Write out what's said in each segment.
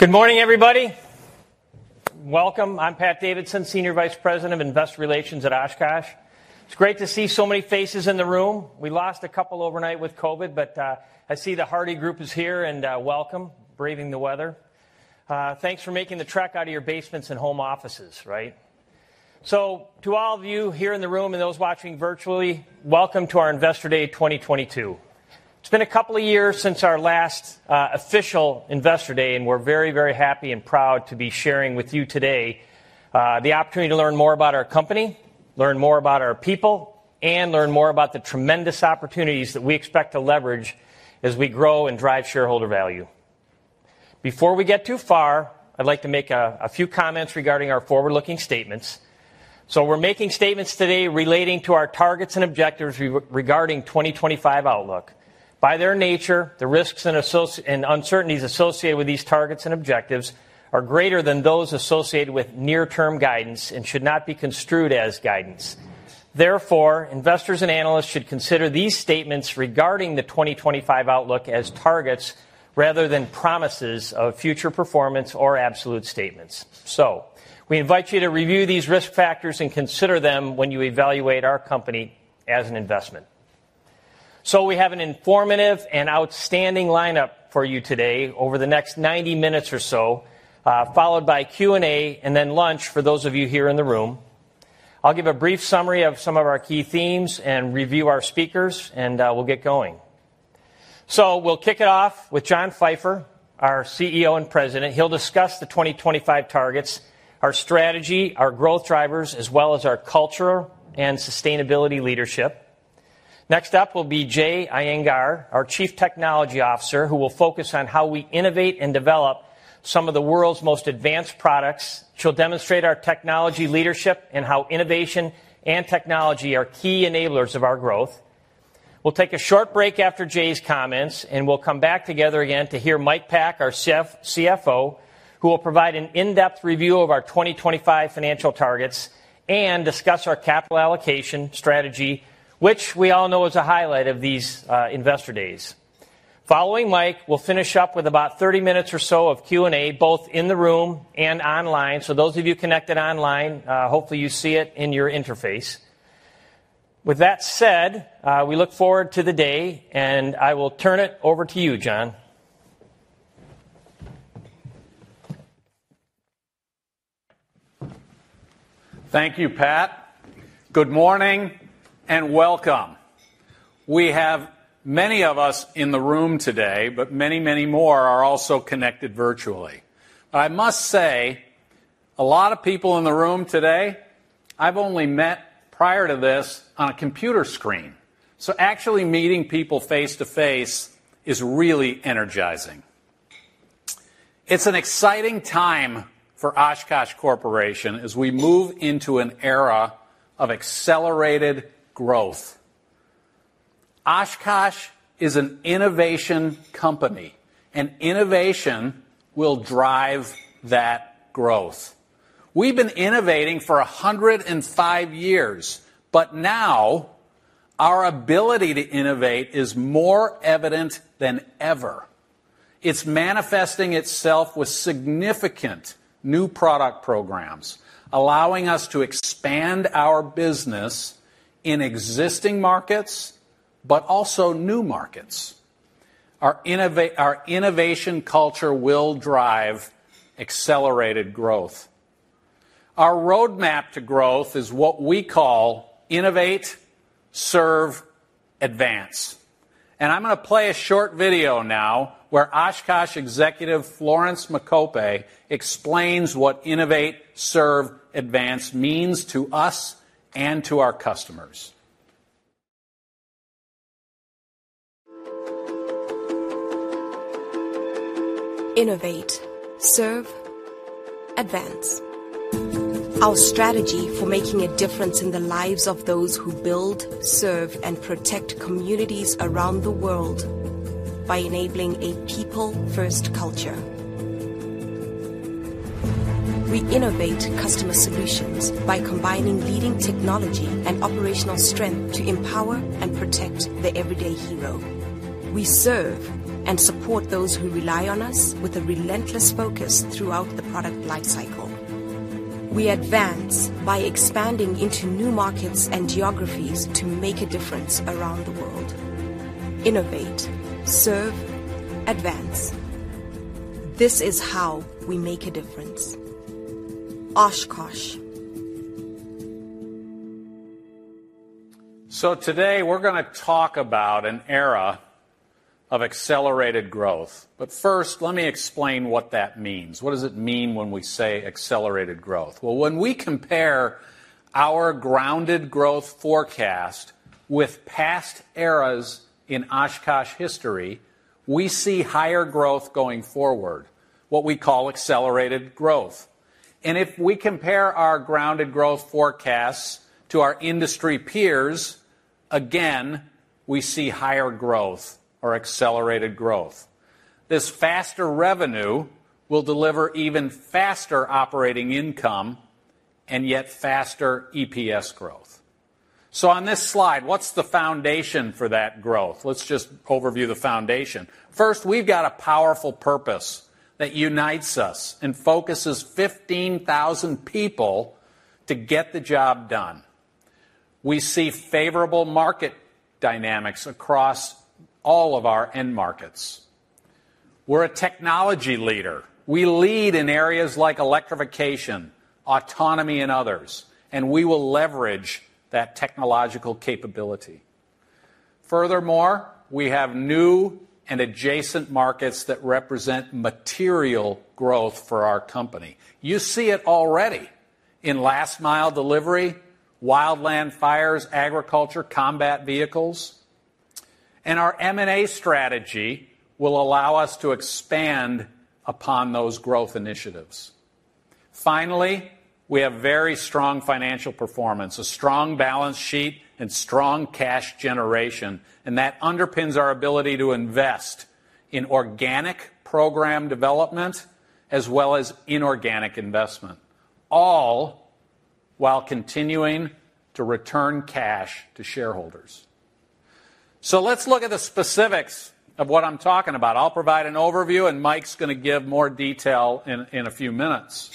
Good morning, everybody. Welcome. I'm Pat Davidson, Senior Vice President of Investor Relations at Oshkosh. It's great to see so many faces in the room. We lost a couple overnight with COVID, but I see the hearty group is here and welcome. Braving the weather. Thanks for making the trek out of your basements and home offices, right? To all of you here in the room and those watching virtually, welcome to our Investor Day 2022. It's been a couple of years since our last official Investor Day, and we're very, very happy and proud to be sharing with you today the opportunity to learn more about our company, learn more about our people, and learn more about the tremendous opportunities that we expect to leverage as we grow and drive shareholder value. Before we get too far, I'd like to make a few comments regarding our forward-looking statements. We're making statements today relating to our targets and objectives regarding 2025 outlook. By their nature, the risks and uncertainties associated with these targets and objectives are greater than those associated with near-term guidance and should not be construed as guidance. Therefore, investors and analysts should consider these statements regarding the 2025 outlook as targets rather than promises of future performance or absolute statements. We invite you to review these risk factors and consider them when you evaluate our company as an investment. We have an informative and outstanding lineup for you today over the next 90 minutes or so, followed by Q&A and then lunch for those of you here in the room. I'll give a brief summary of some of our key themes and review our speakers and we'll get going. We'll kick it off with John Pfeifer, our CEO and President. He'll discuss the 2025 targets, our strategy, our growth drivers, as well as our culture and sustainability leadership. Next up will be Jay Iyengar, our Chief Technology Officer, who will focus on how we innovate and develop some of the world's most advanced products. She'll demonstrate our technology leadership and how innovation and technology are key enablers of our growth. We'll take a short break after Jay's comments, and we'll come back together again to hear Mike Pack, our CFO, who will provide an in-depth review of our 2025 financial targets and discuss our capital allocation strategy, which we all know is a highlight of these investor days. Following Mike, we'll finish up with about 30 minutes or so of Q&A, both in the room and online. Those of you connected online, hopefully you see it in your interface. With that said, we look forward to the day, and I will turn it over to you, John. Thank you, Pat. Good morning and welcome. We have many of us in the room today, but many, many more are also connected virtually. I must say, a lot of people in the room today I've only met prior to this on a computer screen. Actually meeting people face-to-face is really energizing. It's an exciting time for Oshkosh Corporation as we move into an era of accelerated growth. Oshkosh is an innovation company, and innovation will drive that growth. We've been innovating for 105 years, but now our ability to innovate is more evident than ever. It's manifesting itself with significant new product programs, allowing us to expand our business in existing markets but also new markets. Our innovation culture will drive accelerated growth. Our roadmap to growth is what we call Innovate. Serve. Advance. I'm gonna play a short video now where Oshkosh executive Florence Makope explains what Innovate. Serve. Advance means to us and to our customers. Innovate. Serve. Advance. Our strategy for making a difference in the lives of those who build, serve, and protect communities around the world by enabling a people-first culture. We Innovate customer solutions by combining leading technology and operational strength to empower and protect the Everyday Hero. We Serve and support those who rely on us with a relentless focus throughout the product lifecycle. We Advance by expanding into new markets and geographies to make a difference around the world. Innovate. Serve. Advance. This is how we make a difference. Oshkosh. Today we're gonna talk about an era of accelerated growth. First, let me explain what that means. What does it mean when we say accelerated growth? Well, when we compare our grounded growth forecast with past eras in Oshkosh history, we see higher growth going forward, what we call accelerated growth. If we compare our grounded growth forecasts to our industry peers, again, we see higher growth or accelerated growth. This faster revenue will deliver even faster operating income and yet faster EPS growth. On this slide, what's the foundation for that growth? Let's just overview the foundation. First, we've got a powerful purpose that unites us and focuses 15,000 people to get the job done. We see favorable market dynamics across all of our end markets. We're a technology leader. We lead in areas like electrification, autonomy, and others, and we will leverage that technological capability. Furthermore, we have new and adjacent markets that represent material growth for our company. You see it already in last mile delivery, wildland fires, agriculture, combat vehicles. Our M&A strategy will allow us to expand upon those growth initiatives. Finally, we have very strong financial performance, a strong balance sheet and strong cash generation, and that underpins our ability to invest in organic program development as well as inorganic investment, all while continuing to return cash to shareholders. Let's look at the specifics of what I'm talking about. I'll provide an overview, and Mike's gonna give more detail in a few minutes.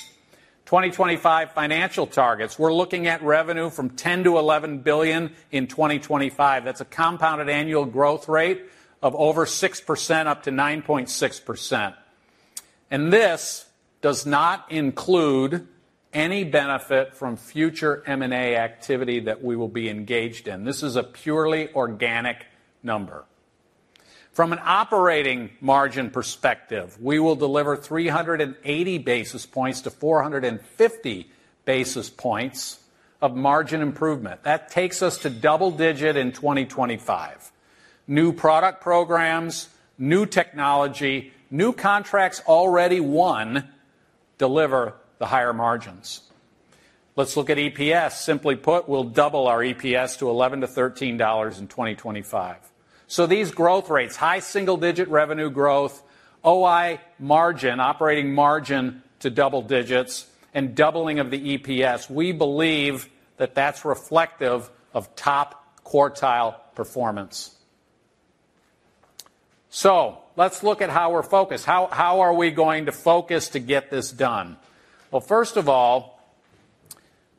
2025 financial targets. We're looking at revenue from $10 billion-$11 billion in 2025. That's a compounded annual growth rate of over 6% up to 9.6%. This does not include any benefit from future M&A activity that we will be engaged in. This is a purely organic number. From an operating margin perspective, we will deliver 380 basis points to 450 basis points of margin improvement. That takes us to double-digit in 2025. New product programs, new technology, new contracts already won deliver the higher margins. Let's look at EPS. Simply put, we'll double our EPS to $11-$13 in 2025. These growth rates, high single-digit revenue growth, OI margin, operating margin to double digits and doubling of the EPS, we believe that that's reflective of top quartile performance. Let's look at how we're focused. How are we going to focus to get this done? Well, first of all,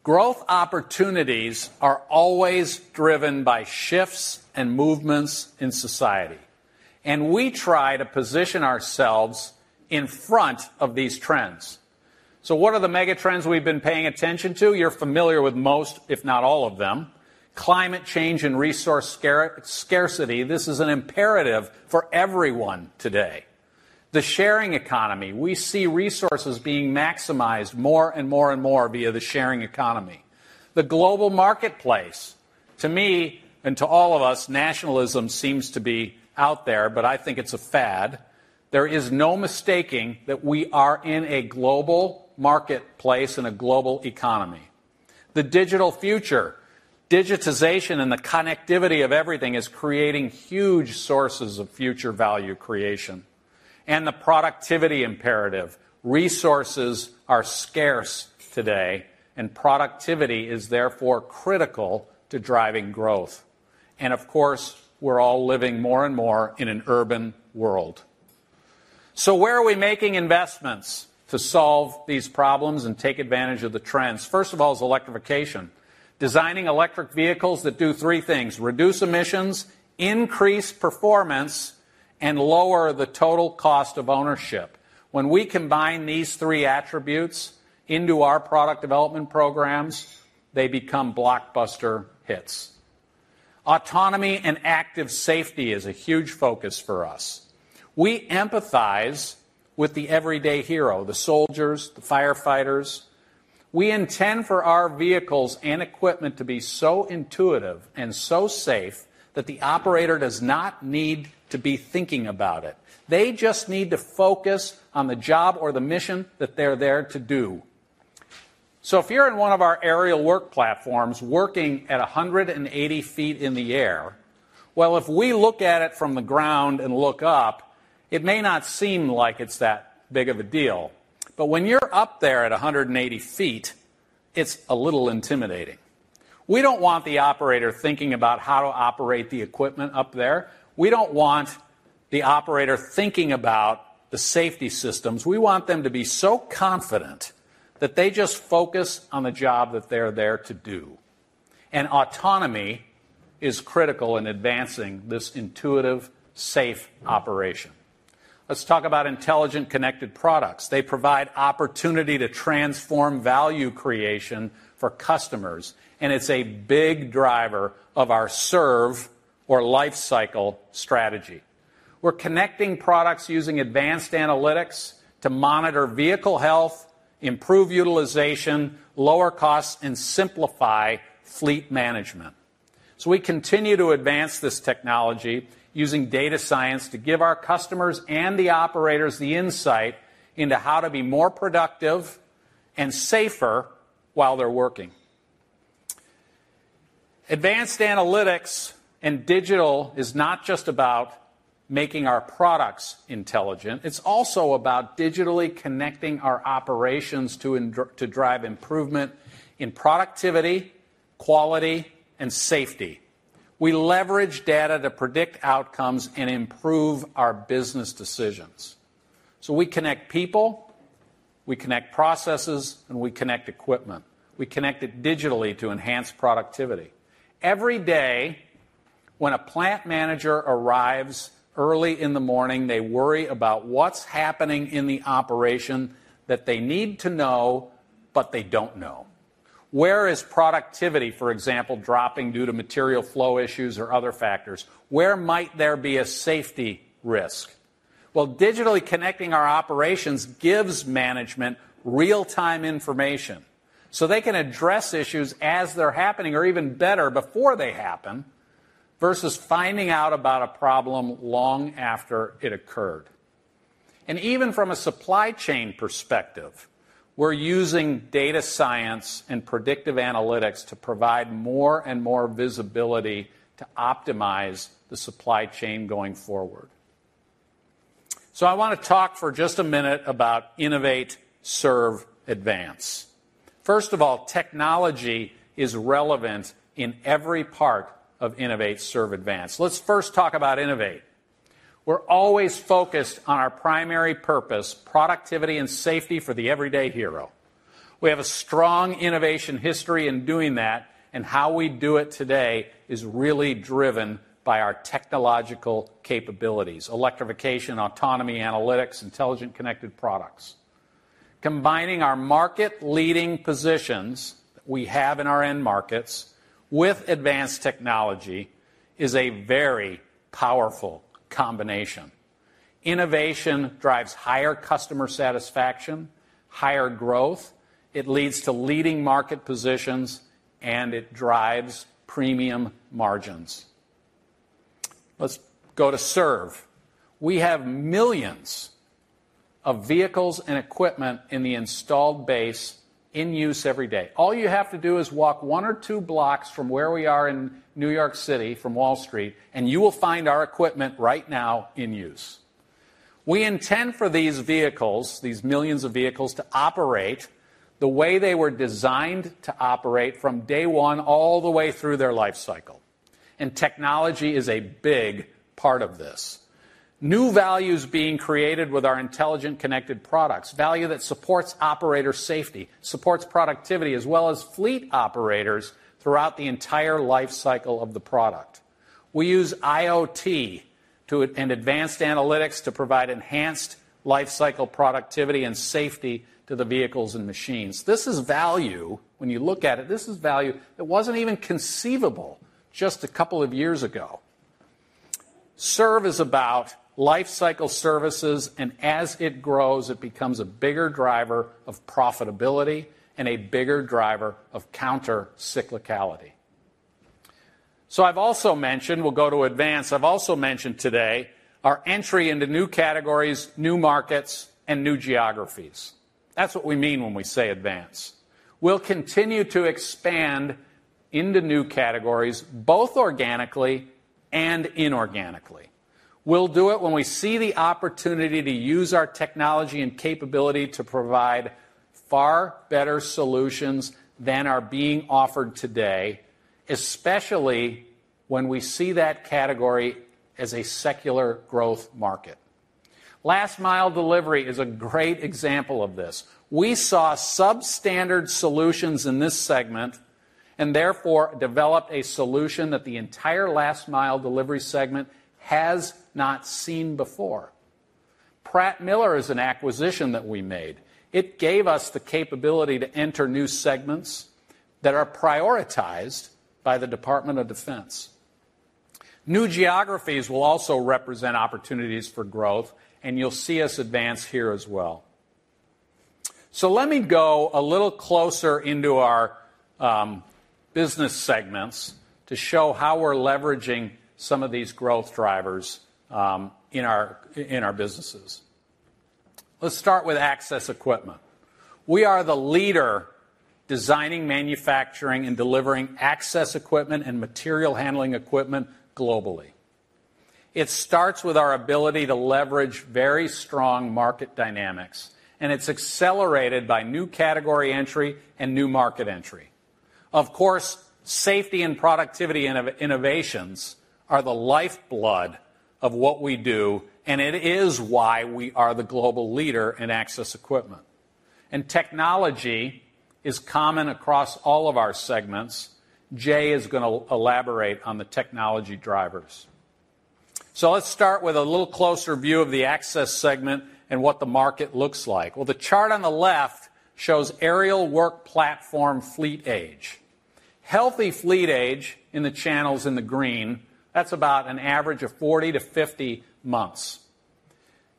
growth opportunities are always driven by shifts and movements in society, and we try to position ourselves in front of these trends. What are the mega trends we've been paying attention to? You're familiar with most, if not all of them. Climate change and resource scarcity. This is an imperative for everyone today. The sharing economy. We see resources being maximized more and more and more via the sharing economy. The global marketplace. To me and to all of us, nationalism seems to be out there, but I think it's a fad. There is no mistaking that we are in a global marketplace, in a global economy. The digital future. Digitization and the connectivity of everything is creating huge sources of future value creation. The productivity imperative. Resources are scarce today, and productivity is therefore critical to driving growth. Of course, we're all living more and more in an urban world. Where are we making investments to solve these problems and take advantage of the trends? First of all is electrification. Designing electric vehicles that do three things. Reduce emissions, increase performance, and lower the total cost of ownership. When we combine these three attributes into our product development programs, they become blockbuster hits. Autonomy and active safety is a huge focus for us. We empathize with the everyday hero, the soldiers, the firefighters. We intend for our vehicles and equipment to be so intuitive and so safe that the operator does not need to be thinking about it. They just need to focus on the job or the mission that they're there to do. If you're in one of our aerial work platforms, working at 180 feet in the air, well, if we look at it from the ground and look up, it may not seem like it's that big of a deal. When you're up there at 180 feet, it's a little intimidating. We don't want the operator thinking about how to operate the equipment up there. We don't want the operator thinking about the safety systems. We want them to be so confident that they just focus on the job that they're there to do. Autonomy is critical in advancing this intuitive, safe operation. Let's talk about intelligent, connected products. They provide opportunity to transform value creation for customers, and it's a big driver of our serve our lifecycle strategy. We're connecting products using advanced analytics to monitor vehicle health, improve utilization, lower costs, and simplify fleet management. We continue to advance this technology using data science to give our customers and the operators the insight into how to be more productive and safer while they're working. Advanced analytics and digital is not just about making our products intelligent. It's also about digitally connecting our operations to drive improvement in productivity, quality, and safety. We leverage data to predict outcomes and improve our business decisions. We connect people, we connect processes, and we connect equipment. We connect it digitally to enhance productivity. Every day, when a plant manager arrives early in the morning, they worry about what's happening in the operation that they need to know, but they don't know. Where is productivity, for example, dropping due to material flow issues or other factors? Where might there be a safety risk? Well, digitally connecting our operations gives management real-time information so they can address issues as they're happening or, even better, before they happen, versus finding out about a problem long after it occurred. Even from a supply chain perspective, we're using data science and predictive analytics to provide more and more visibility to optimize the supply chain going forward. I want to talk for just a minute about innovate, serve, advance. First of all, technology is relevant in every part of innovate, serve, advance. Let's first talk about innovate. We're always focused on our primary purpose, productivity and safety for the everyday hero. We have a strong innovation history in doing that, and how we do it today is really driven by our technological capabilities, electrification, autonomy, analytics, intelligent connected products. Combining our market-leading positions we have in our end markets with advanced technology is a very powerful combination. Innovation drives higher customer satisfaction, higher growth, it leads to leading market positions, and it drives premium margins. Let's go to service. We have millions of vehicles and equipment in the installed base in use every day. All you have to do is walk one or two blocks from where we are in New York City, from Wall Street, and you will find our equipment right now in use. We intend for these vehicles, these millions of vehicles, to operate the way they were designed to operate from day one all the way through their life cycle. Technology is a big part of this. New value is being created with our intelligent connected products. Value that supports operator safety, supports productivity, as well as fleet operators throughout the entire life cycle of the product. We use IoT and advanced analytics to provide enhanced life cycle productivity and safety to the vehicles and machines. This is value. When you look at it, this is value that wasn't even conceivable just a couple of years ago. Serve is about life cycle services, and as it grows, it becomes a bigger driver of profitability and a bigger driver of counter cyclicality. I've also mentioned today our entry into new categories, new markets, and new geographies. That's what we mean when we say advance. We'll continue to expand into new categories, both organically and inorganically. We'll do it when we see the opportunity to use our technology and capability to provide far better solutions than are being offered today, especially when we see that category as a secular growth market. Last mile delivery is a great example of this. We saw substandard solutions in this segment and therefore developed a solution that the entire last mile delivery segment has not seen before. Pratt Miller is an acquisition that we made. It gave us the capability to enter new segments that are prioritized by the Department of Defense. New geographies will also represent opportunities for growth, and you'll see us advance here as well. Let me go a little closer into our business segments to show how we're leveraging some of these growth drivers in our businesses. Let's start with access equipment. We are the leader designing, manufacturing, and delivering access equipment and material handling equipment globally. It starts with our ability to leverage very strong market dynamics, and it's accelerated by new category entry and new market entry. Of course, safety and productivity innovations are the lifeblood of what we do, and it is why we are the global leader in access equipment. Technology is common across all of our segments. Jay is gonna elaborate on the technology drivers. Let's start with a little closer view of the Access segment and what the market looks like. The chart on the left shows aerial work platform fleet age. Healthy fleet age in the channels in the green, that's about an average of 40-50 months.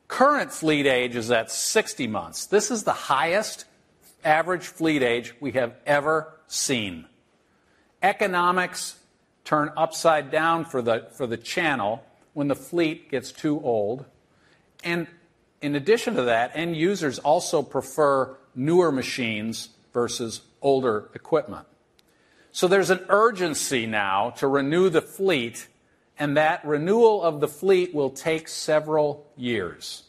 Current fleet age is at 60 months. This is the highest average fleet age we have ever seen. Economics turn upside down for the channel when the fleet gets too old. In addition to that, end users also prefer newer machines versus older equipment. There's an urgency now to renew the fleet, and that renewal of the fleet will take several years.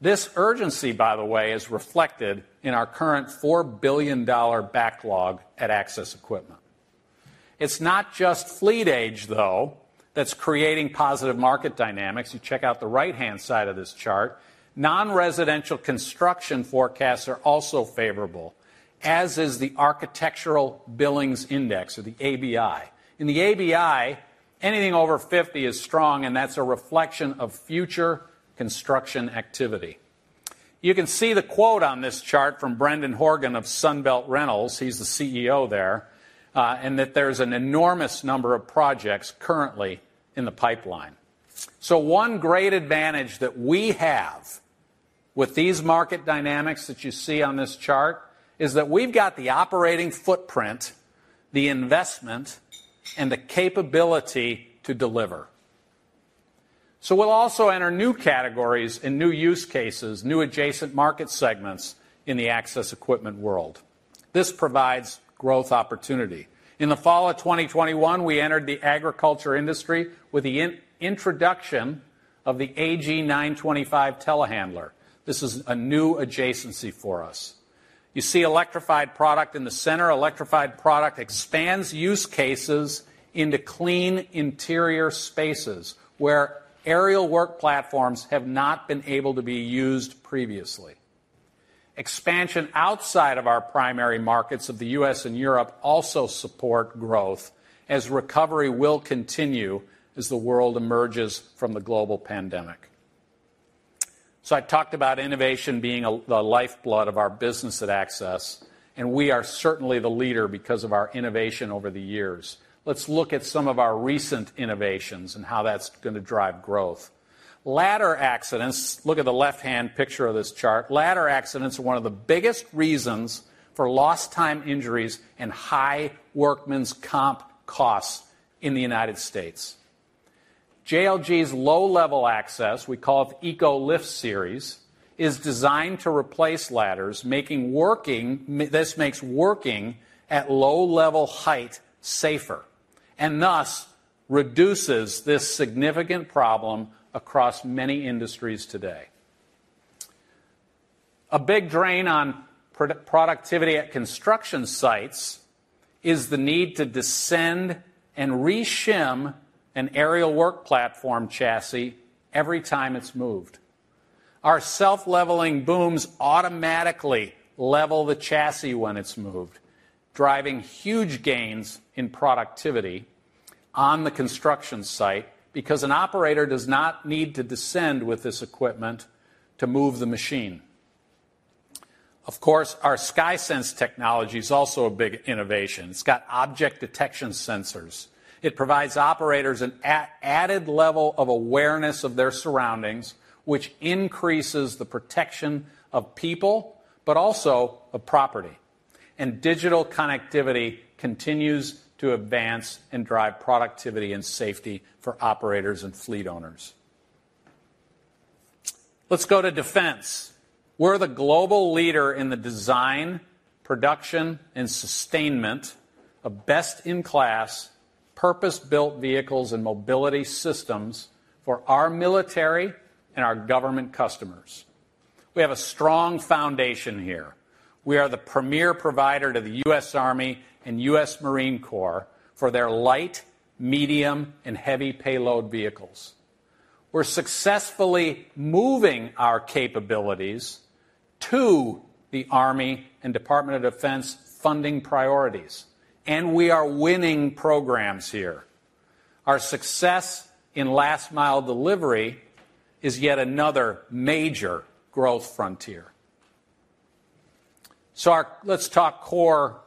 This urgency, by the way, is reflected in our current $4 billion backlog at Access Equipment. It's not just fleet age, though, that's creating positive market dynamics. You check out the right-hand side of this chart. Non-residential construction forecasts are also favorable, as is the Architecture Billings Index or the ABI. In the ABI, anything over 50 is strong, and that's a reflection of future construction activity. You can see the quote on this chart from Brendan Horgan of Sunbelt Rentals, he's the CEO there, and that there's an enormous number of projects currently in the pipeline. One great advantage that we have with these market dynamics that you see on this chart is that we've got the operating footprint, the investment, and the capability to deliver. We'll also enter new categories and new use cases, new adjacent market segments in the Access Equipment world. This provides growth opportunity. In the fall of 2021, we entered the agriculture industry with the introduction of the AG925 telehandler. This is a new adjacency for us. You see electrified product in the center. Electrified product expands use cases into clean interior spaces where aerial work platforms have not been able to be used previously. Expansion outside of our primary markets of the U.S. and Europe also support growth as recovery will continue as the world emerges from the global pandemic. I talked about innovation being the lifeblood of our business at Access, and we are certainly the leader because of our innovation over the years. Let's look at some of our recent innovations and how that's gonna drive growth. Ladder accidents, look at the left-hand picture of this chart. Ladder accidents are one of the biggest reasons for lost time injuries and high workman's comp costs in the United States. JLG's low-level access, we call it the EcoLift series, is designed to replace ladders. This makes working at low-level height safer and thus reduces this significant problem across many industries today. A big drain on productivity at construction sites is the need to descend and re-shim an aerial work platform chassis every time it's moved. Our self-leveling booms automatically level the chassis when it's moved, driving huge gains in productivity on the construction site because an operator does not need to descend with this equipment to move the machine. Of course, our SkySense technology is also a big innovation. It's got object detection sensors. It provides operators an added level of awareness of their surroundings, which increases the protection of people, but also of property. Digital connectivity continues to advance and drive productivity and safety for operators and fleet owners. Let's go to Defense. We're the global leader in the design, production, and sustainment of best-in-class purpose-built vehicles and mobility systems for our military and our government customers. We have a strong foundation here. We are the premier provider to the US Army and US Marine Corps for their light, medium, and heavy payload vehicles. We're successfully moving our capabilities to the Army and Department of Defense funding priorities, and we are winning programs here. Our success in last-mile delivery is yet another major growth frontier. Let's talk core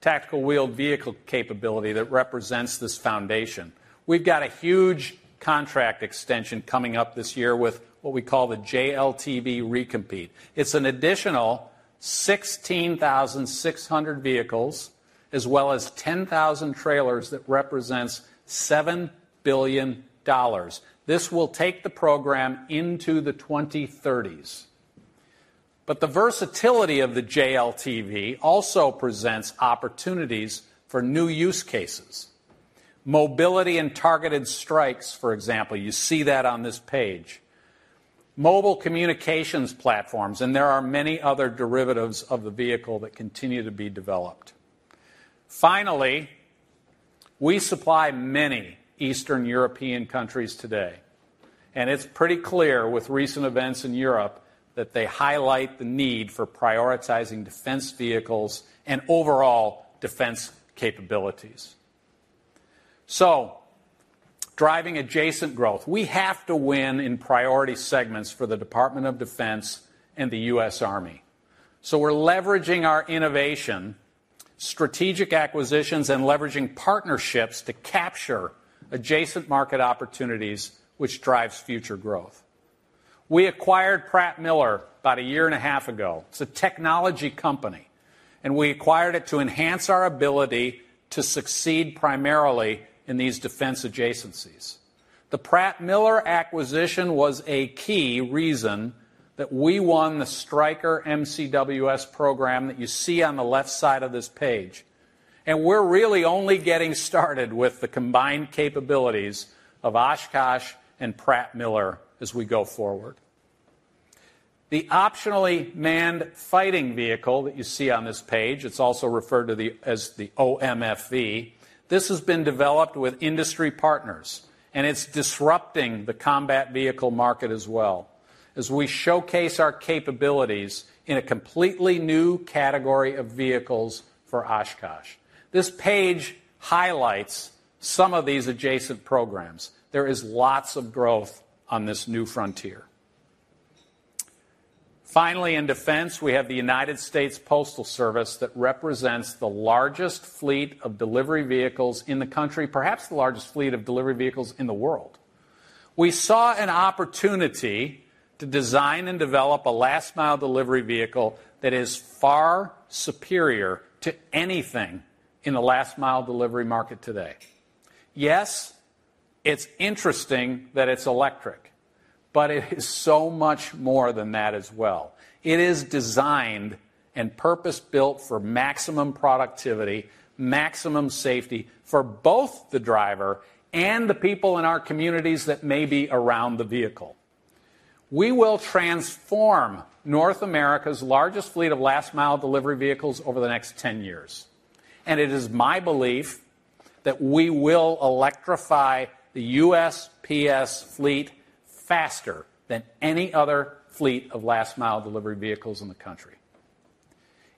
tactical wheeled vehicle capability that represents this foundation. We've got a huge contract extension coming up this year with what we call the JLTV Recompete. It's an additional 16,600 vehicles as well as 10,000 trailers that represents $7 billion. This will take the program into the 2030s. The versatility of the JLTV also presents opportunities for new use cases. Mobility and targeted strikes, for example. You see that on this page. Mobile communications platforms, and there are many other derivatives of the vehicle that continue to be developed. Finally, we supply many Eastern European countries today, and it's pretty clear with recent events in Europe that they highlight the need for prioritizing Defense vehicles and overall defense capabilities. Driving adjacent growth. We have to win in priority segments for the Department of Defense and the US Army. We're leveraging our innovation, strategic acquisitions, and leveraging partnerships to capture adjacent market opportunities which drives future growth. We acquired Pratt Miller about a year and a half ago. It's a technology company, and we acquired it to enhance our ability to succeed primarily in these defense adjacencies. The Pratt Miller acquisition was a key reason that we won the Stryker MCWS program that you see on the left side of this page. We're really only getting started with the combined capabilities of Oshkosh and Pratt Miller as we go forward. The Optionally Manned Fighting Vehicle that you see on this page, it's also referred to as the OMFV. This has been developed with industry partners, and it's disrupting the combat vehicle market as well as we showcase our capabilities in a completely new category of vehicles for Oshkosh. This page highlights some of these adjacent programs. There is lots of growth on this new frontier. Finally, in Defense, we have the United States Postal Service that represents the largest fleet of delivery vehicles in the country, perhaps the largest fleet of delivery vehicles in the world. We saw an opportunity to design and develop a last mile delivery vehicle that is far superior to anything in the last mile delivery market today. Yes, it's interesting that it's electric, but it is so much more than that as well. It is designed and purpose-built for maximum productivity, maximum safety for both the driver and the people in our communities that may be around the vehicle. We will transform North America's largest fleet of last mile delivery vehicles over the next ten years, and it is my belief that we will electrify the USPS fleet faster than any other fleet of last mile delivery vehicles in the country.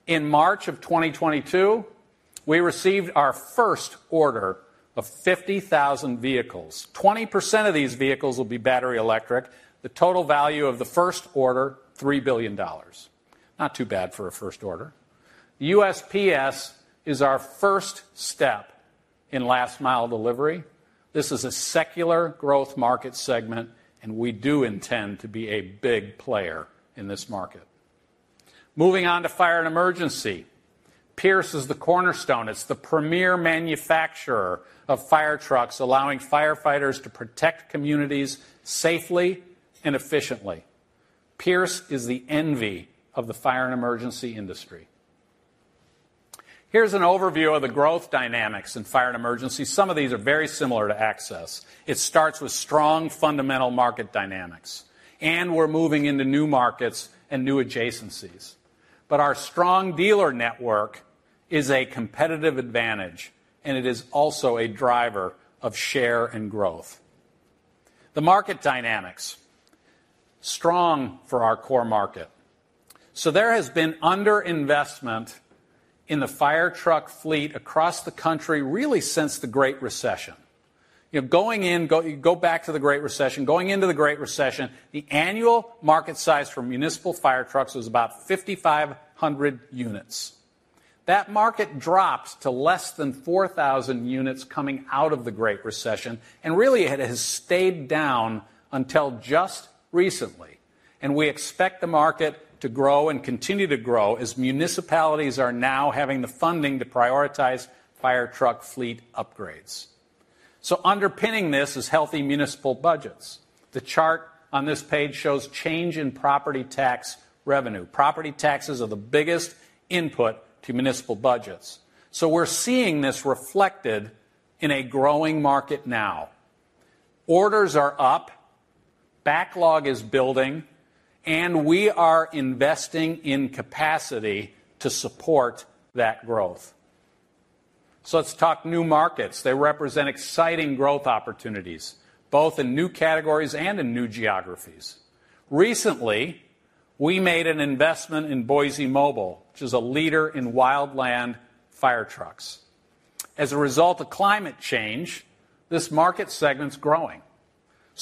In March of 2022, we received our first order of 50,000 vehicles. 20% of these vehicles will be battery electric. The total value of the first order, $3 billion. Not too bad for a first order. USPS is our first step in last mile delivery. This is a secular growth market segment, and we do intend to be a big player in this market. Moving on to Fire and Emergency. Pierce is the cornerstone. It's the premier manufacturer of fire trucks, allowing firefighters to protect communities safely and efficiently. Pierce is the envy of the Fire and Emergency industry. Here's an overview of the growth dynamics in Fire and Emergency. Some of these are very similar to Access. It starts with strong fundamental market dynamics, and we're moving into new markets and new adjacencies. Our strong dealer network is a competitive advantage, and it is also a driver of share and growth. The market dynamics strong for our core market. There has been underinvestment in the fire truck fleet across the country, really since the Great Recession. You know, you go back to the Great Recession. Going into the Great Recession, the annual market size for municipal fire trucks was about 5,500 units. That market dropped to less than 4,000 units coming out of the Great Recession and really it has stayed down until just recently. We expect the market to grow and continue to grow as municipalities are now having the funding to prioritize fire truck fleet upgrades. Underpinning this is healthy municipal budgets. The chart on this page shows change in property tax revenue. Property taxes are the biggest input to municipal budgets. We're seeing this reflected in a growing market now. Orders are up, backlog is building, and we are investing in capacity to support that growth. Let's talk new markets. They represent exciting growth opportunities, both in new categories and in new geographies. Recently, we made an investment in Boise Mobile, which is a leader in wildland fire trucks. As a result of climate change, this market segment's growing.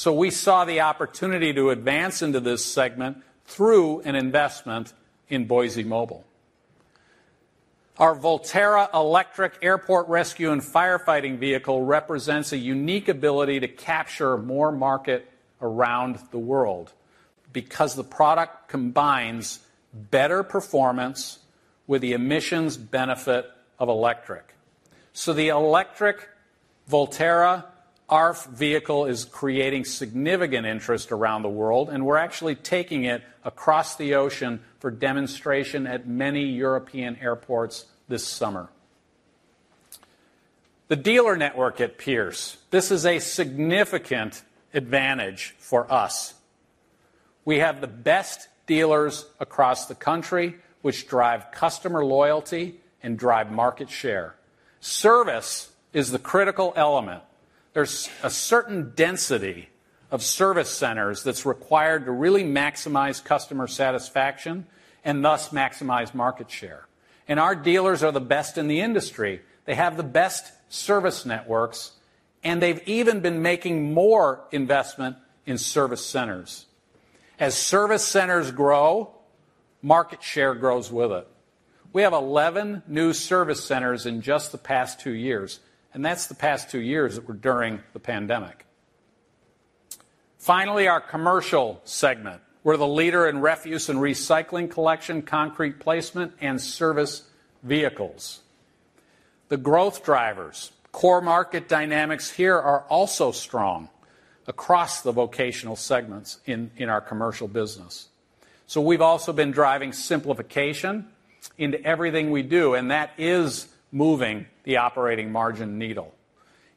We saw the opportunity to advance into this segment through an investment in Boise Mobile. Our Volterra electric airport rescue and firefighting vehicle represents a unique ability to capture more market around the world because the product combines better performance with the emissions benefit of electric. The electric Volterra ARFF vehicle is creating significant interest around the world, and we're actually taking it across the ocean for demonstration at many European airports this summer. The dealer network at Pierce, this is a significant advantage for us. We have the best dealers across the country, which drive customer loyalty and drive market share. Service is the critical element. There's a certain density of service centers that's required to really maximize customer satisfaction and thus maximize market share. Our dealers are the best in the industry. They have the best service networks, and they've even been making more investment in service centers. As service centers grow, market share grows with it. We have 11 new service centers in just the past two years, and that's the past two years that were during the pandemic. Finally, our Commercial segment. We're the leader in refuse and recycling collection, concrete placement, and service vehicles. The growth drivers, core market dynamics here are also strong across the vocational segments in our Commercial business. We've also been driving simplification into everything we do, and that is moving the operating margin needle.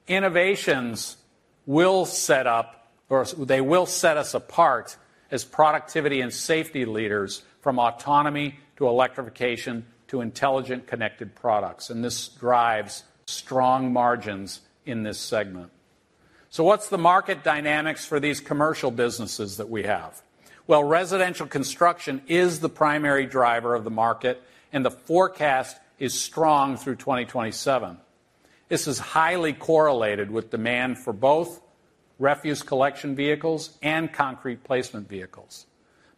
Innovations will set us apart as productivity and safety leaders from autonomy to electrification to intelligent connected products, and this drives strong margins in this segment. What's the market dynamics for these commercial businesses that we have? Well, residential construction is the primary driver of the market, and the forecast is strong through 2027. This is highly correlated with demand for both refuse collection vehicles and concrete placement vehicles.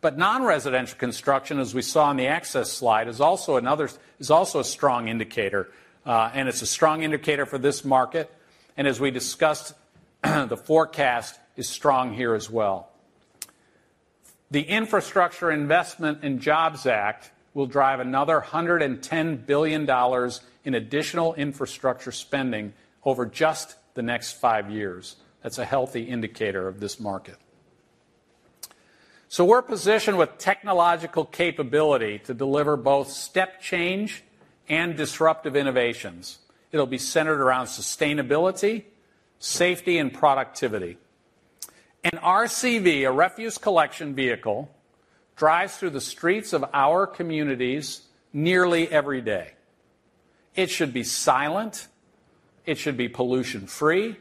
Non-residential construction, as we saw in the access slide, is also a strong indicator, and it's a strong indicator for this market. As we discussed, the forecast is strong here as well. The Infrastructure Investment and Jobs Act will drive another $110 billion in additional infrastructure spending over just the next five years. That's a healthy indicator of this market. We're positioned with technological capability to deliver both step change and disruptive innovations. It'll be centered around sustainability, safety, and productivity. An RCV, a refuse collection vehicle, drives through the streets of our communities nearly every day. It should be silent, it should be pollution-free,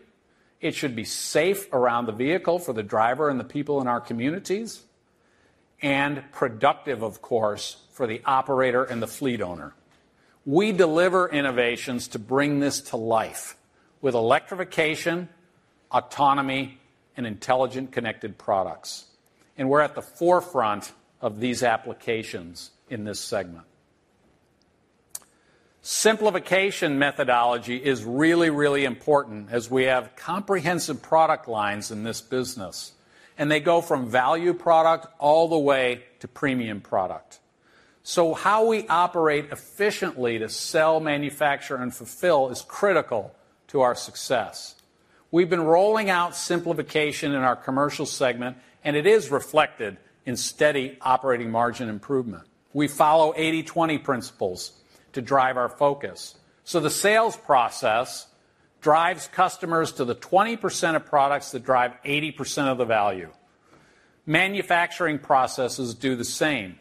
it should be safe around the vehicle for the driver and the people in our communities, and productive, of course, for the operator and the fleet owner. We deliver innovations to bring this to life with electrification, autonomy, and intelligent connected products. We're at the forefront of these applications in this segment. Simplification methodology is really, really important as we have comprehensive product lines in this business, and they go from value product all the way to premium product. How we operate efficiently to sell, manufacture, and fulfill is critical to our success. We've been rolling out simplification in our Commercial segment, and it is reflected in steady operating margin improvement. We follow 80/20 principles to drive our focus. The sales process drives customers to the 20% of products that drive 80% of the value. Manufacturing processes do the same.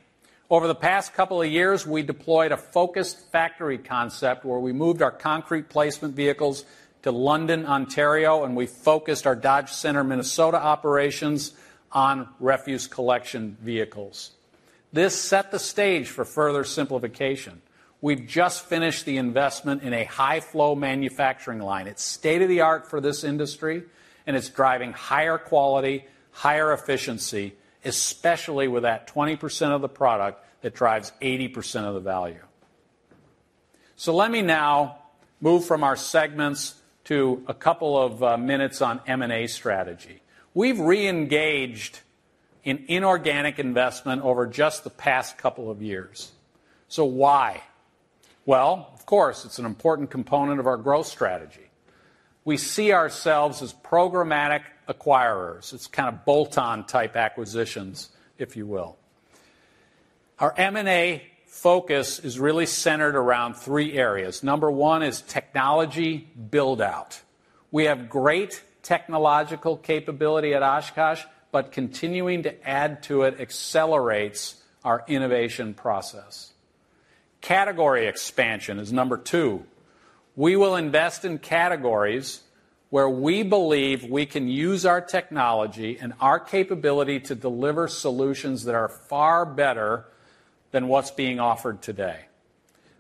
Over the past couple of years, we deployed a focused factory concept where we moved our concrete placement vehicles to London, Ontario, and we focused our Dodge Center, Minnesota, operations on refuse collection vehicles. This set the stage for further simplification. We've just finished the investment in a high-flow manufacturing line. It's state-of-the-art for this industry, and it's driving higher quality, higher efficiency, especially with that 20% of the product that drives 80% of the value. Let me now move from our segments to a couple of minutes on M&A strategy. We've reengaged in inorganic investment over just the past couple of years. Why? Well, of course, it's an important component of our growth strategy. We see ourselves as programmatic acquirers. It's kind of bolt-on type acquisitions, if you will. Our M&A focus is really centered around three areas. Number one is technology build-out. We have great technological capability at Oshkosh, but continuing to add to it accelerates our innovation process. Category expansion is number two. We will invest in categories where we believe we can use our technology and our capability to deliver solutions that are far better than what's being offered today.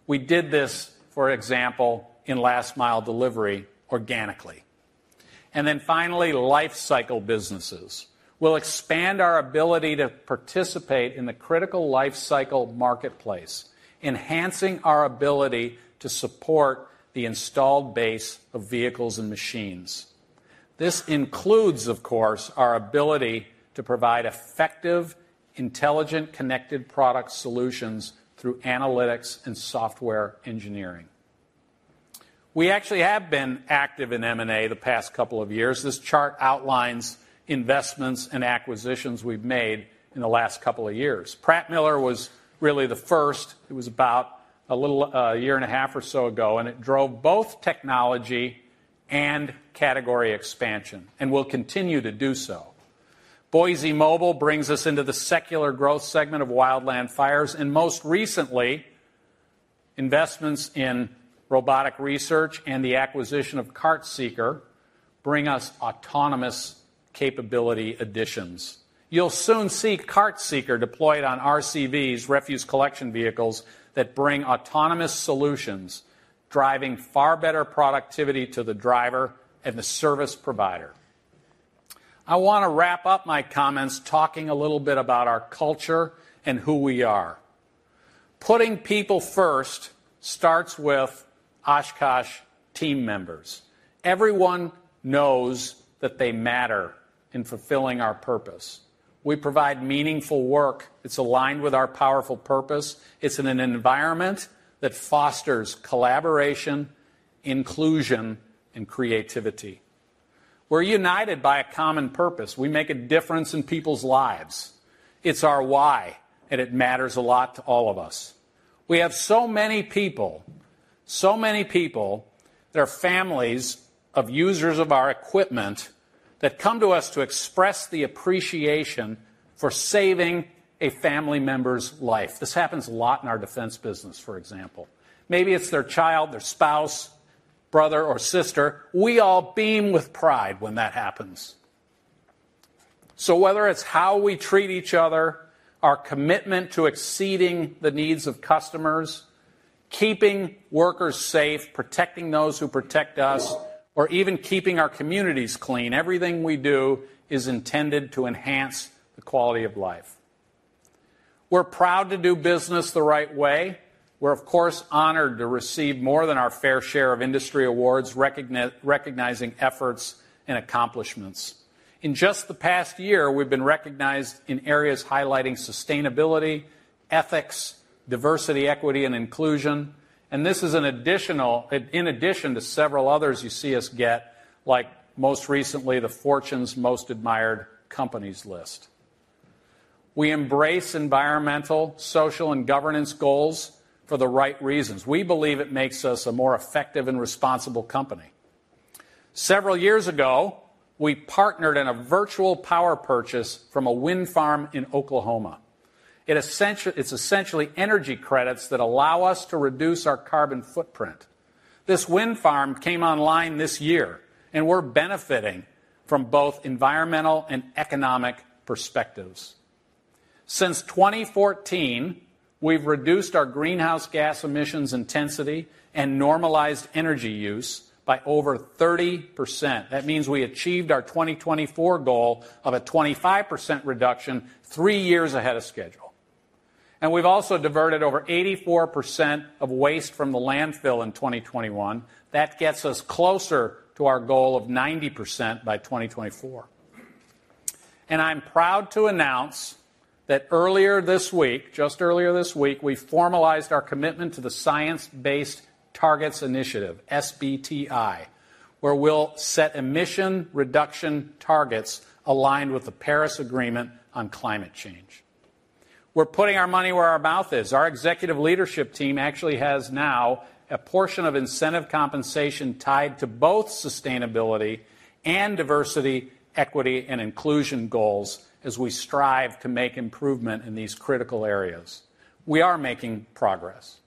We did this, for example, in last mile delivery organically. Finally, life cycle businesses. We'll expand our ability to participate in the critical life cycle marketplace, enhancing our ability to support the installed base of vehicles and machines. This includes, of course, our ability to provide effective, intelligent, connected product solutions through analytics and software engineering. We actually have been active in M&A the past couple of years. This chart outlines investments and acquisitions we've made in the last couple of years. Pratt Miller was really the first. It was about a little, a year and a half or so ago, and it drove both technology and category expansion and will continue to do so. Boise Mobile Equipment brings us into the secular growth segment of wildland fires. Most recently, investments in Robotic Research and the acquisition of CartSeeker bring us autonomous capability additions. You'll soon see CartSeeker deployed on RCVs, refuse collection vehicles, that bring autonomous solutions driving far better productivity to the driver and the service provider. I wanna wrap up my comments talking a little bit about our culture and who we are. Putting people first starts with Oshkosh team members. Everyone knows that they matter in fulfilling our purpose. We provide meaningful work that's aligned with our powerful purpose. It's in an environment that fosters collaboration, inclusion, and creativity. We're united by a common purpose. We make a difference in people's lives. It's our why, and it matters a lot to all of us. We have so many people, their families of users of our equipment, that come to us to express the appreciation for saving a family member's life. This happens a lot in our Defense business, for example. Maybe it's their child, their spouse, brother, or sister. We all beam with pride when that happens. Whether it's how we treat each other, our commitment to exceeding the needs of customers, keeping workers safe, protecting those who protect us, or even keeping our communities clean, everything we do is intended to enhance the quality of life. We're proud to do business the right way. We're, of course, honored to receive more than our fair share of industry awards recognizing efforts and accomplishments. In just the past year, we've been recognized in areas highlighting sustainability, ethics, diversity, equity, and inclusion. In addition to several others you see us get, like most recently, the Fortune's Most Admired Companies list. We embrace environmental, social, and governance goals for the right reasons. We believe it makes us a more effective and responsible company. Several years ago, we partnered in a virtual power purchase from a wind farm in Oklahoma. It's essentially energy credits that allow us to reduce our carbon footprint. This wind farm came online this year, and we're benefiting from both environmental and economic perspectives. Since 2014, we've reduced our greenhouse gas emissions intensity and normalized energy use by over 30%. That means we achieved our 2024 goal of a 25% reduction three years ahead of schedule. We've also diverted over 84% of waste from the landfill in 2021. That gets us closer to our goal of 90% by 2024. I'm proud to announce that earlier this week, we formalized our commitment to the Science Based Targets Initiative, SBTI, where we'll set emission reduction targets aligned with the Paris Agreement on Climate Change. We're putting our money where our mouth is. Our executive leadership team actually has now a portion of incentive compensation tied to both sustainability and diversity, equity, and inclusion goals as we strive to make improvement in these critical areas. We are making progress.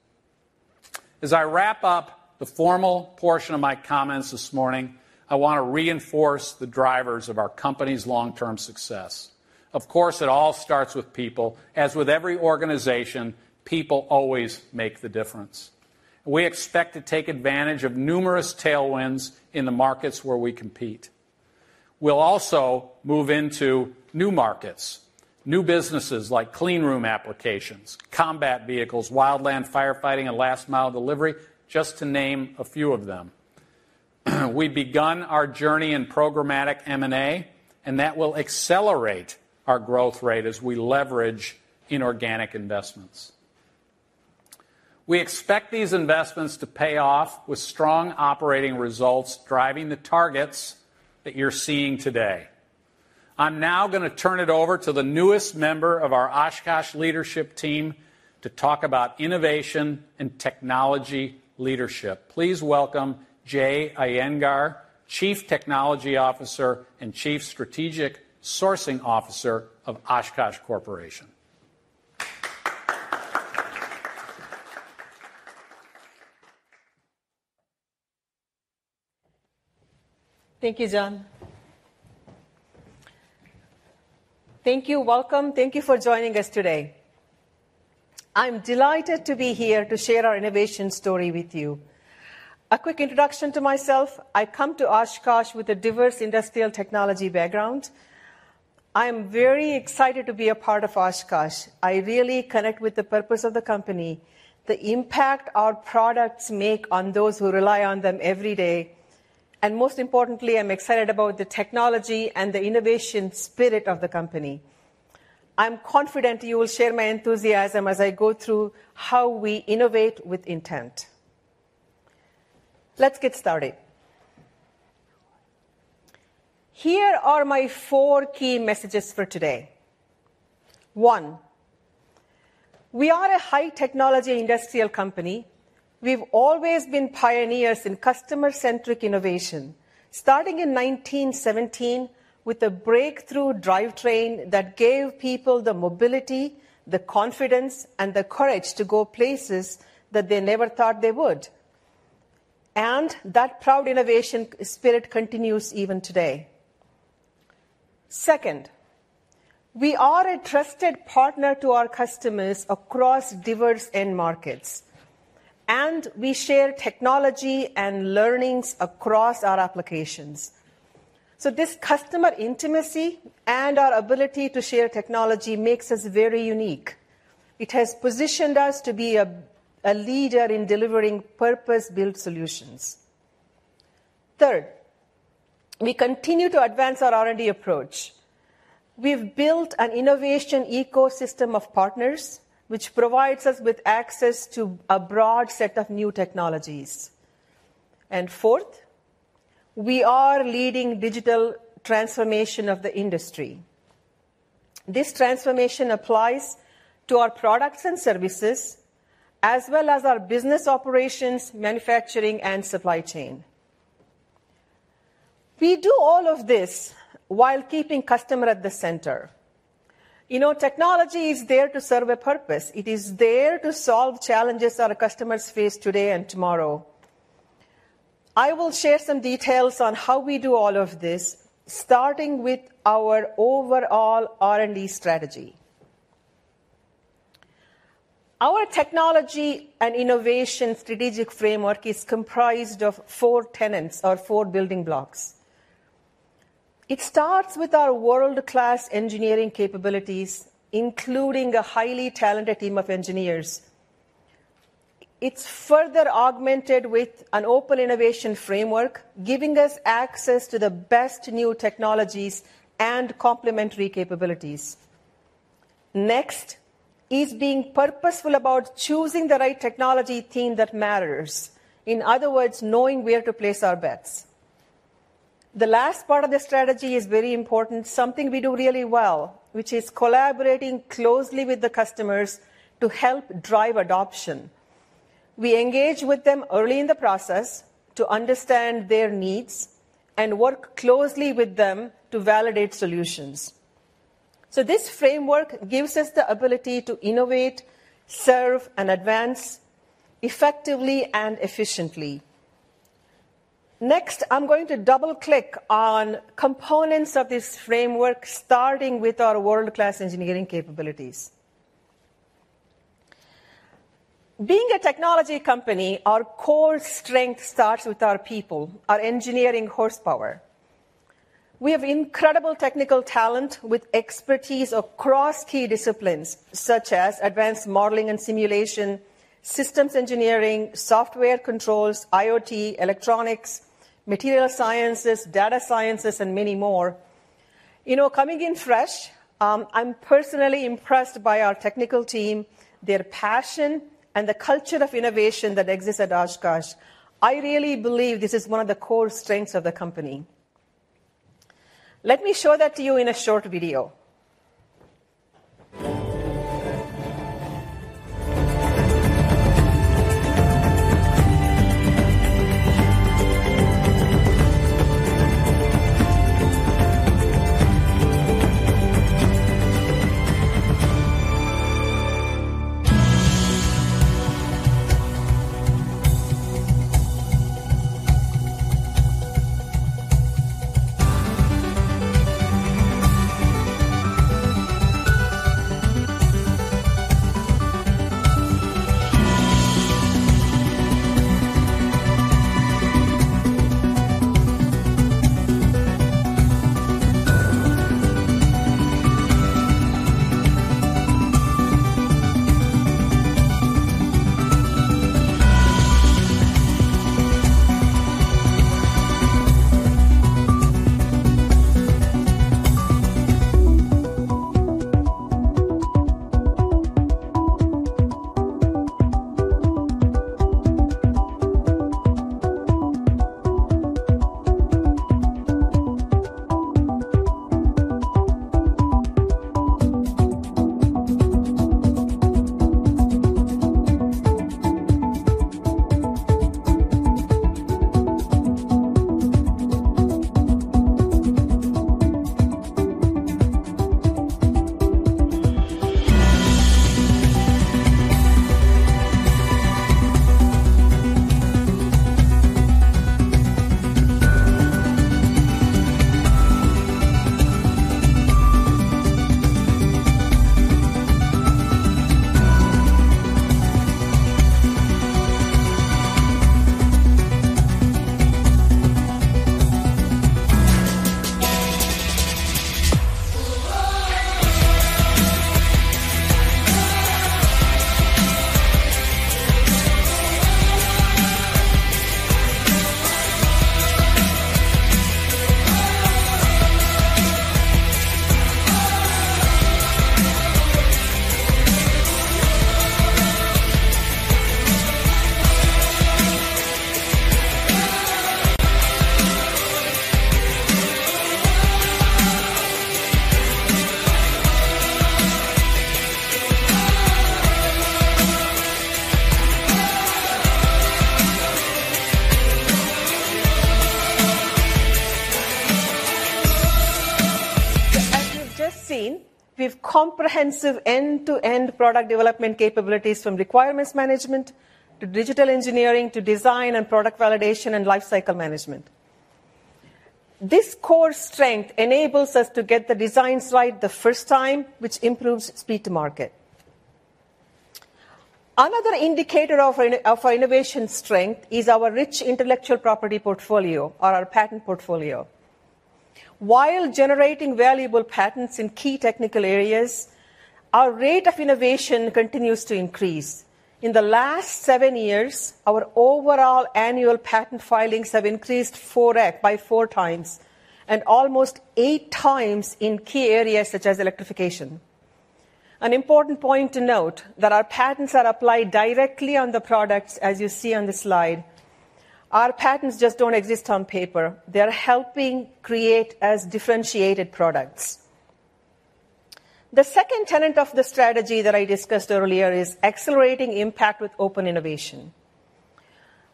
As I wrap up the formal portion of my comments this morning, I want to reinforce the drivers of our company's long-term success. Of course, it all starts with people. As with every organization, people always make the difference. We expect to take advantage of numerous tailwinds in the markets where we compete. We'll also move into new markets, new businesses like clean room applications, combat vehicles, wildland firefighting, and last-mile delivery, just to name a few of them. We've begun our journey in programmatic M&A, and that will accelerate our growth rate as we leverage inorganic investments. We expect these investments to pay off with strong operating results driving the targets that you're seeing today. I'm now gonna turn it over to the newest member of our Oshkosh leadership team to talk about innovation and technology leadership. Please welcome Jay Iyengar, Chief Technology Officer and Chief Strategic Sourcing Officer of Oshkosh Corporation. Thank you, John. Thank you. Welcome. Thank you for joining us today. I'm delighted to be here to share our innovation story with you. A quick introduction to myself. I come to Oshkosh with a diverse industrial technology background. I'm very excited to be a part of Oshkosh. I really connect with the purpose of the company, the impact our products make on those who rely on them every day, and most importantly, I'm excited about the technology and the innovation spirit of the company. I'm confident you will share my enthusiasm as I go through how we innovate with intent. Let's get started. Here are my four key messages for today. One, we are a high-technology industrial company. We've always been pioneers in customer-centric innovation, starting in 1917 with a breakthrough drivetrain that gave people the mobility, the confidence, and the courage to go places that they never thought they would. That proud innovation spirit continues even today. Second, we are a trusted partner to our customers across diverse end markets, and we share technology and learnings across our applications. This customer intimacy and our ability to share technology makes us very unique. It has positioned us to be a leader in delivering purpose-built solutions. Third, we continue to advance our R&D approach. We've built an innovation ecosystem of partners which provides us with access to a broad set of new technologies. Fourth, we are leading digital transformation of the industry. This transformation applies to our products and services as well as our business operations, manufacturing, and supply chain. We do all of this while keeping customer at the center. You know, technology is there to serve a purpose. It is there to solve challenges our customers face today and tomorrow. I will share some details on how we do all of this, starting with our overall R&D strategy. Our technology and innovation strategic framework is comprised of four tenets or four building blocks. It starts with our world-class engineering capabilities, including a highly talented team of engineers. It's further augmented with an open innovation framework, giving us access to the best new technologies and complementary capabilities. Next is being purposeful about choosing the right technology team that matters. In other words, knowing where to place our bets. The last part of the strategy is very important, something we do really well, which is collaborating closely with the customers to help drive adoption. We engage with them early in the process to understand their needs and work closely with them to validate solutions. This framework gives us the ability to innovate, serve, and advance effectively and efficiently. Next, I'm going to double-click on components of this framework, starting with our world-class engineering capabilities. Being a technology company, our core strength starts with our people, our engineering horsepower. We have incredible technical talent with expertise across key disciplines such as advanced modeling and simulation, systems engineering, software controls, IoT, electronics, material sciences, data sciences, and many more. You know, coming in fresh, I'm personally impressed by our technical team, their passion, and the culture of innovation that exists at Oshkosh. I really believe this is one of the core strengths of the company. Let me show that to you in a short video. As you've just seen, we have comprehensive end-to-end product development capabilities from requirements management to digital engineering, to design and product validation and lifecycle management. This core strength enables us to get the design right the first time, which improves speed to market. Another indicator of our innovation strength is our rich intellectual property portfolio or our patent portfolio. While generating valuable patents in key technical areas, our rate of innovation continues to increase. In the last seven years, our overall annual patent filings have increased by four times, and almost eight times in key areas such as electrification. An important point to note that our patents are applied directly on the products, as you see on the slide. Our patents just don't exist on paper. They're helping create as differentiated products. The second tenet of the strategy that I discussed earlier is accelerating impact with open innovation.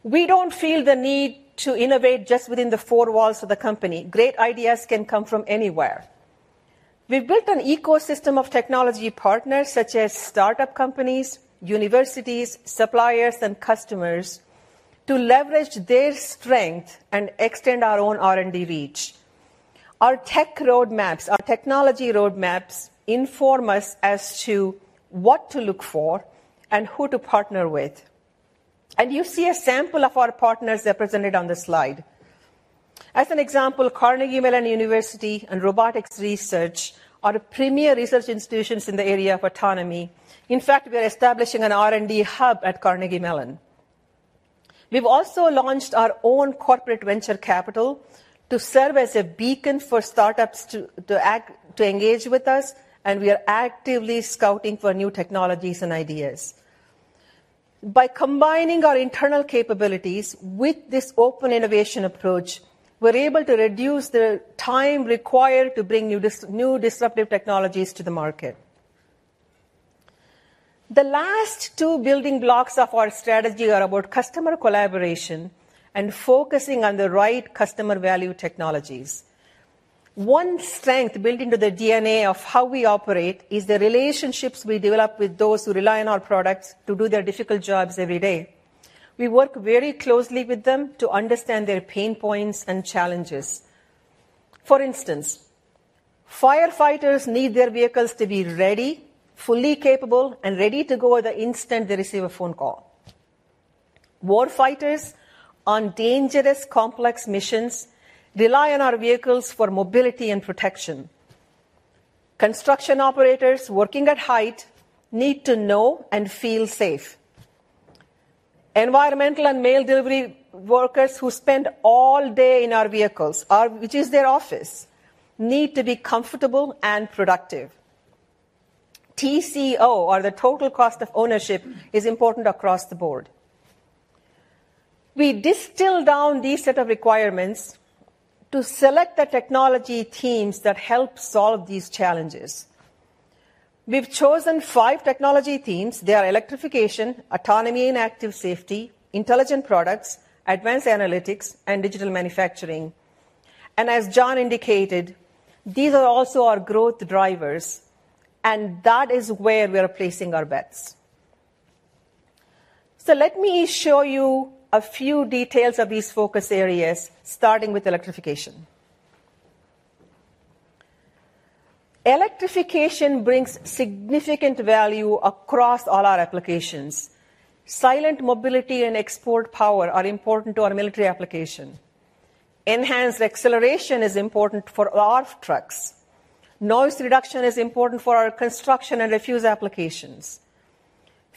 We don't feel the need to innovate just within the four walls of the company. Great ideas can come from anywhere. We've built an ecosystem of technology partners such as startup companies, universities, suppliers, and customers to leverage their strength and extend our own R&D reach. Our tech roadmaps, our technology roadmaps inform us as to what to look for and who to partner with. You see a sample of our partners represented on the slide. As an example, Carnegie Mellon University and Robotic Research are premier research institutions in the area of autonomy. In fact, we are establishing an R&D hub at Carnegie Mellon. We've also launched our own corporate venture capital to serve as a beacon for startups to engage with us, and we are actively scouting for new technologies and ideas. By combining our internal capabilities with this open innovation approach, we're able to reduce the time required to bring new disruptive technologies to the market. The last two building blocks of our strategy are about customer collaboration and focusing on the right customer value technologies. One strength built into the DNA of how we operate is the relationships we develop with those who rely on our products to do their difficult jobs every day. We work very closely with them to understand their pain points and challenges. For instance, firefighters need their vehicles to be ready, fully capable, and ready to go the instant they receive a phone call. Warfighters on dangerous, complex missions rely on our vehicles for mobility and protection. Construction operators working at height need to know and feel safe. Environmental and mail delivery workers who spend all day in our vehicles, which is their office, need to be comfortable and productive. TCO or the total cost of ownership is important across the board. We distill down these set of requirements to select the technology teams that help solve these challenges. We've chosen five technology teams. They are electrification, autonomy and active safety, intelligent products, advanced analytics, and digital manufacturing. As John indicated, these are also our growth drivers, and that is where we're placing our bets. Let me show you a few details of these focus areas, starting with electrification. Electrification brings significant value across all our applications. Silent mobility and export power are important to our military application. Enhanced acceleration is important for our trucks. Noise reduction is important for our construction and refuse applications.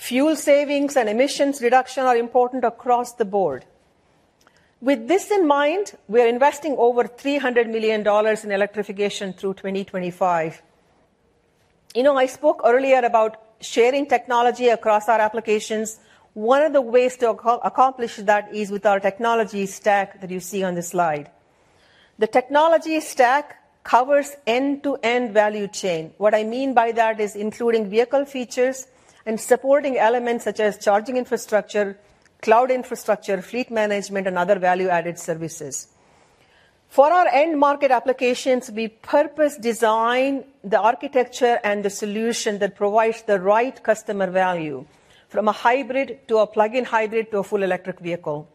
Fuel savings and emissions reduction are important across the board. With this in mind, we are investing over $300 million in electrification through 2025. You know, I spoke earlier about sharing technology across our applications. One of the ways to accomplish that is with our technology stack that you see on this slide. The technology stack covers end-to-end value chain. What I mean by that is including vehicle features and supporting elements such as charging infrastructure, cloud infrastructure, fleet management, and other value-added services. For our end market applications, we purposefully design the architecture and the solution that provides the right customer value, from a hybrid to a plug-in hybrid to a full electric vehicle.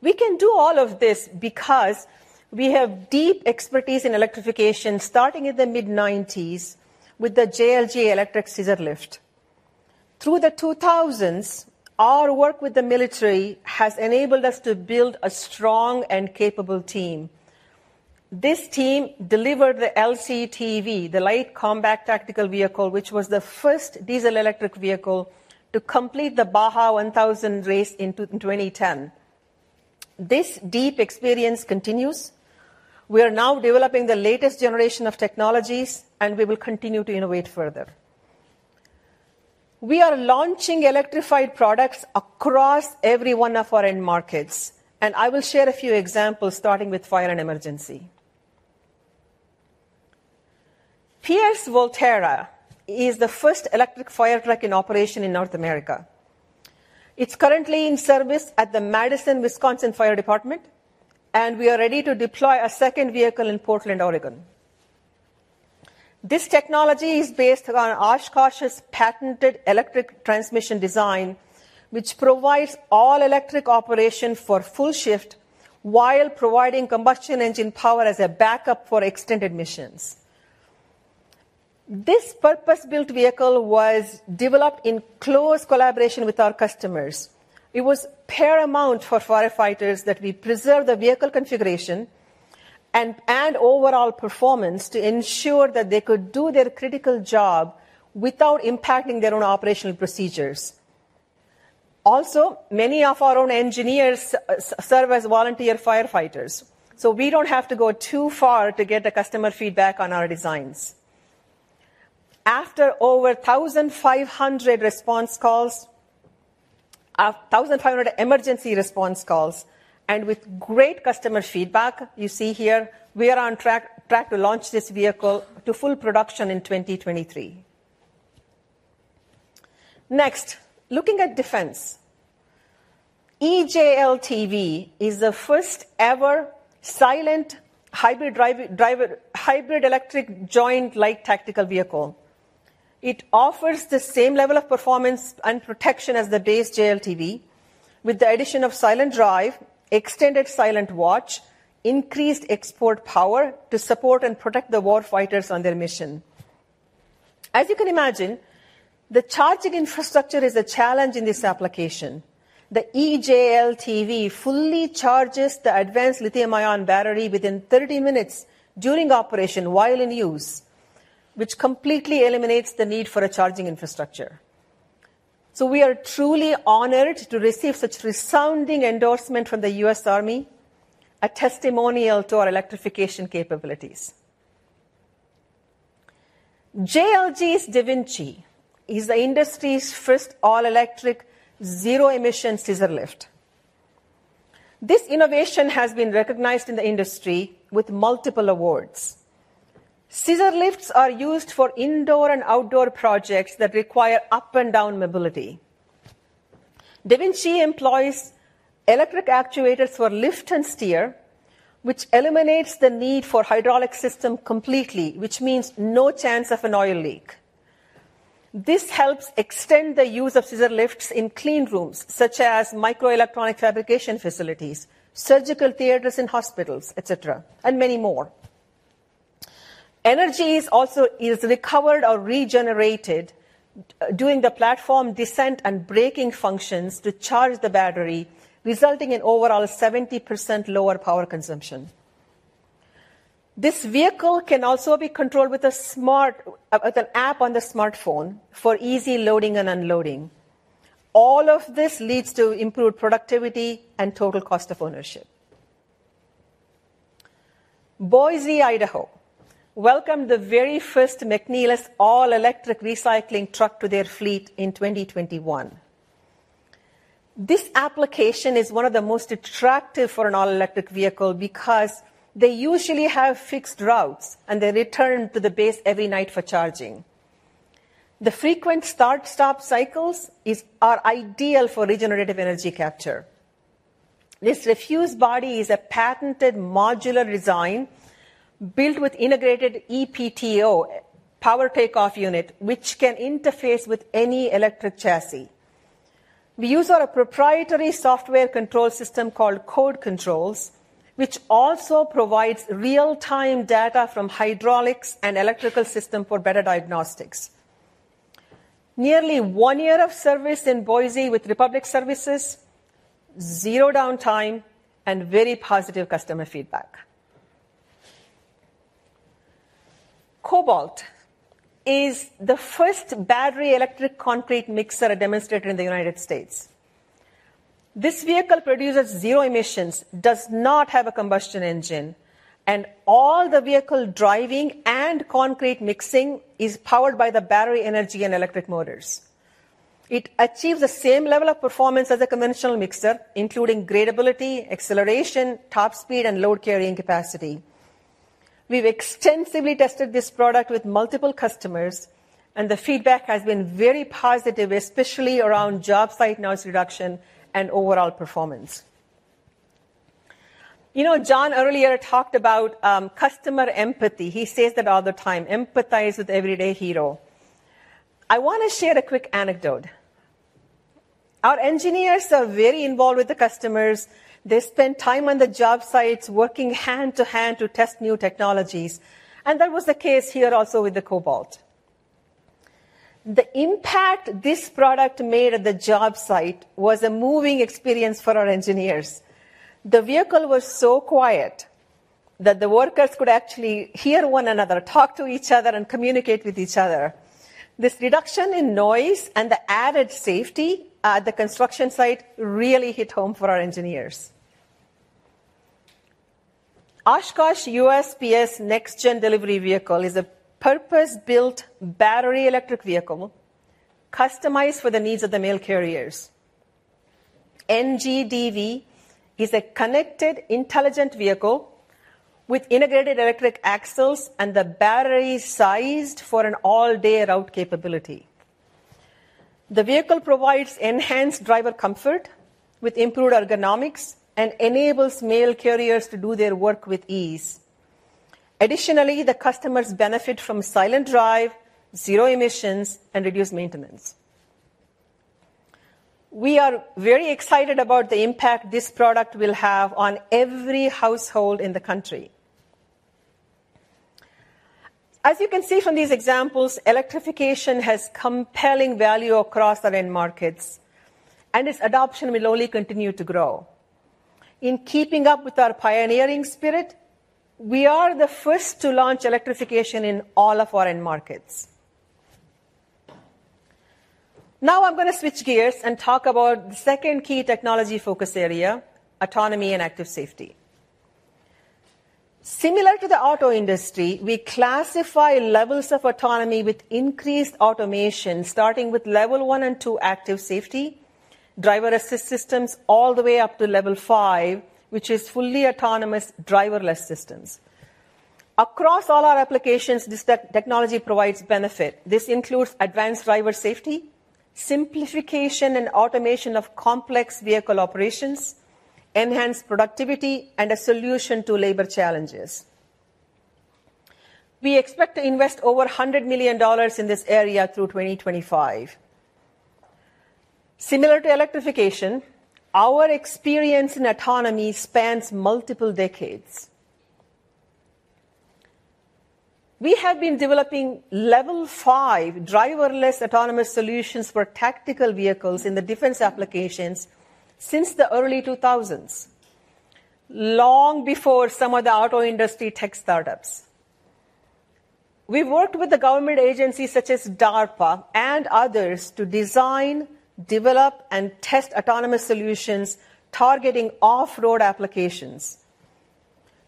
We can do all of this because we have deep expertise in electrification, starting in the mid-nineties with the JLG electric scissor lift. Through the 2000s, our work with the military has enabled us to build a strong and capable team. This team delivered the LCTV, the Light Combat Tactical Vehicle, which was the first diesel electric vehicle to complete the Baja 1000 race in 2010. This deep experience continues. We are now developing the latest generation of technologies, and we will continue to innovate further. We are launching electrified products across every one of our end markets, and I will share a few examples, starting with fire and emergency. Pierce Volterra is the first electric fire truck in operation in North America. It's currently in service at the Madison, Wisconsin Fire Department, and we are ready to deploy a second vehicle in Portland, Oregon. This technology is based on Oshkosh's patented electric transmission design, which provides all electric operation for full shift while providing combustion engine power as a backup for extended missions. This purpose-built vehicle was developed in close collaboration with our customers. It was paramount for firefighters that we preserve the vehicle configuration and overall performance to ensure that they could do their critical job without impacting their own operational procedures. Also, many of our own engineers serve as volunteer firefighters, so we don't have to go too far to get the customer feedback on our designs. After over 1,500 emergency response calls and with great customer feedback, you see here, we are on track to launch this vehicle to full production in 2023. Next, looking at Defense. eJLTV is the first ever silent hybrid electric joint light tactical vehicle. It offers the same level of performance and protection as the base JLTV with the addition of silent drive, extended silent watch, increased export power to support and protect the warfighters on their mission. As you can imagine, the charging infrastructure is a challenge in this application. The eJLTV fully charges the advanced lithium-ion battery within 30 minutes during operation while in use, which completely eliminates the need for a charging infrastructure. We are truly honored to receive such resounding endorsement from the US Army, a testimonial to our electrification capabilities. JLG's DaVinci is the industry's first all-electric, zero-emission scissor lift. This innovation has been recognized in the industry with multiple awards. Scissor lifts are used for indoor and outdoor projects that require up and down mobility. DaVinci employs electric actuators for lift and steer, which eliminates the need for hydraulic system completely, which means no chance of an oil leak. This helps extend the use of scissor lifts in clean rooms such as microelectronic fabrication facilities, surgical theaters in hospitals, et cetera, and many more. Energy is also recovered or regenerated during the platform descent and braking functions to charge the battery, resulting in overall 70% lower power consumption. This vehicle can also be controlled with an app on the smartphone for easy loading and unloading. All of this leads to improved productivity and total cost of ownership. Boise, Idaho, welcomed the very first McNeilus all-electric recycling truck to their fleet in 2021. This application is one of the most attractive for an all-electric vehicle because they usually have fixed routes, and they return to the base every night for charging. The frequent start-stop cycles are ideal for regenerative energy capture. This refuse body is a patented modular design built with integrated ePTO, power take-off unit, which can interface with any electric chassis. We use our proprietary software control system called FLEX Controls, which also provides real-time data from hydraulics and electrical system for better diagnostics. Nearly one year of service in Boise with Republic Services, zero downtime and very positive customer feedback. Cobalt is the first battery electric concrete mixer demonstrated in the United States. This vehicle produces zero emissions, does not have a combustion engine, and all the vehicle driving and concrete mixing is powered by the battery energy and electric motors. It achieves the same level of performance as a conventional mixer, including gradability, acceleration, top speed, and load carrying capacity. We've extensively tested this product with multiple customers, and the feedback has been very positive, especially around job site noise reduction and overall performance. You know, John earlier talked about customer empathy. He says that all the time, "Empathize with everyday hero." I wanna share a quick anecdote. Our engineers are very involved with the customers. They spend time on the job sites working hand to hand to test new technologies, and that was the case here also with the Cobalt. The impact this product made at the job site was a moving experience for our engineers. The vehicle was so quiet that the workers could actually hear one another, talk to each other, and communicate with each other. This reduction in noise and the added safety at the construction site really hit home for our engineers. Oshkosh USPS Next Generation Delivery Vehicle is a purpose-built battery electric vehicle customized for the needs of the mail carriers. NGDV is a connected, intelligent vehicle with integrated electric axles and the battery sized for an all-day route capability. The vehicle provides enhanced driver comfort with improved ergonomics and enables mail carriers to do their work with ease. Additionally, the customers benefit from silent drive, zero emissions, and reduced maintenance. We are very excited about the impact this product will have on every household in the country. As you can see from these examples, electrification has compelling value across our end markets, and its adoption will only continue to grow. In keeping up with our pioneering spirit, we are the first to launch electrification in all of our end markets. Now I'm gonna switch gears and talk about the second key technology focus area, autonomy and active safety. Similar to the auto industry, we classify levels of autonomy with increased automation, starting with level 1 and two active safety, driver assist systems, all the way up to level 5, which is fully autonomous driverless systems. Across all our applications, this technology provides benefit. This includes advanced driver safety, simplification and automation of complex vehicle operations, enhanced productivity, and a solution to labor challenges. We expect to invest over $100 million in this area through 2025. Similar to electrification, our experience in autonomy spans multiple decades. We have been developing level 5 driverless autonomous solutions for tactical vehicles in the defense applications since the early 2000s, long before some of the auto industry tech startups. We've worked with the government agencies such as DARPA and others to design, develop, and test autonomous solutions targeting off-road applications.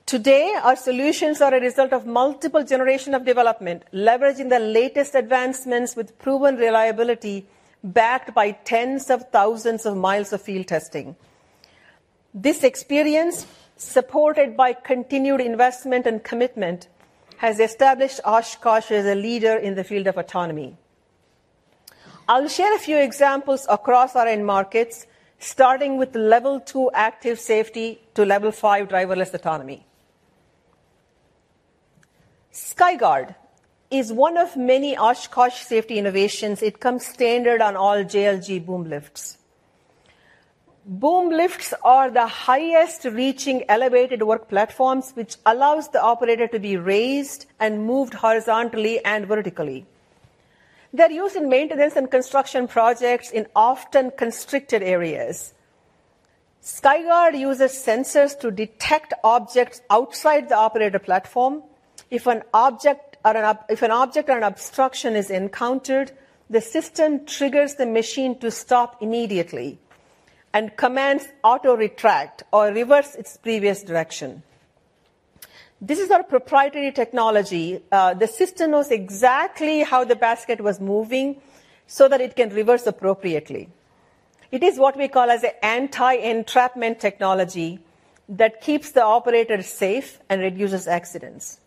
Today, our solutions are a result of multiple generation of development, leveraging the latest advancements with proven reliability, backed by tens of thousands of miles of field testing. This experience, supported by continued investment and commitment, has established Oshkosh as a leader in the field of autonomy. I'll share a few examples across our end markets, starting with level 2 active safety to level 5 driverless autonomy. SkyGuard is one of many Oshkosh safety innovations. It comes standard on all JLG boom lifts. Boom lifts are the highest reaching elevated work platforms which allows the operator to be raised and moved horizontally and vertically. They're used in maintenance and construction projects in often constricted areas. SkyGuard uses sensors to detect objects outside the operator platform. If an object or an obstruction is encountered, the system triggers the machine to stop immediately and commands auto retract or reverse its previous direction. This is our proprietary technology. The system knows exactly how the basket was moving so that it can reverse appropriately. It is what we call an anti-entrapment technology that keeps the operator safe and reduces accidents.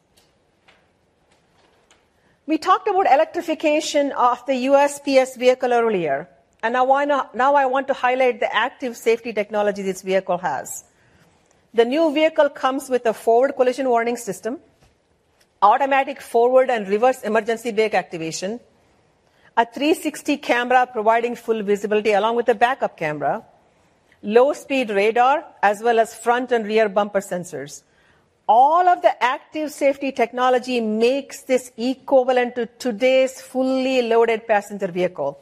We talked about electrification of the USPS vehicle earlier, and now I want to highlight the active safety technology this vehicle has. The new vehicle comes with a forward collision warning system, automatic forward and reverse emergency brake activation, a 360 camera providing full visibility along with a backup camera, low speed radar, as well as front and rear bumper sensors. All of the active safety technology makes this equivalent to today's fully loaded passenger vehicle.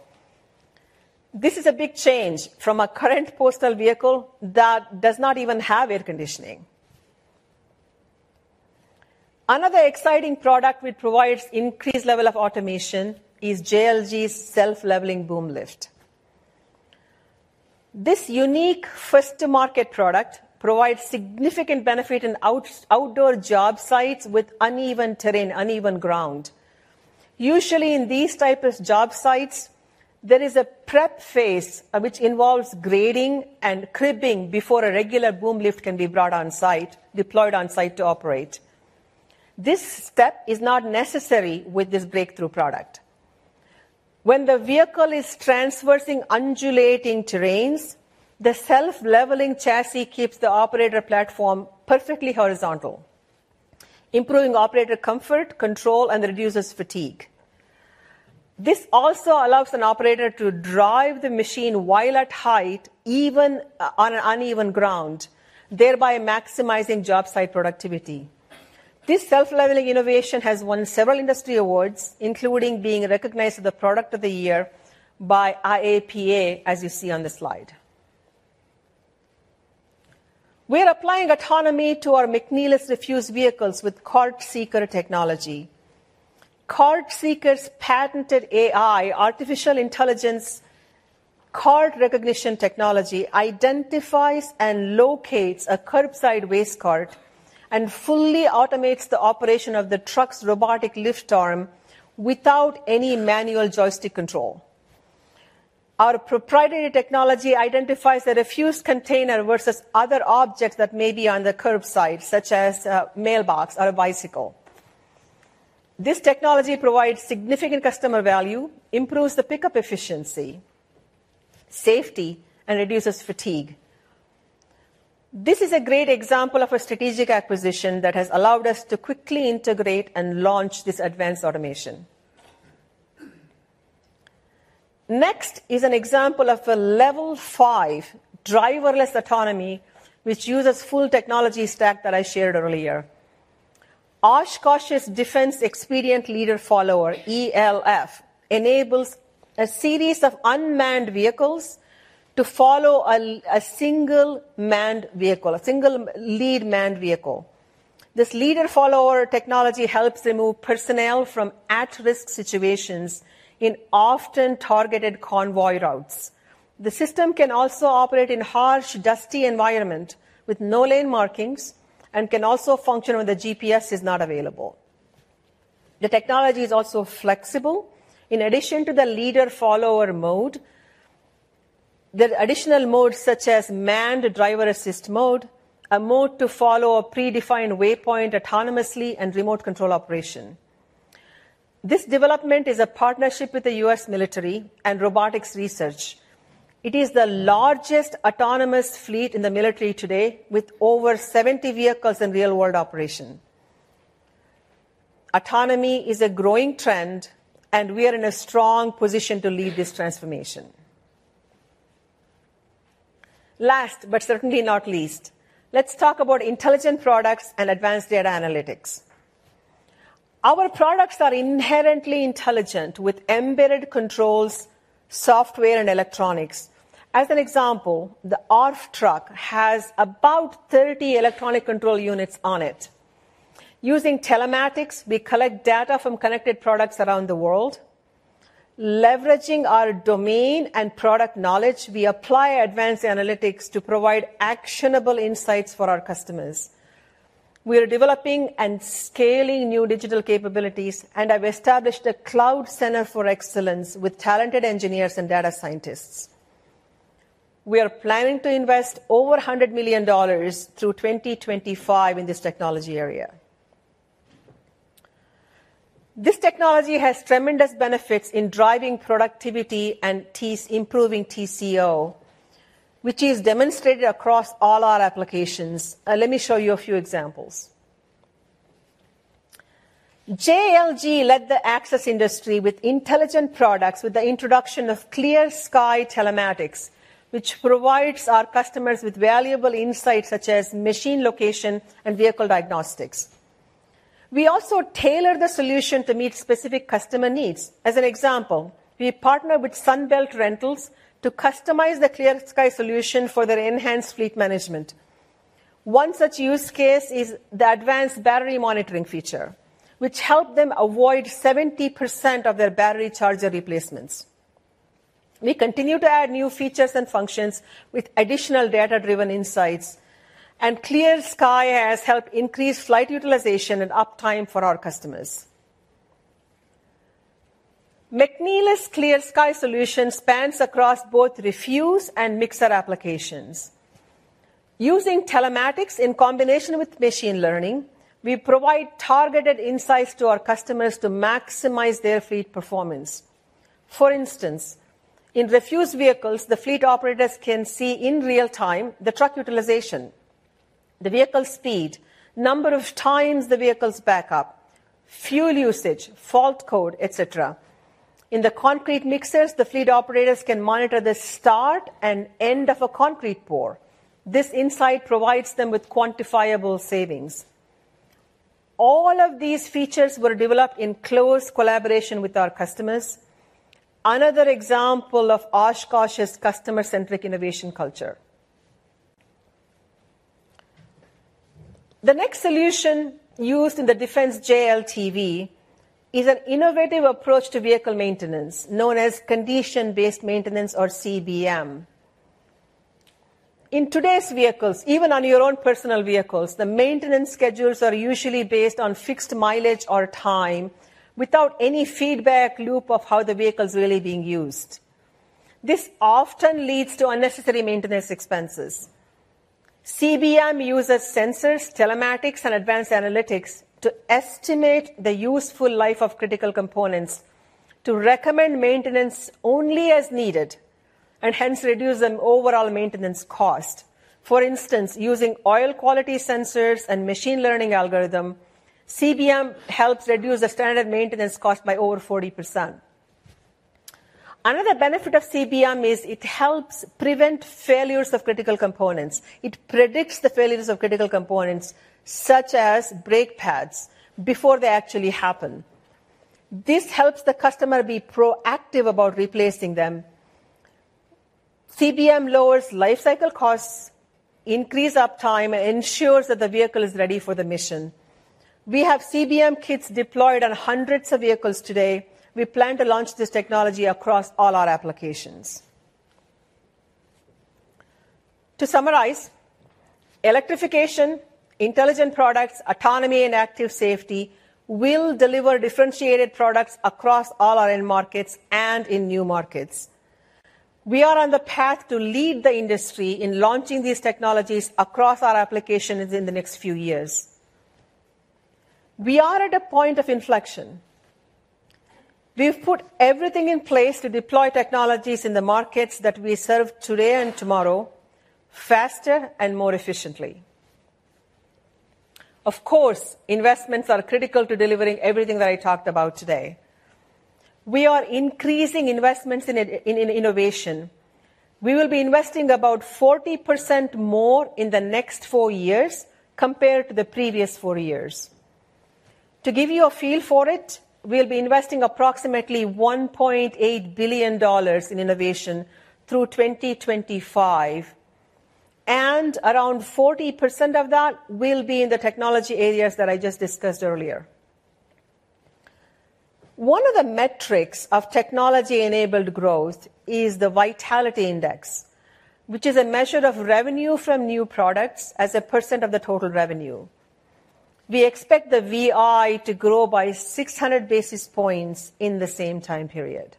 This is a big change from a current postal vehicle that does not even have air conditioning. Another exciting product which provides increased level of automation is JLG's self-leveling boom lift. This unique first to market product provides significant benefit in outdoor job sites with uneven terrain, uneven ground. Usually in these type of job sites, there is a prep phase which involves grading and cribbing before a regular boom lift can be brought on-site, deployed on-site to operate. This step is not necessary with this breakthrough product. When the vehicle is traversing undulating terrains, the self-leveling chassis keeps the operator platform perfectly horizontal, improving operator comfort, control, and reduces fatigue. This also allows an operator to drive the machine while at height, even on uneven ground, thereby maximizing job site productivity. This self-leveling innovation has won several industry awards, including being recognized as the product of the year by IAPA, as you see on this slide. We're applying autonomy to our McNeilus refuse vehicles with CartSeeker technology. CartSeeker's patented AI, artificial intelligence cart recognition technology, identifies and locates a curbside waste cart and fully automates the operation of the truck's robotic lift arm without any manual joystick control. Our proprietary technology identifies the refuse container versus other objects that may be on the curbside, such as a mailbox or a bicycle. This technology provides significant customer value, improves the pickup efficiency, safety, and reduces fatigue. This is a great example of a strategic acquisition that has allowed us to quickly integrate and launch this advanced automation. Next is an example of a level five driverless autonomy, which uses full technology stack that I shared earlier. Oshkosh's Defense Expedient Leader-Follower, ELF, enables a series of unmanned vehicles to follow a single lead manned vehicle. This leader-follower technology helps remove personnel from at-risk situations in often targeted convoy routes. The system can also operate in harsh, dusty environment with no lane markings and can also function when the GPS is not available. The technology is also flexible. In addition to the leader-follower mode, there are additional modes such as manned driver assist mode, a mode to follow a predefined waypoint autonomously and remote control operation. This development is a partnership with the US military and Robotic Research. It is the largest autonomous fleet in the military today with over 70 vehicles in real-world operation. Autonomy is a growing trend, and we are in a strong position to lead this transformation. Last but certainly not least, let's talk about intelligent products and advanced data analytics. Our products are inherently intelligent with embedded controls, software, and electronics. As an example, the JLTV truck has about 30 electronic control units on it. Using telematics, we collect data from connected products around the world. Leveraging our domain and product knowledge, we apply advanced analytics to provide actionable insights for our customers. We are developing and scaling new digital capabilities and have established a cloud center for excellence with talented engineers and data scientists. We are planning to invest over $100 million through 2025 in this technology area. This technology has tremendous benefits in driving productivity and improving TCO, which is demonstrated across all our applications. Let me show you a few examples. JLG led the access industry with intelligent products with the introduction of ClearSky Telematics, which provides our customers with valuable insights such as machine location and vehicle diagnostics. We also tailor the solution to meet specific customer needs. As an example, we partner with Sunbelt Rentals to customize the ClearSky solution for their enhanced fleet management. One such use case is the advanced battery monitoring feature, which helped them avoid 70% of their battery charger replacements. We continue to add new features and functions with additional data-driven insights, and ClearSky has helped increase fleet utilization and uptime for our customers. McNeilus ClearSky solution spans across both refuse and mixer applications. Using telematics in combination with machine learning, we provide targeted insights to our customers to maximize their fleet performance. For instance, in refuse vehicles, the fleet operators can see in real time the truck utilization, the vehicle speed, number of times the vehicles back up, fuel usage, fault code, et cetera. In the concrete mixers, the fleet operators can monitor the start and end of a concrete pour. This insight provides them with quantifiable savings. All of these features were developed in close collaboration with our customers. Another example of Oshkosh's customer-centric innovation culture. The next solution used in the Defense JLTV is an innovative approach to vehicle maintenance known as Condition-Based Maintenance or CBM. In today's vehicles, even on your own personal vehicles, the maintenance schedules are usually based on fixed mileage or time without any feedback loop of how the vehicle's really being used. This often leads to unnecessary maintenance expenses. CBM uses sensors, telematics, and advanced analytics to estimate the useful life of critical components to recommend maintenance only as needed and hence reduce an overall maintenance cost. For instance, using oil quality sensors and machine learning algorithm, CBM helps reduce the standard maintenance cost by over 40%. Another benefit of CBM is it helps prevent failures of critical components. It predicts the failures of critical components, such as brake pads, before they actually happen. This helps the customer be proactive about replacing them. CBM lowers lifecycle costs, increase uptime, and ensures that the vehicle is ready for the mission. We have CBM kits deployed on hundreds of vehicles today. We plan to launch this technology across all our applications. To summarize, electrification, intelligent products, autonomy, and active safety will deliver differentiated products across all our end markets and in new markets. We are on the path to lead the industry in launching these technologies across our applications in the next few years. We are at a point of inflection. We've put everything in place to deploy technologies in the markets that we serve today and tomorrow, faster and more efficiently. Of course, investments are critical to delivering everything that I talked about today. We are increasing investments in innovation. We will be investing about 40% more in the next four years compared to the previous four years. To give you a feel for it, we'll be investing approximately $1.8 billion in innovation through 2025, and around 40% of that will be in the technology areas that I just discussed earlier. One of the metrics of technology-enabled growth is the Vitality Index, which is a measure of revenue from new products as a percent of the total revenue. We expect the VI to grow by 600 basis points in the same time period.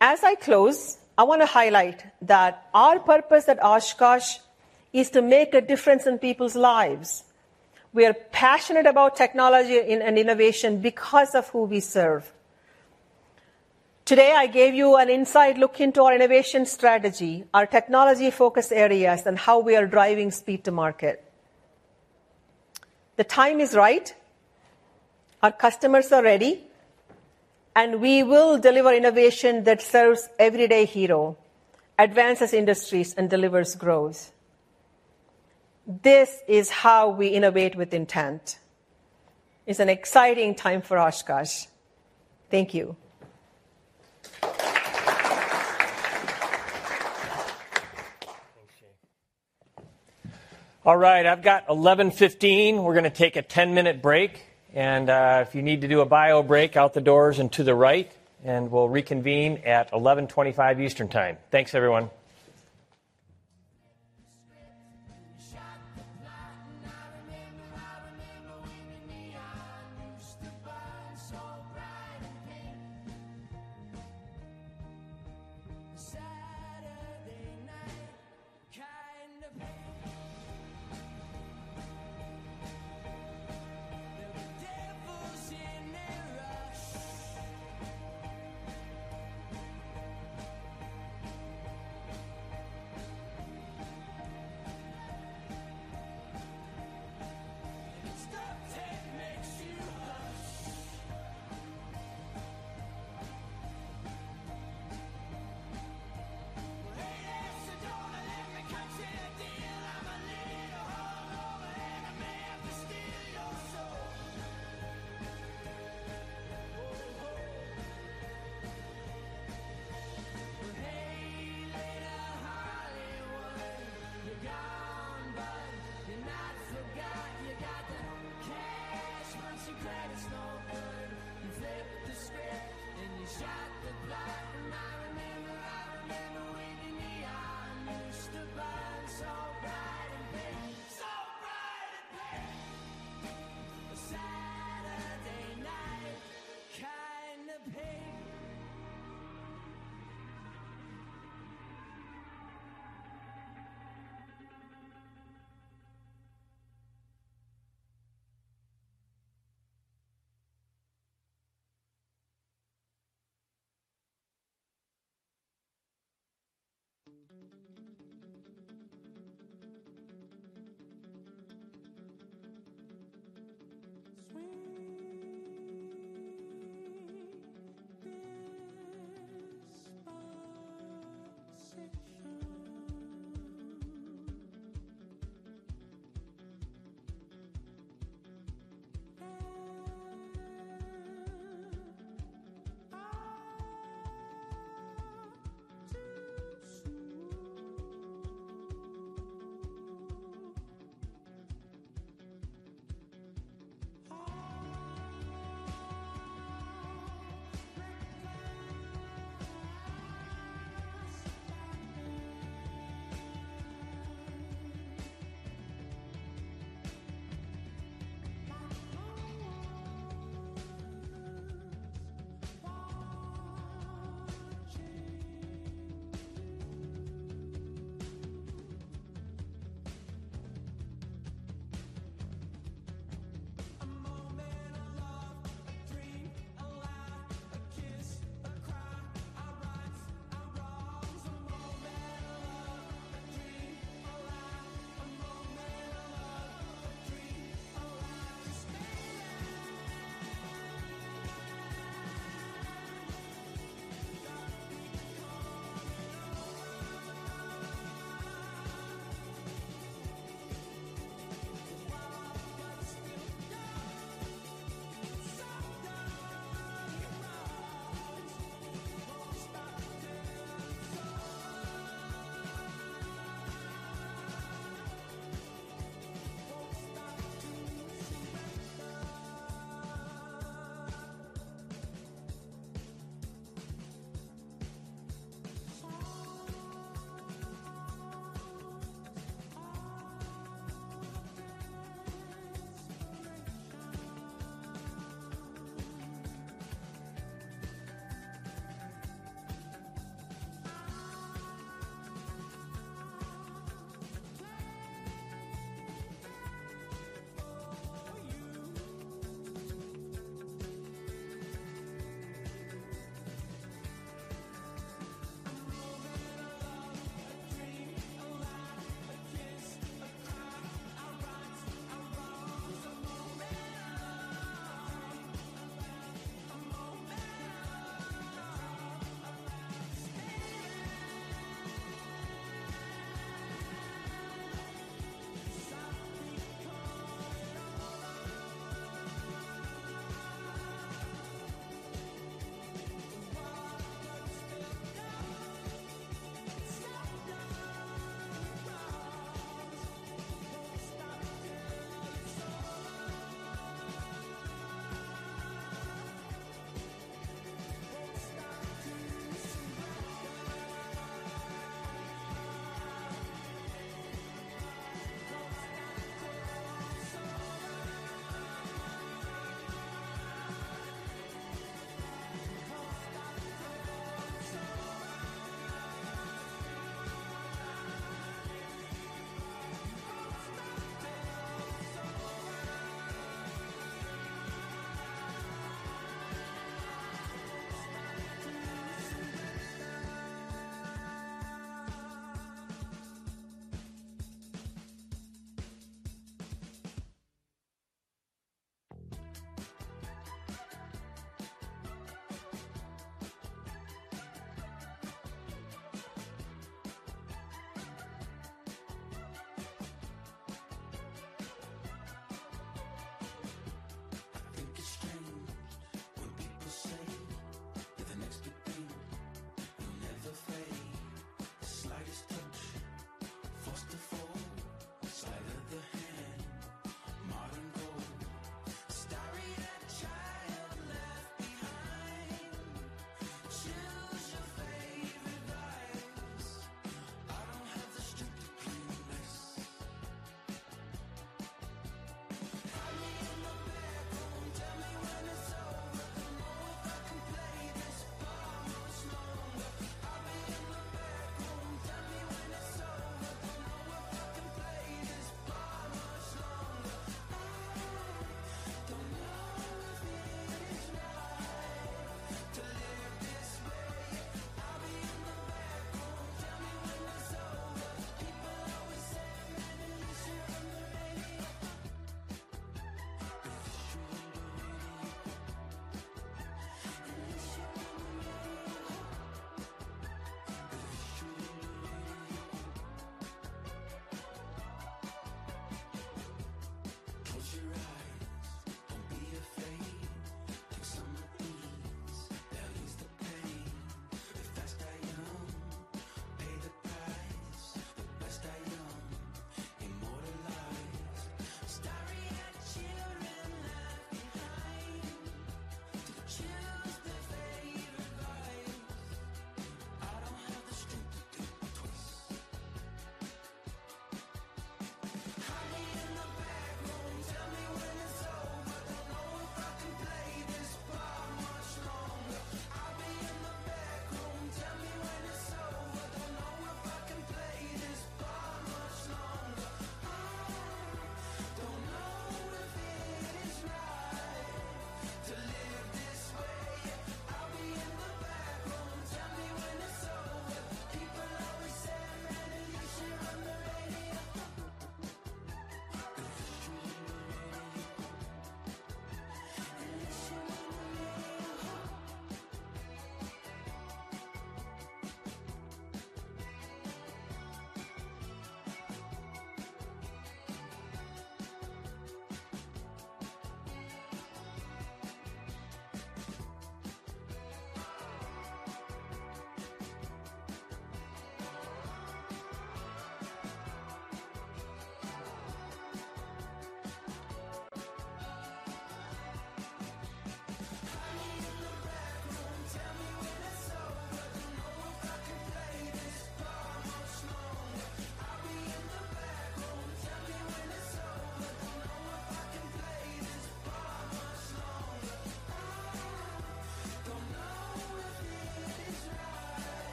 As I close, I wanna highlight that our purpose at Oshkosh is to make a difference in people's lives. We are passionate about technology and innovation because of who we serve. Today, I gave you an inside look into our innovation strategy, our technology focus areas, and how we are driving speed to market. The time is right, our customers are ready, and we will deliver innovation that serves everyday hero, advances industries, and delivers growth. This is how we innovate with intent. It's an exciting time for Oshkosh. Thank you. Thank you. All right, I've got 11:15. We're gonna take a 10-minute break, and if you need to do a bio break, out the doors and to the right, and we'll reconvene at 11:25 Eastern Time. Thanks, everyone.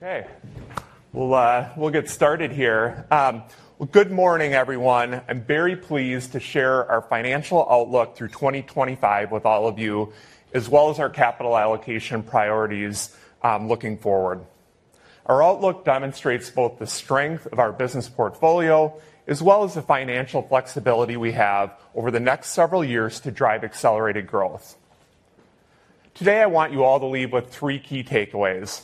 Okay. We'll get started here. Good morning, everyone. I'm very pleased to share our financial outlook through 2025 with all of you, as well as our capital allocation priorities, looking forward. Our outlook demonstrates both the strength of our business portfolio as well as the financial flexibility we have over the next several years to drive accelerated growth. Today, I want you all to leave with three key takeaways.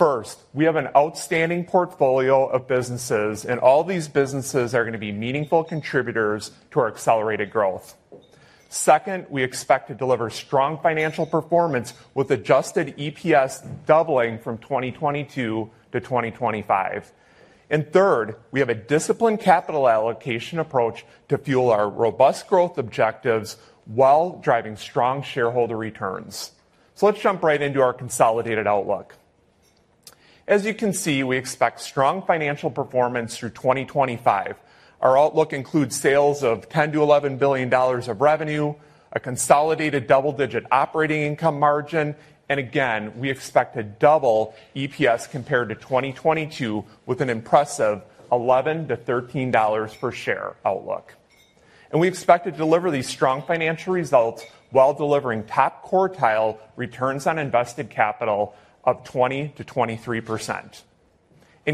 First, we have an outstanding portfolio of businesses, and all these businesses are gonna be meaningful contributors to our accelerated growth. Second, we expect to deliver strong financial performance with adjusted EPS doubling from 2022 to 2025. Third, we have a disciplined capital allocation approach to fuel our robust growth objectives while driving strong shareholder returns. Let's jump right into our consolidated outlook. As you can see, we expect strong financial performance through 2025. Our outlook includes sales of $10 billion-$11 billion of revenue, a consolidated double-digit operating income margin, and again, we expect to double EPS compared to 2022 with an impressive $11-$13 per share outlook. We expect to deliver these strong financial results while delivering top quartile returns on invested capital of 20%-23%.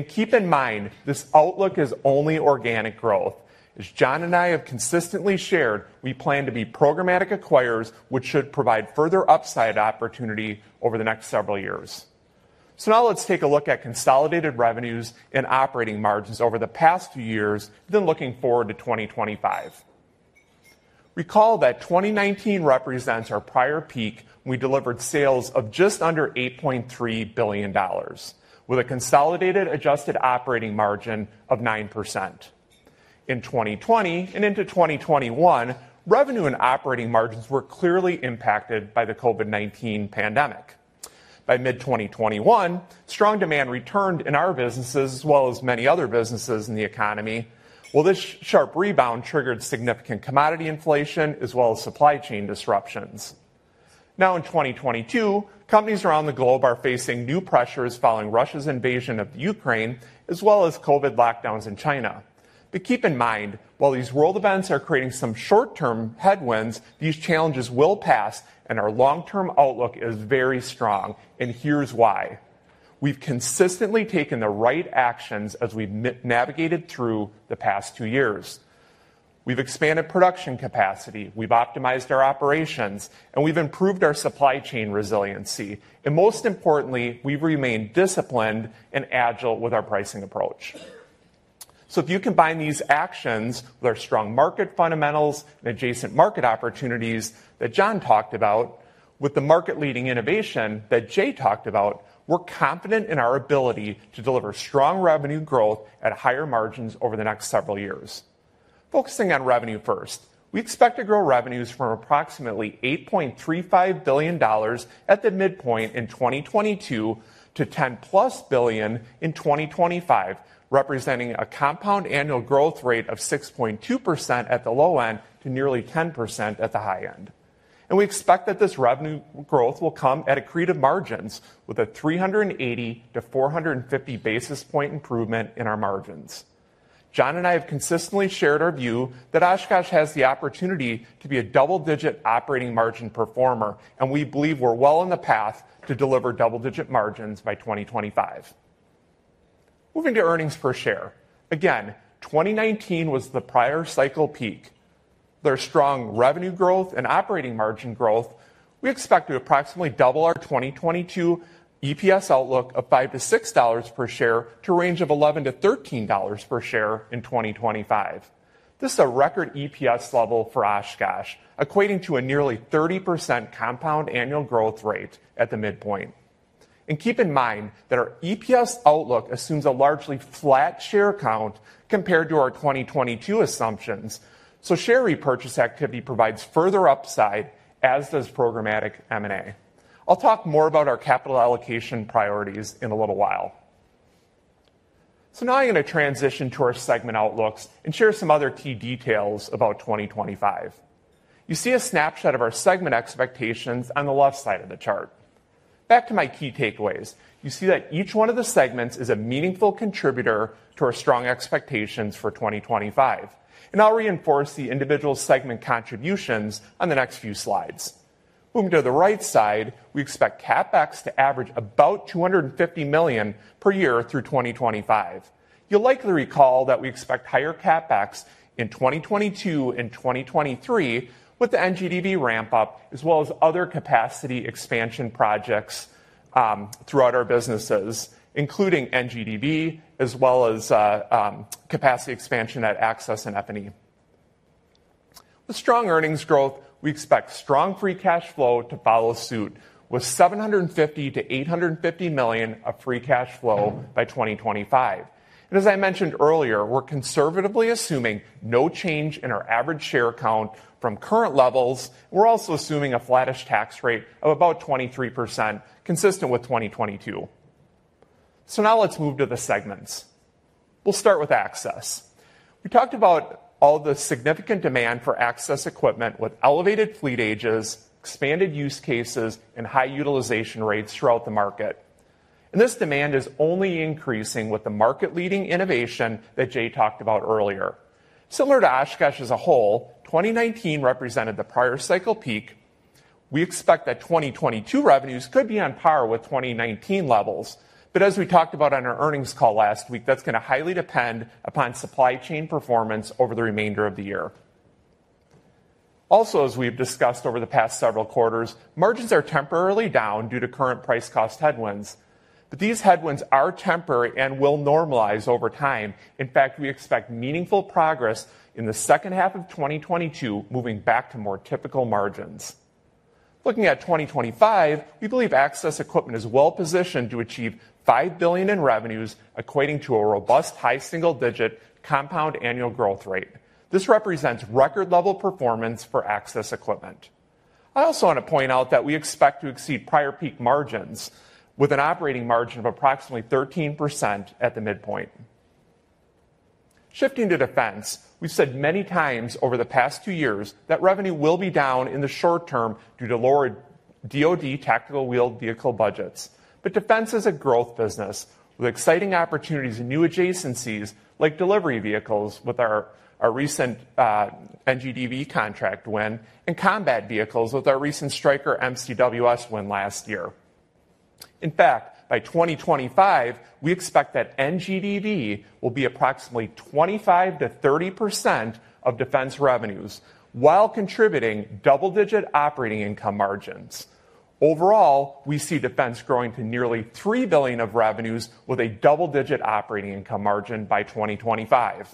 Keep in mind, this outlook is only organic growth. As John and I have consistently shared, we plan to be programmatic acquirers, which should provide further upside opportunity over the next several years. Now let's take a look at consolidated revenues and operating margins over the past few years, then looking forward to 2025. Recall that 2019 represents our prior peak. We delivered sales of just under $8.3 billion with a consolidated adjusted operating margin of 9%. In 2020 and into 2021, revenue and operating margins were clearly impacted by the COVID-19 pandemic. By mid-2021, strong demand returned in our businesses as well as many other businesses in the economy. Well, this sharp rebound triggered significant commodity inflation as well as supply chain disruptions. Now, in 2022, companies around the globe are facing new pressures following Russia's invasion of Ukraine as well as COVID lockdowns in China. Keep in mind, while these world events are creating some short-term headwinds, these challenges will pass and our long-term outlook is very strong, and here's why. We've consistently taken the right actions as we've navigated through the past two years. We've expanded production capacity, we've optimized our operations, and we've improved our supply chain resiliency. Most importantly, we've remained disciplined and agile with our pricing approach. If you combine these actions with our strong market fundamentals and adjacent market opportunities that John talked about with the market-leading innovation that Jay talked about, we're confident in our ability to deliver strong revenue growth at higher margins over the next several years. Focusing on revenue first. We expect to grow revenues from approximately $8.35 billion at the midpoint in 2022 to $10+ billion in 2025, representing a compound annual growth rate of 6.2% at the low end to nearly 10% at the high end. We expect that this revenue growth will come at accretive margins with a 380-450 basis point improvement in our margins. John and I have consistently shared our view that Oshkosh has the opportunity to be a double-digit operating margin performer, and we believe we're well on the path to deliver double-digit margins by 2025. Moving to earnings per share. Again, 2019 was the prior cycle peak. There are strong revenue growth and operating margin growth. We expect to approximately double our 2022 EPS outlook of $5-$6 per share to a range of $11-$13 per share in 2025. This is a record EPS level for Oshkosh, equating to a nearly 30% compound annual growth rate at the midpoint. Keep in mind that our EPS outlook assumes a largely flat share count compared to our 2022 assumptions, so share repurchase activity provides further upside, as does programmatic M&A. I'll talk more about our capital allocation priorities in a little while. Now I'm gonna transition to our segment outlooks and share some other key details about 2025. You see a snapshot of our segment expectations on the left side of the chart. Back to my key takeaways. You see that each one of the segments is a meaningful contributor to our strong expectations for 2025. I'll reinforce the individual segment contributions on the next few slides. Moving to the right side, we expect CapEx to average about $250 million per year through 2025. You'll likely recall that we expect higher CapEx in 2022 and 2023 with the NGDV ramp up as well as other capacity expansion projects throughout our businesses, including NGDV as well as capacity expansion at Access and F&E. With strong earnings growth, we expect strong free cash flow to follow suit with $750 million-$850 million of free cash flow by 2025. As I mentioned earlier, we're conservatively assuming no change in our average share count from current levels. We're also assuming a flattish tax rate of about 23%, consistent with 2022. Now let's move to the segments. We'll start with Access. We talked about all the significant demand for access equipment with elevated fleet ages, expanded use cases, and high utilization rates throughout the market. This demand is only increasing with the market-leading innovation that Jay talked about earlier. Similar to Oshkosh as a whole, 2019 represented the prior cycle peak. We expect that 2022 revenues could be on par with 2019 levels. As we talked about on our earnings call last week, that's going to highly depend upon supply chain performance over the remainder of the year. Also, as we've discussed over the past several quarters, margins are temporarily down due to current price cost headwinds. These headwinds are temporary and will normalize over time. In fact, we expect meaningful progress in the second half of 2022, moving back to more typical margins. Looking at 2025, we believe access equipment is well positioned to achieve $5 billion in revenues, equating to a robust high single-digit% compound annual growth rate. This represents record level performance for access equipment. I also want to point out that we expect to exceed prior peak margins with an operating margin of approximately 13% at the midpoint. Shifting to Defense, we've said many times over the past two years that revenue will be down in the short term due to lower DoD tactical wheeled vehicle budgets. Defense is a growth business with exciting opportunities and new adjacencies like delivery vehicles with our recent NGDV contract win and combat vehicles with our recent Stryker MCWS win last year. In fact, by 2025, we expect that NGDV will be approximately 25%-30% of Defense revenues while contributing double-digit operating income margins. Overall, we see Defense growing to nearly $3 billion of revenues with a double-digit operating income margin by 2025.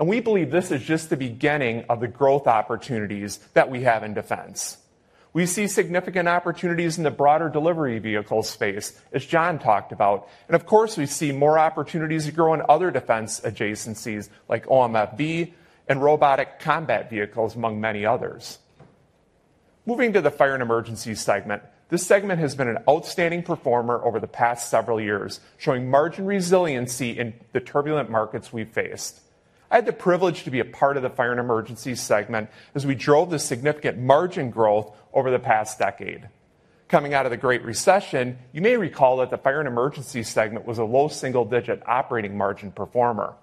We believe this is just the beginning of the growth opportunities that we have in Defense. We see significant opportunities in the broader delivery vehicle space, as John talked about. Of course, we see more opportunities to grow in other defense adjacencies like OMFV and robotic combat vehicles, among many others. Moving to the fire and emergency segment. This segment has been an outstanding performer over the past several years, showing margin resiliency in the turbulent markets we faced. I had the privilege to be a part of the fire and emergency segment as we drove the significant margin growth over the past decade. Coming out of the Great Recession, you may recall that the fire and emergency segment was a low single-digit operating margin performer.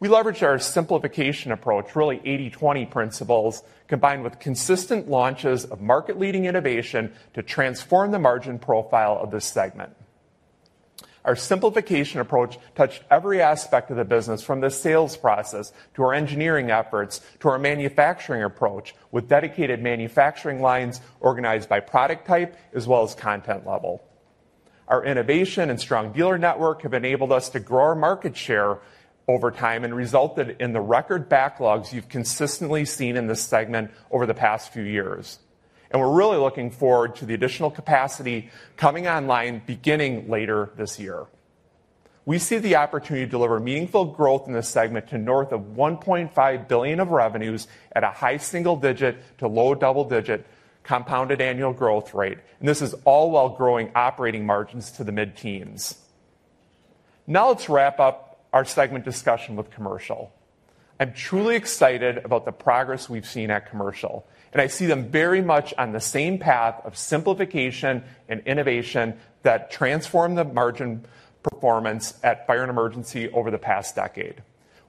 We leveraged our simplification approach, really 80/20 principles, combined with consistent launches of market-leading innovation to transform the margin profile of this segment. Our simplification approach touched every aspect of the business from the sales process to our engineering efforts to our manufacturing approach with dedicated manufacturing lines organized by product type as well as content level. Our innovation and strong dealer network have enabled us to grow our market share over time and resulted in the record backlogs you've consistently seen in this segment over the past few years. We're really looking forward to the additional capacity coming online beginning later this year. We see the opportunity to deliver meaningful growth in this segment to north of $1.5 billion of revenues at a high single-digit to low double-digit% compounded annual growth rate. This is all while growing operating margins to the mid-teens%. Now let's wrap up our segment discussion with commercial. I'm truly excited about the progress we've seen at commercial, and I see them very much on the same path of simplification and innovation that transformed the margin performance at fire and emergency over the past decade.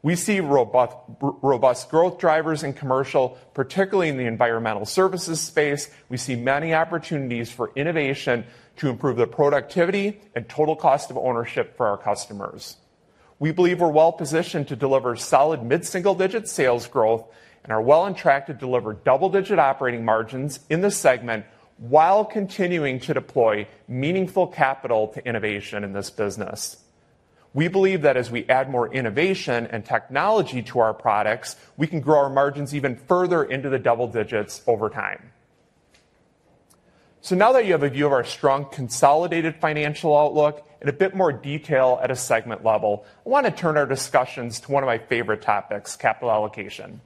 We see robust growth drivers in commercial, particularly in the environmental services space. We see many opportunities for innovation to improve the productivity and total cost of ownership for our customers. We believe we're well positioned to deliver solid mid-single-digit sales growth and are well on track to deliver double-digit operating margins in this segment while continuing to deploy meaningful capital to innovation in this business. We believe that as we add more innovation and technology to our products, we can grow our margins even further into the double digits over time. Now that you have a view of our strong consolidated financial outlook in a bit more detail at a segment level, I want to turn our discussions to one of my favorite topics, capital allocation.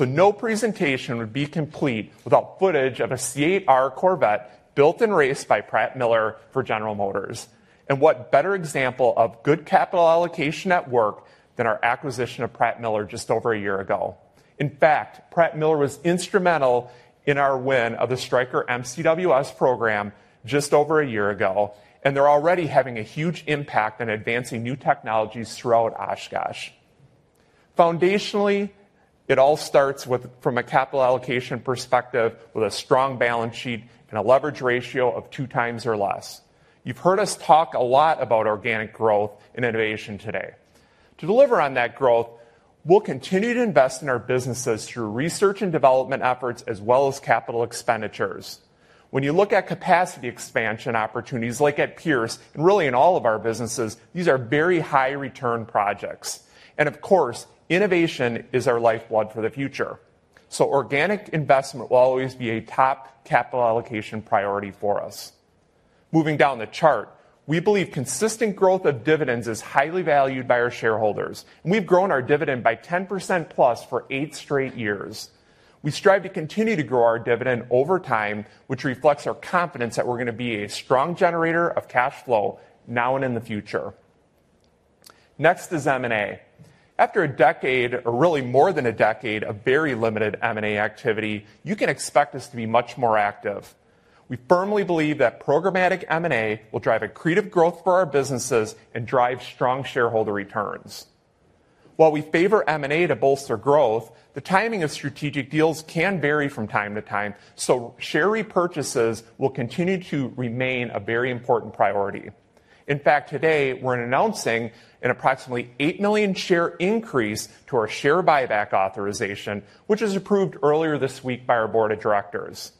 No presentation would be complete without footage of a C8.R Corvette built and raced by Pratt Miller for General Motors. What better example of good capital allocation at work than our acquisition of Pratt Miller just over a year ago. In fact, Pratt Miller was instrumental in our win of the Stryker MCWS program just over a year ago, and they're already having a huge impact in advancing new technologies throughout Oshkosh. Foundationally, it all starts with, from a capital allocation perspective, with a strong balance sheet and a leverage ratio of 2x or less. You've heard us talk a lot about organic growth and innovation today. To deliver on that growth, we'll continue to invest in our businesses through research and development efforts as well as capital expenditures. When you look at capacity expansion opportunities like at Pierce and really in all of our businesses, these are very high return projects. Of course, innovation is our lifeblood for the future. So organic investment will always be a top capital allocation priority for us. Moving down the chart, we believe consistent growth of dividends is highly valued by our shareholders, and we've grown our dividend by 10% plus for eight straight years. We strive to continue to grow our dividend over time, which reflects our confidence that we're gonna be a strong generator of cash flow now and in the future. Next is M&A. After a decade, or really more than a decade, of very limited M&A activity, you can expect us to be much more active. We firmly believe that programmatic M&A will drive accretive growth for our businesses and drive strong shareholder returns. While we favor M&A to bolster growth, the timing of strategic deals can vary from time to time, so share repurchases will continue to remain a very important priority. In fact, today we're announcing an approximately 8 million share increase to our share buyback authorization, which was approved earlier this week by our board of directors.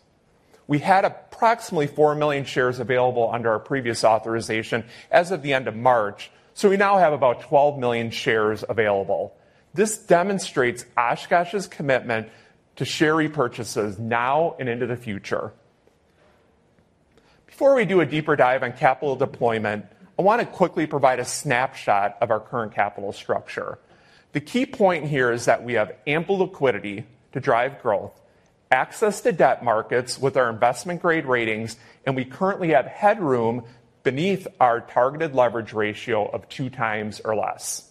We had approximately 4 million shares available under our previous authorization as of the end of March, so we now have about 12 million shares available. This demonstrates Oshkosh's commitment to share repurchases now and into the future. Before we do a deeper dive on capital deployment, I want to quickly provide a snapshot of our current capital structure. The key point here is that we have ample liquidity to drive growth, access to debt markets with our investment-grade ratings, and we currently have headroom beneath our targeted leverage ratio of 2x or less.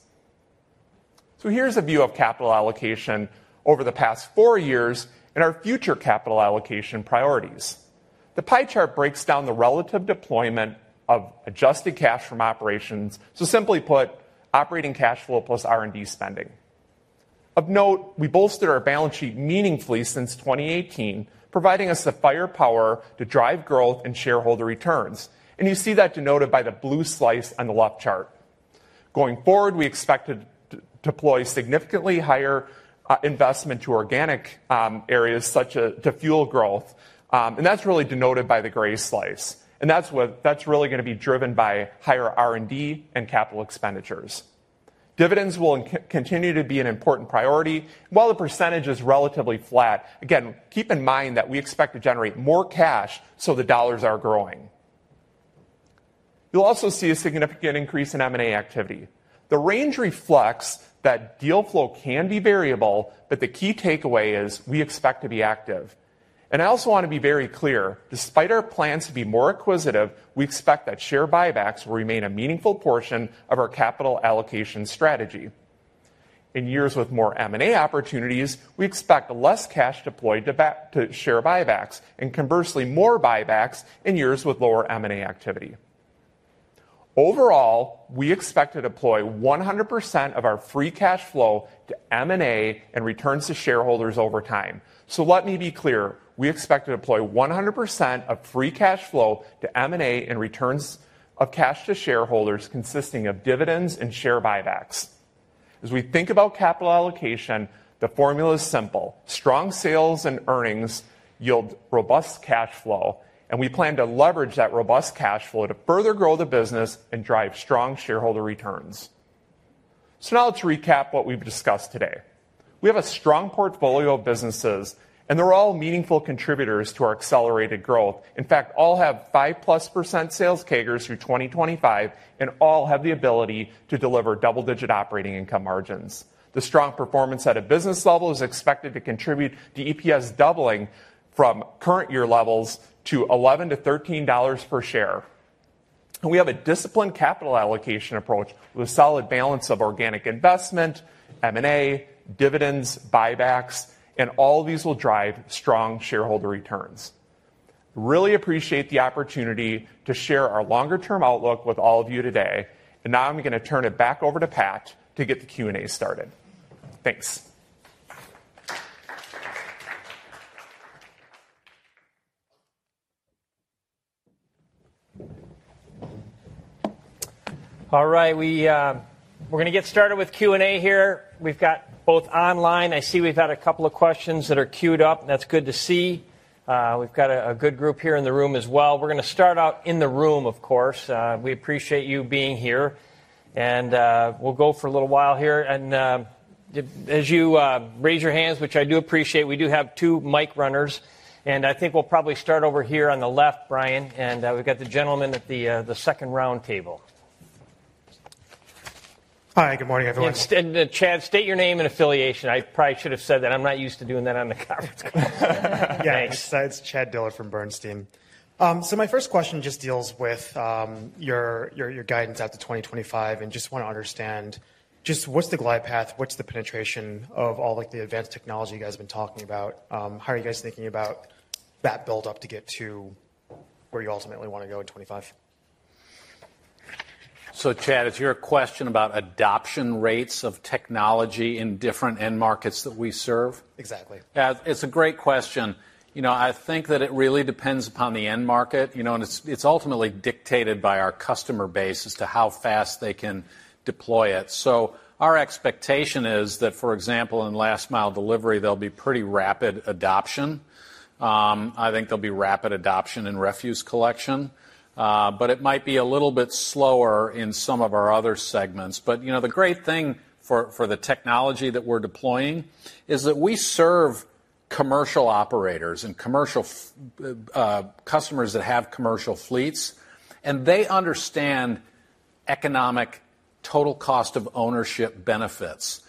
Here's a view of capital allocation over the past four years and our future capital allocation priorities. The pie chart breaks down the relative deployment of adjusted cash from operations. Simply put, operating cash flow plus R&D spending. Of note, we bolstered our balance sheet meaningfully since 2018, providing us the firepower to drive growth and shareholder returns. You see that denoted by the blue slice on the left chart. Going forward, we expect to deploy significantly higher investment to organic areas such as to fuel growth, and that's really denoted by the gray slice. That's really gonna be driven by higher R&D and capital expenditures. Dividends will continue to be an important priority. While the percentage is relatively flat, again, keep in mind that we expect to generate more cash, so the dollars are growing. You'll also see a significant increase in M&A activity. The range reflects that deal flow can be variable, but the key takeaway is we expect to be active. I also want to be very clear, despite our plans to be more acquisitive, we expect that share buybacks will remain a meaningful portion of our capital allocation strategy. In years with more M&A opportunities, we expect less cash deployed to share buybacks and conversely more buybacks in years with lower M&A activity. Overall, we expect to deploy 100% of our free cash flow to M&A and returns to shareholders over time. Let me be clear, we expect to deploy 100% of free cash flow to M&A and returns of cash to shareholders consisting of dividends and share buybacks. As we think about capital allocation, the formula is simple. Strong sales and earnings yield robust cash flow, and we plan to leverage that robust cash flow to further grow the business and drive strong shareholder returns. Now let's recap what we've discussed today. We have a strong portfolio of businesses, and they're all meaningful contributors to our accelerated growth. In fact, all have 5%+ sales CAGRs through 2025, and all have the ability to deliver double-digit operating income margins. The strong performance at a business level is expected to contribute to EPS doubling from current year levels to $11-$13 per share. We have a disciplined capital allocation approach with solid balance of organic investment, M&A, dividends, buybacks, and all of these will drive strong shareholder returns. Really appreciate the opportunity to share our longer-term outlook with all of you today. Now I'm gonna turn it back over to Pat to get the Q&A started. Thanks. All right. We're gonna get started with Q&A here. We've got both online. I see we've had a couple of questions that are queued up. That's good to see. We've got a good group here in the room as well. We're gonna start out in the room, of course. We appreciate you being here, and we'll go for a little while here. As you raise your hands, which I do appreciate, we do have two mic runners, and I think we'll probably start over here on the left, Brian. We've got the gentleman at the second roundtable. Hi, good morning, everyone. Chad, state your name and affiliation. I probably should have said that. I'm not used to doing that on the conference call. Thanks. Yeah, it's Chad Dillard from Bernstein. So my first question just deals with your guidance out to 2025, and just wanna understand just what's the glide path, what's the penetration of all, like, the advanced technology you guys have been talking about? How are you guys thinking about that build-up to get to where you ultimately wanna go in 2025? Chad, is your question about adoption rates of technology in different end markets that we serve? Exactly. Yeah. It's a great question. You know, I think that it really depends upon the end market, you know, and it's ultimately dictated by our customer base as to how fast they can deploy it. So our expectation is that, for example, in last mile delivery, there'll be pretty rapid adoption. I think there'll be rapid adoption in refuse collection, but it might be a little bit slower in some of our other segments. You know, the great thing for the technology that we're deploying is that we serve commercial operators and commercial customers that have commercial fleets, and they understand economic total cost of ownership benefits.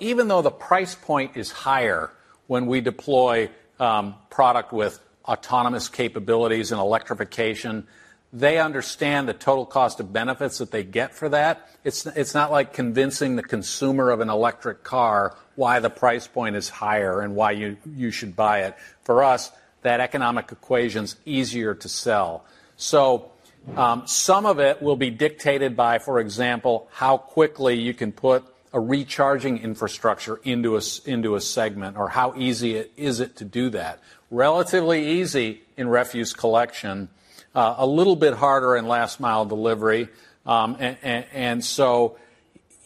Even though the price point is higher when we deploy product with autonomous capabilities and electrification, they understand the total cost of benefits that they get for that. It's not like convincing the consumer of an electric car why the price point is higher and why you should buy it. For us, that economic equation's easier to sell. Some of it will be dictated by, for example, how quickly you can put a recharging infrastructure into a segment or how easy it is to do that. Relatively easy in refuse collection. A little bit harder in last mile delivery.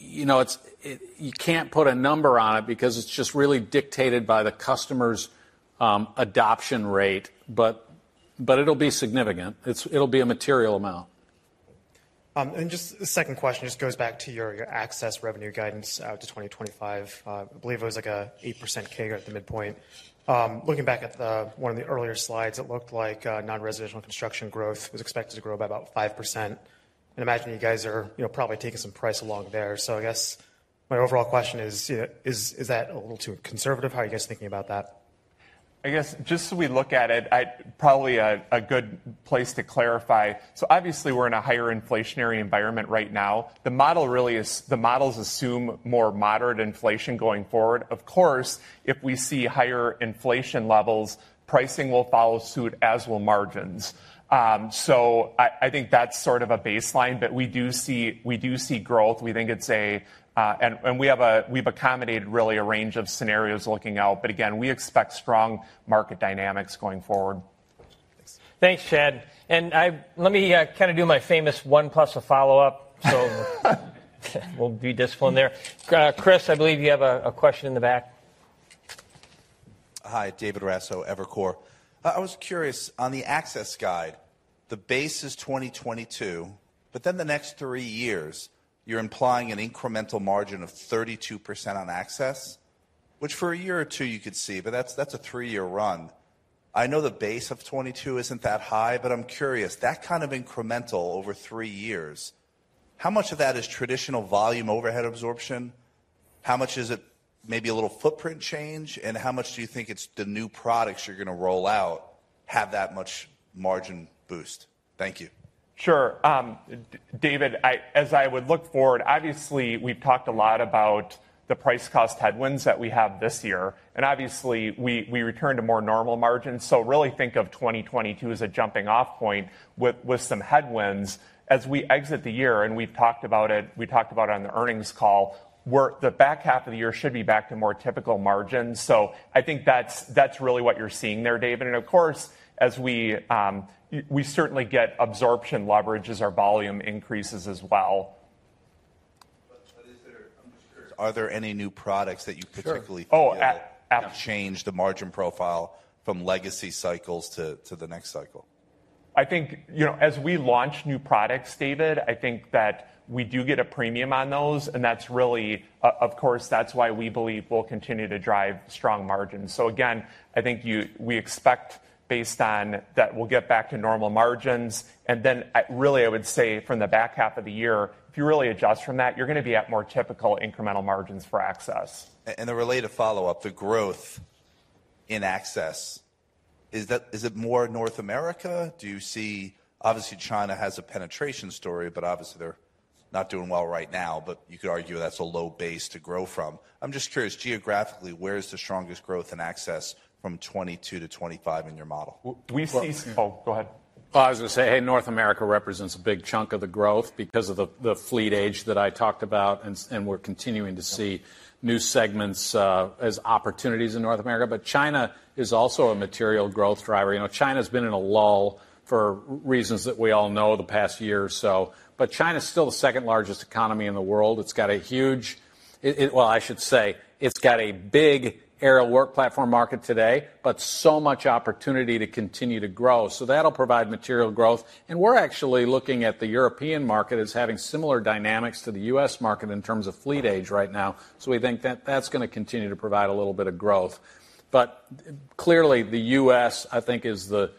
You know, it's, you can't put a number on it because it's just really dictated by the customer's adoption rate, but it'll be significant. It'll be a material amount. Just a second question, just goes back to your Access revenue guidance out to 2025. I believe it was like a 8% CAGR at the midpoint. Looking back at one of the earlier slides, it looked like non-residential construction growth was expected to grow by about 5%. I imagine you guys are, you know, probably taking some price along there. So I guess my overall question is, you know, is that a little too conservative? How are you guys thinking about that? I guess, just as we look at it, probably a good place to clarify. Obviously we're in a higher inflationary environment right now. The models assume more moderate inflation going forward. Of course, if we see higher inflation levels, pricing will follow suit, as will margins. I think that's sort of a baseline, but we do see growth. We think it's. We've accommodated really a range of scenarios looking out. Again, we expect strong market dynamics going forward. Thanks. Thanks, Chad. Let me kind of do my famous one plus a follow-up. We'll be disciplined there. Chris, I believe you have a question in the back. Hi, David Raso, Evercore. I was curious, on the Access guide, the base is 2022, but then the next three years, you're implying an incremental margin of 32% on Access, which for a year or two you could see, but that's a three-year run. I know the base of 2022 isn't that high, but I'm curious, that kind of incremental over three years, how much of that is traditional volume overhead absorption? How much is it maybe a little footprint change? And how much do you think it's the new products you're gonna roll out have that much margin boost? Thank you. Sure. David, as I would look forward, obviously, we've talked a lot about the price cost headwinds that we have this year. Obviously, we return to more normal margins. Really think of 2022 as a jumping off point with some headwinds. As we exit the year, we've talked about it. We talked about it on the earnings call. The back half of the year should be back to more typical margins. I think that's really what you're seeing there, David. Of course, as we certainly get absorption leverage as our volume increases as well. I'm just curious, are there any new products that you particularly- Sure. feel could change the margin profile from legacy cycles to the next cycle? I think, you know, as we launch new products, David, I think that we do get a premium on those, and that's really, of course, that's why we believe we'll continue to drive strong margins. Again, I think we expect based on that we'll get back to normal margins. Then, really, I would say from the back half of the year, if you really adjust from that, you're gonna be at more typical incremental margins for Access. A related follow-up, the growth in Access, is it more North America? Do you see? Obviously, China has a penetration story, but obviously they're not doing well right now. But you could argue that's a low base to grow from. I'm just curious, geographically, where is the strongest growth in Access from 2022 to 2025 in your model? We've seen. Well- Oh, go ahead. I was gonna say, hey, North America represents a big chunk of the growth because of the fleet age that I talked about, and we're continuing to see new segments as opportunities in North America. China is also a material growth driver. You know, China's been in a lull for reasons that we all know the past year or so. China's still the second largest economy in the world. It's got a huge. Well, I should say it's got a big aerial work platform market today, but so much opportunity to continue to grow. That'll provide material growth. We're actually looking at the European market as having similar dynamics to the U.S. market in terms of fleet age right now. We think that that's gonna continue to provide a little bit of growth. Clearly, the U.S., I think is the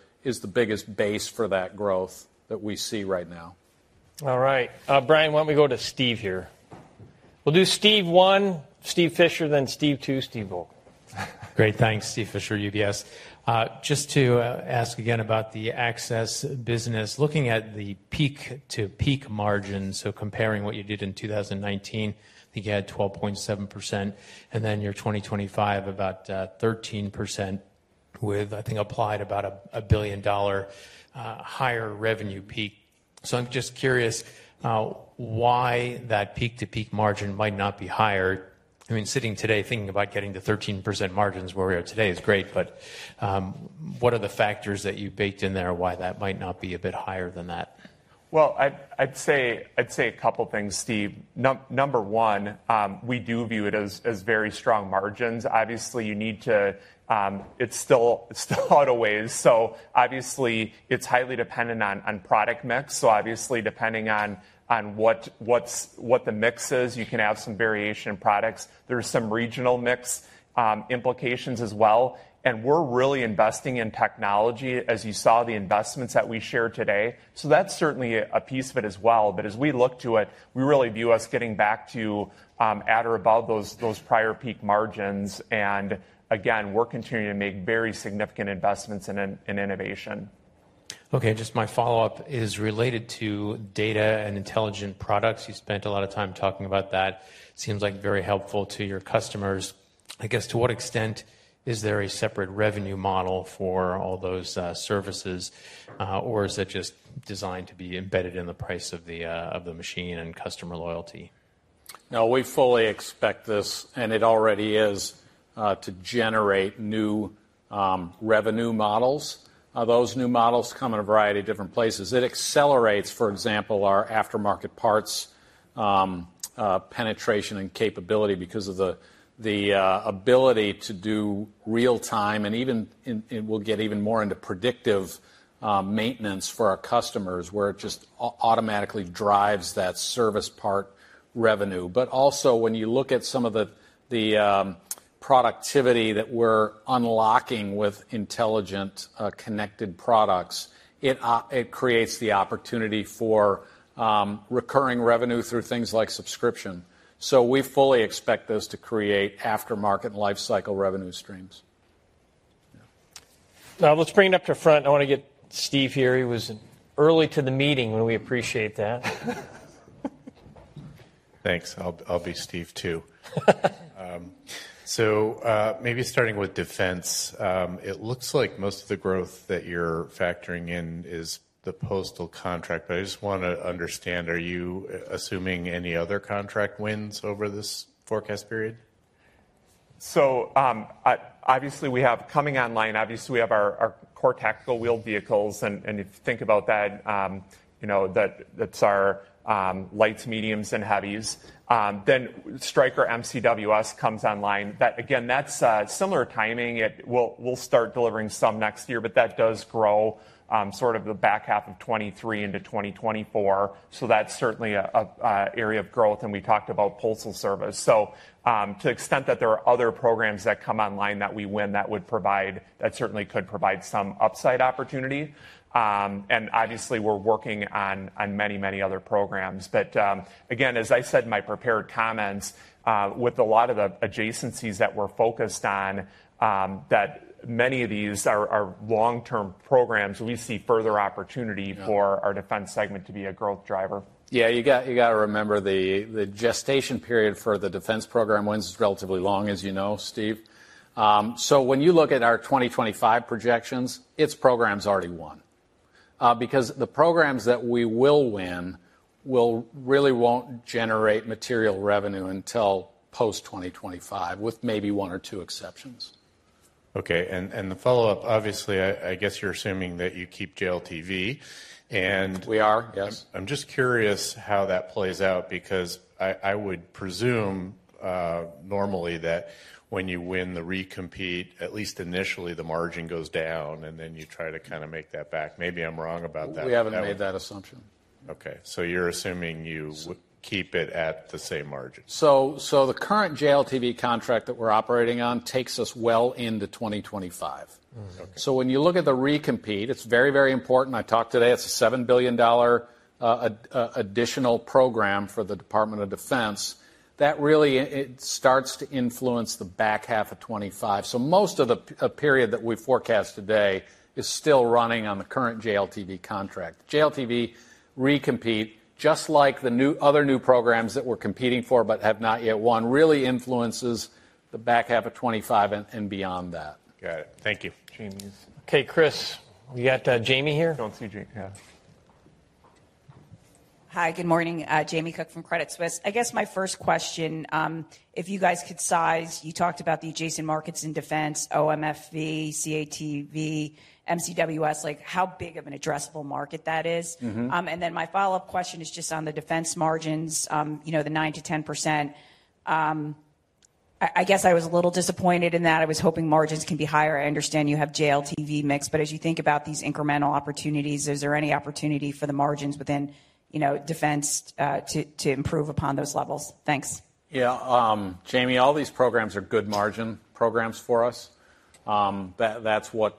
biggest base for that growth that we see right now. All right. Brian, why don't we go to Steve here? We'll do Steve one, Steven Fisher, then Steve two, Stephen. Great. Thanks. Steven Fisher, UBS. Just to ask again about the Access business. Looking at the peak-to-peak margins, so comparing what you did in 2019, I think you had 12.7%, and then your 2025 about 13% with, I think, implied about $1 billion higher revenue peak. I'm just curious why that peak-to-peak margin might not be higher. I mean, sitting today thinking about getting to 13% margins where we are today is great, but what are the factors that you baked in there why that might not be a bit higher than that? Well, I'd say a couple things, Steve. Number one, we do view it as very strong margins. Obviously, you need to. It's still a ways. Obviously it's highly dependent on product mix. Obviously depending on what the mix is, you can have some variation in products. There's some regional mix implications as well, and we're really investing in technology, as you saw the investments that we shared today. That's certainly a piece of it as well. As we look to it, we really view us getting back to at or above those prior peak margins. Again, we're continuing to make very significant investments in innovation. Okay. Just my follow-up is related to data and intelligent products. You spent a lot of time talking about that. Seems like very helpful to your customers. I guess, to what extent is there a separate revenue model for all those, services, or is it just designed to be embedded in the price of the machine and customer loyalty? No, we fully expect this, and it already is, to generate new revenue models. Those new models come in a variety of different places. It accelerates, for example, our aftermarket parts penetration and capability because of the ability to do real time and it will get even more into predictive maintenance for our customers, where it just automatically drives that service part revenue. But also, when you look at some of the productivity that we're unlocking with intelligent connected products, it creates the opportunity for recurring revenue through things like subscription. We fully expect those to create aftermarket and lifecycle revenue streams. Now let's bring it up to the front. I want to get Steve here. He was early to the meeting, and we appreciate that. Thanks. I'll be Steve too. Maybe starting with Defense, it looks like most of the growth that you're factoring in is the postal contract. I just wanna understand, are you assuming any other contract wins over this forecast period? Obviously, we have our core tactical wheeled vehicles and if you think about that, you know, that's our lights, mediums and heavies. Then Stryker MCWS comes online. That again, that's similar timing. We'll start delivering some next year, but that does grow sort of the back half of 2023 into 2024. That's certainly an area of growth, and we talked about Postal Service. To the extent that there are other programs that come online that we win, that certainly could provide some upside opportunity. And obviously we're working on many other programs. Again, as I said in my prepared comments, with a lot of the adjacencies that we're focused on, that many of these are long-term programs. We see further opportunity. Yeah For our Defense segment to be a growth driver. Yeah, you gotta remember the gestation period for the Defense program wins is relatively long, as you know, Steve. When you look at our 2025 projections, it's programs already won, because the programs that we will win will really won't generate material revenue until post-2025, with maybe one or two exceptions. Okay. The follow-up, obviously I guess you're assuming that you keep JLTV and- We are, yes. I'm just curious how that plays out, because I would presume, normally that when you win the recompete, at least initially, the margin goes down, and then you try to kind of make that back. Maybe I'm wrong about that. We haven't made that assumption. Okay. You're assuming you keep it at the same margin. The current JLTV contract that we're operating on takes us well into 2025. Okay. When you look at the Recompete, it's very, very important. I talked today, it's a $7 billion additional program for the Department of Defense. That really starts to influence the back half of 2025. Most of the period that we forecast today is still running on the current JLTV contract. JLTV Recompete, just like the other new programs that we're competing for but have not yet won, really influences the back half of 2025 and beyond that. Got it. Thank you. Jamie's. Okay, Chris, we got Jamie here? Don't see Jamie. Yeah. Hi. Good morning. Jamie Cook from Credit Suisse. I guess my first question, if you guys could size, you talked about the adjacent markets in defense OMFV, RCV, MCWS, like how big of an addressable market that is? Mm-hmm. My follow-up question is just on the defense margins, you know, the 9%-10%. I guess I was a little disappointed in that. I was hoping margins can be higher. I understand you have JLTV mix, but as you think about these incremental opportunities, is there any opportunity for the margins within, you know, defense, to improve upon those levels? Thanks. Yeah, Jamie, all these programs are good margin programs for us. That's what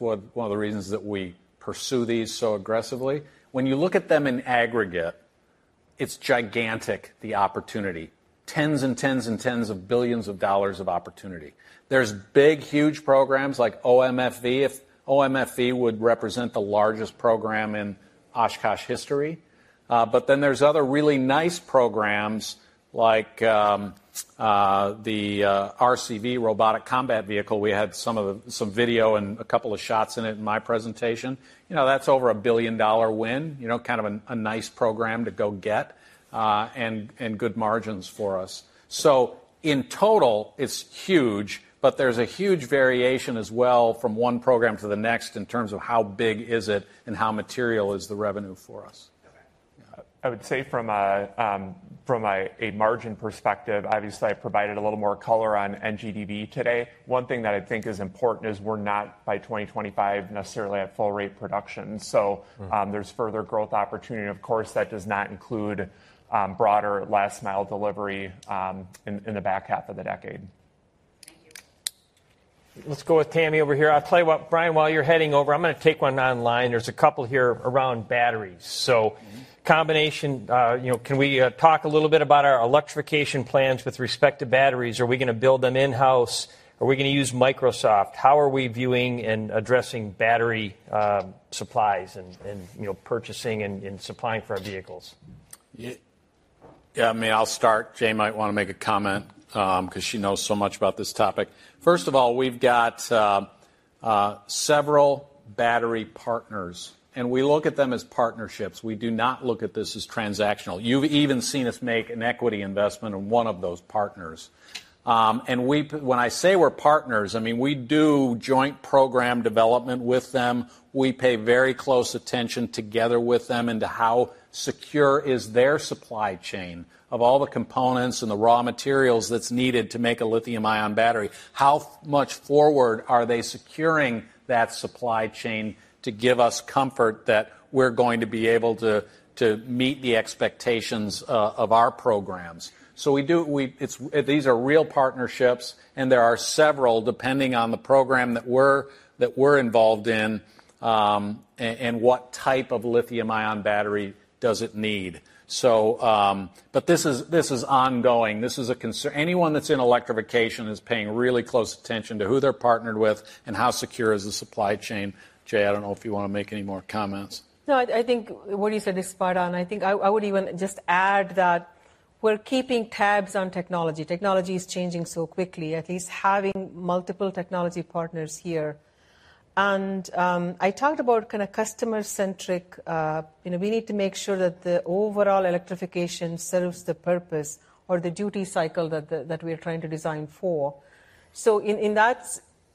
one of the reasons that we pursue these so aggressively. When you look at them in aggregate, it's gigantic, the opportunity. Tens and tens and tens of billions of dollars of opportunity. There's big, huge programs like OMFV. If OMFV would represent the largest program in Oshkosh history. But then there's other really nice programs like the RCV Robotic Combat Vehicle. We had some video and a couple of shots in it in my presentation. You know, that's over a billion-dollar win, you know, kind of a nice program to go get, and good margins for us. In total, it's huge, but there's a huge variation as well from one program to the next in terms of how big is it and how material is the revenue for us. I would say from a margin perspective, obviously I've provided a little more color on NGDV today. One thing that I think is important is we're not by 2025 necessarily at full rate production. There's further growth opportunity. Of course, that does not include broader last mile delivery in the back half of the decade. Thank you. Let's go with Tammy over here. I'll tell you what, Brian, while you're heading over, I'm gonna take one online. There's a couple here around batteries. Combination, can we talk a little bit about our electrification plans with respect to batteries? Are we gonna build them in-house? Are we gonna use Microvast? How are we viewing and addressing battery supplies and purchasing and supplying for our vehicles? Yeah, I mean, I'll start. Jay might wanna make a comment, 'cause she knows so much about this topic. First of all, we've got several battery partners, and we look at them as partnerships. We do not look at this as transactional. You've even seen us make an equity investment in one of those partners. When I say we're partners, I mean, we do joint program development with them. We pay very close attention together with them into how secure is their supply chain of all the components and the raw materials that's needed to make a lithium-ion battery. How much forward are they securing that supply chain to give us comfort that we're going to be able to meet the expectations of our programs? We do. These are real partnerships, and there are several depending on the program that we're involved in, and what type of lithium-ion battery does it need. But this is ongoing. This is a concern. Anyone that's in electrification is paying really close attention to who they're partnered with and how secure is the supply chain. Jay, I don't know if you wanna make any more comments. No, I think what you said is spot on. I think I would even just add that we're keeping tabs on technology. Technology is changing so quickly, at least having multiple technology partners here. I talked about kinda customer-centric, you know, we need to make sure that the overall electrification serves the purpose or the duty cycle that we're trying to design for.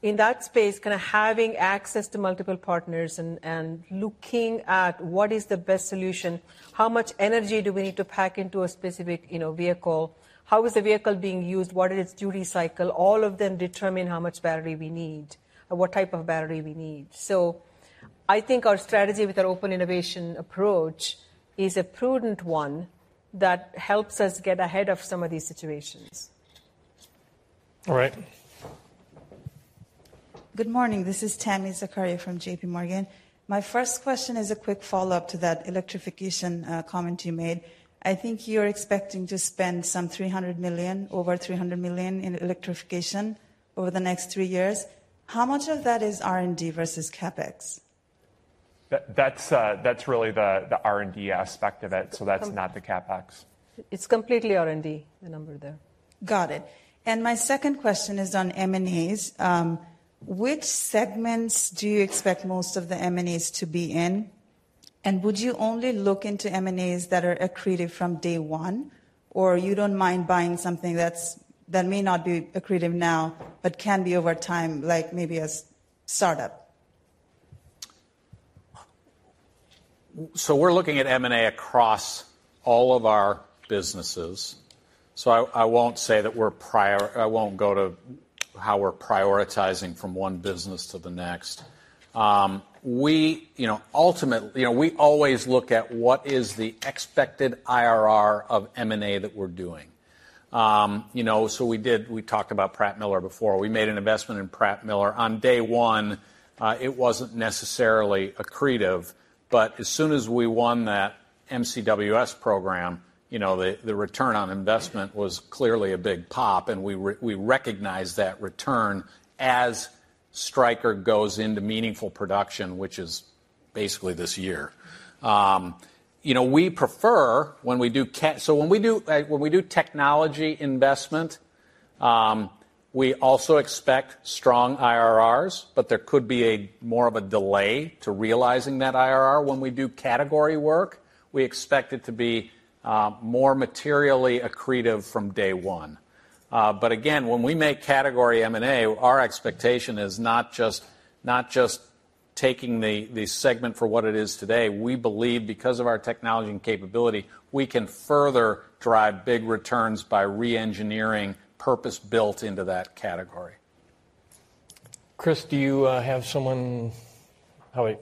In that space, kinda having access to multiple partners and looking at what is the best solution, how much energy do we need to pack into a specific, you know, vehicle? How is the vehicle being used? What is its duty cycle? All of them determine how much battery we need or what type of battery we need. I think our strategy with our open innovation approach is a prudent one that helps us get ahead of some of these situations. All right. Good morning. This is Tami Zakaria from JPMorgan. My first question is a quick follow-up to that electrification comment you made. I think you're expecting to spend some $300 million, over $300 million in electrification over the next three years. How much of that is R&D versus CapEx? That's really the R&D aspect of it. So com- That's not the CapEx. It's completely R&D, the number there. Got it. My second question is on M&As. Which segments do you expect most of the M&As to be in? Would you only look into M&As that are accretive from day one, or you don't mind buying something that may not be accretive now but can be over time, like maybe a startup? We're looking at M&A across all of our businesses. I won't go into how we're prioritizing from one business to the next. You know, we always look at what is the expected IRR of M&A that we're doing. You know, we talked about Pratt Miller before. We made an investment in Pratt Miller. On day one, it wasn't necessarily accretive, but as soon as we won that MCWS program, you know, the return on investment was clearly a big pop, and we recognized that return as Stryker goes into meaningful production, which is basically this year. You know, we prefer when we do technology investment. We also expect strong IRRs, but there could be more of a delay to realizing that IRR. When we do category work, we expect it to be more materially accretive from day one. Again, when we make category M&A, our expectation is not just taking the segment for what it is today. We believe because of our technology and capability, we can further drive big returns by re-engineering purpose-built into that category. Chris, do you have someone? Howie.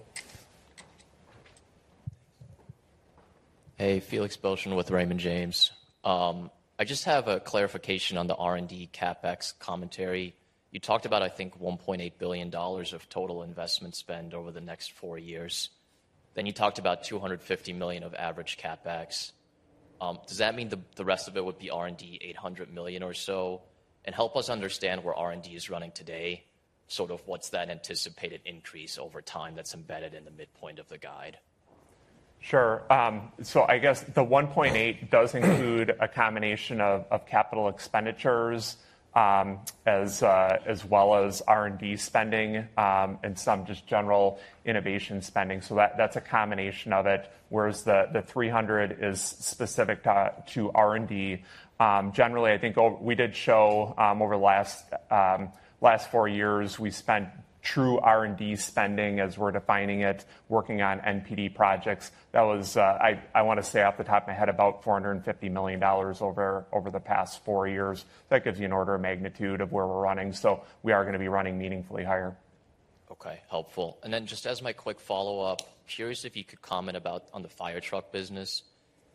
Hey, Felix Boeschen with Raymond James. I just have a clarification on the R&D CapEx commentary. You talked about, I think, $1.8 billion of total investment spend over the next four years. Then you talked about $250 million of average CapEx. Does that mean the rest of it would be R&D, $800 million or so? Help us understand where R&D is running today, sort of what's that anticipated increase over time that's embedded in the midpoint of the guide? Sure. I guess the $1.8 does include a combination of capital expenditures, as well as R&D spending, and some just general innovation spending. That's a combination of it, whereas the $300 is specific to R&D. Generally, I think we did show over the last four years, we spent true R&D spending as we're defining it, working on NPD projects. That was, I wanna say off the top of my head about $450 million over the past four years. That gives you an order of magnitude of where we're running. We are gonna be running meaningfully higher. Okay. Helpful. Just as my quick follow-up, curious if you could comment on the fire truck business.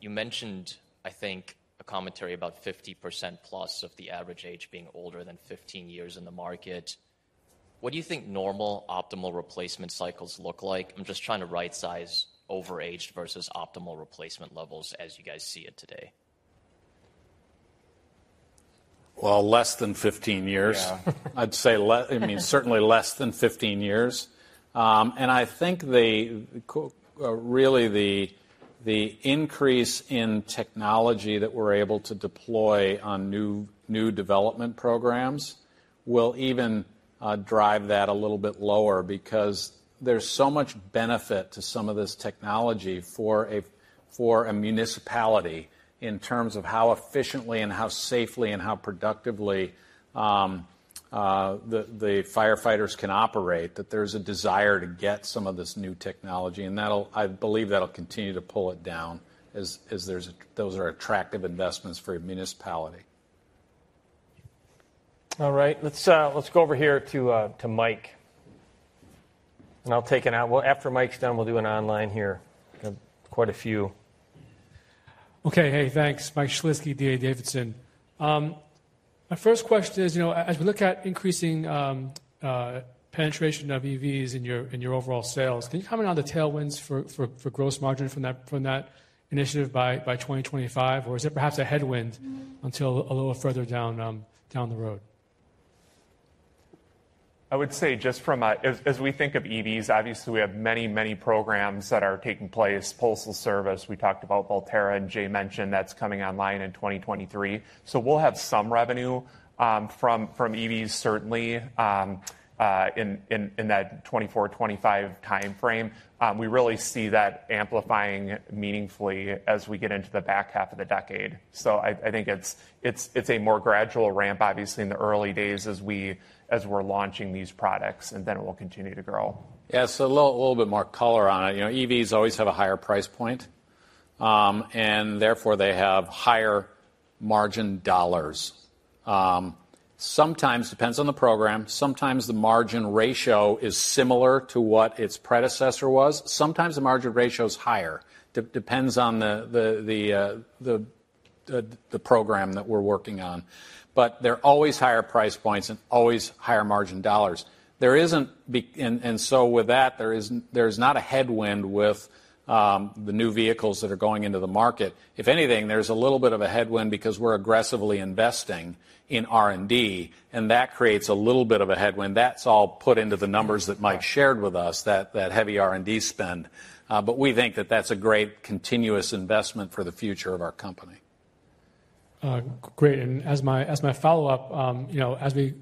You mentioned, I think, a commentary about 50%+ of the average age being older than 15 years in the market. What do you think normal optimal replacement cycles look like? I'm just trying to right-size overaged versus optimal replacement levels as you guys see it today. Well, less than 15 years. Yeah. I'd say, I mean, certainly less than 15 years. I think really the increase in technology that we're able to deploy on new development programs will even drive that a little bit lower because there's so much benefit to some of this technology for a municipality in terms of how efficiently and how safely and how productively the firefighters can operate, that there's a desire to get some of this new technology. I believe that'll continue to pull it down as those are attractive investments for a municipality. All right. Let's go over here to Mike. I'll take it out. Well, after Mike's done, we'll do an online here. Got quite a few. Okay. Hey, thanks. Mike Shlisky, D.A. Davidson. My first question is, you know, as we look at increasing penetration of EVs in your overall sales, can you comment on the tailwinds for gross margin from that initiative by 2025? Or is it perhaps a headwind until a little further down the road? I would say just from as we think of EVs, obviously we have many programs that are taking place. Postal Service, we talked about Volterra, and Jay mentioned that's coming online in 2023. We'll have some revenue from EVs certainly in that 2024-2025 timeframe. We really see that amplifying meaningfully as we get into the back half of the decade. I think it's a more gradual ramp, obviously in the early days as we're launching these products, and then it will continue to grow. Yeah. A little bit more color on it. You know, EVs always have a higher price point, and therefore they have higher margin dollars. Sometimes, depends on the program, sometimes the margin ratio is similar to what its predecessor was. Sometimes the margin ratio is higher. Depends on the program that we're working on. They're always higher price points and always higher margin dollars. There isn't a headwind with the new vehicles that are going into the market. If anything, there's a little bit of a headwind because we're aggressively investing in R&D, and that creates a little bit of a headwind. That's all put into the numbers that Mike shared with us, that heavy R&D spend. We think that that's a great continuous investment for the future of our company. Great. As my follow-up, you know, as we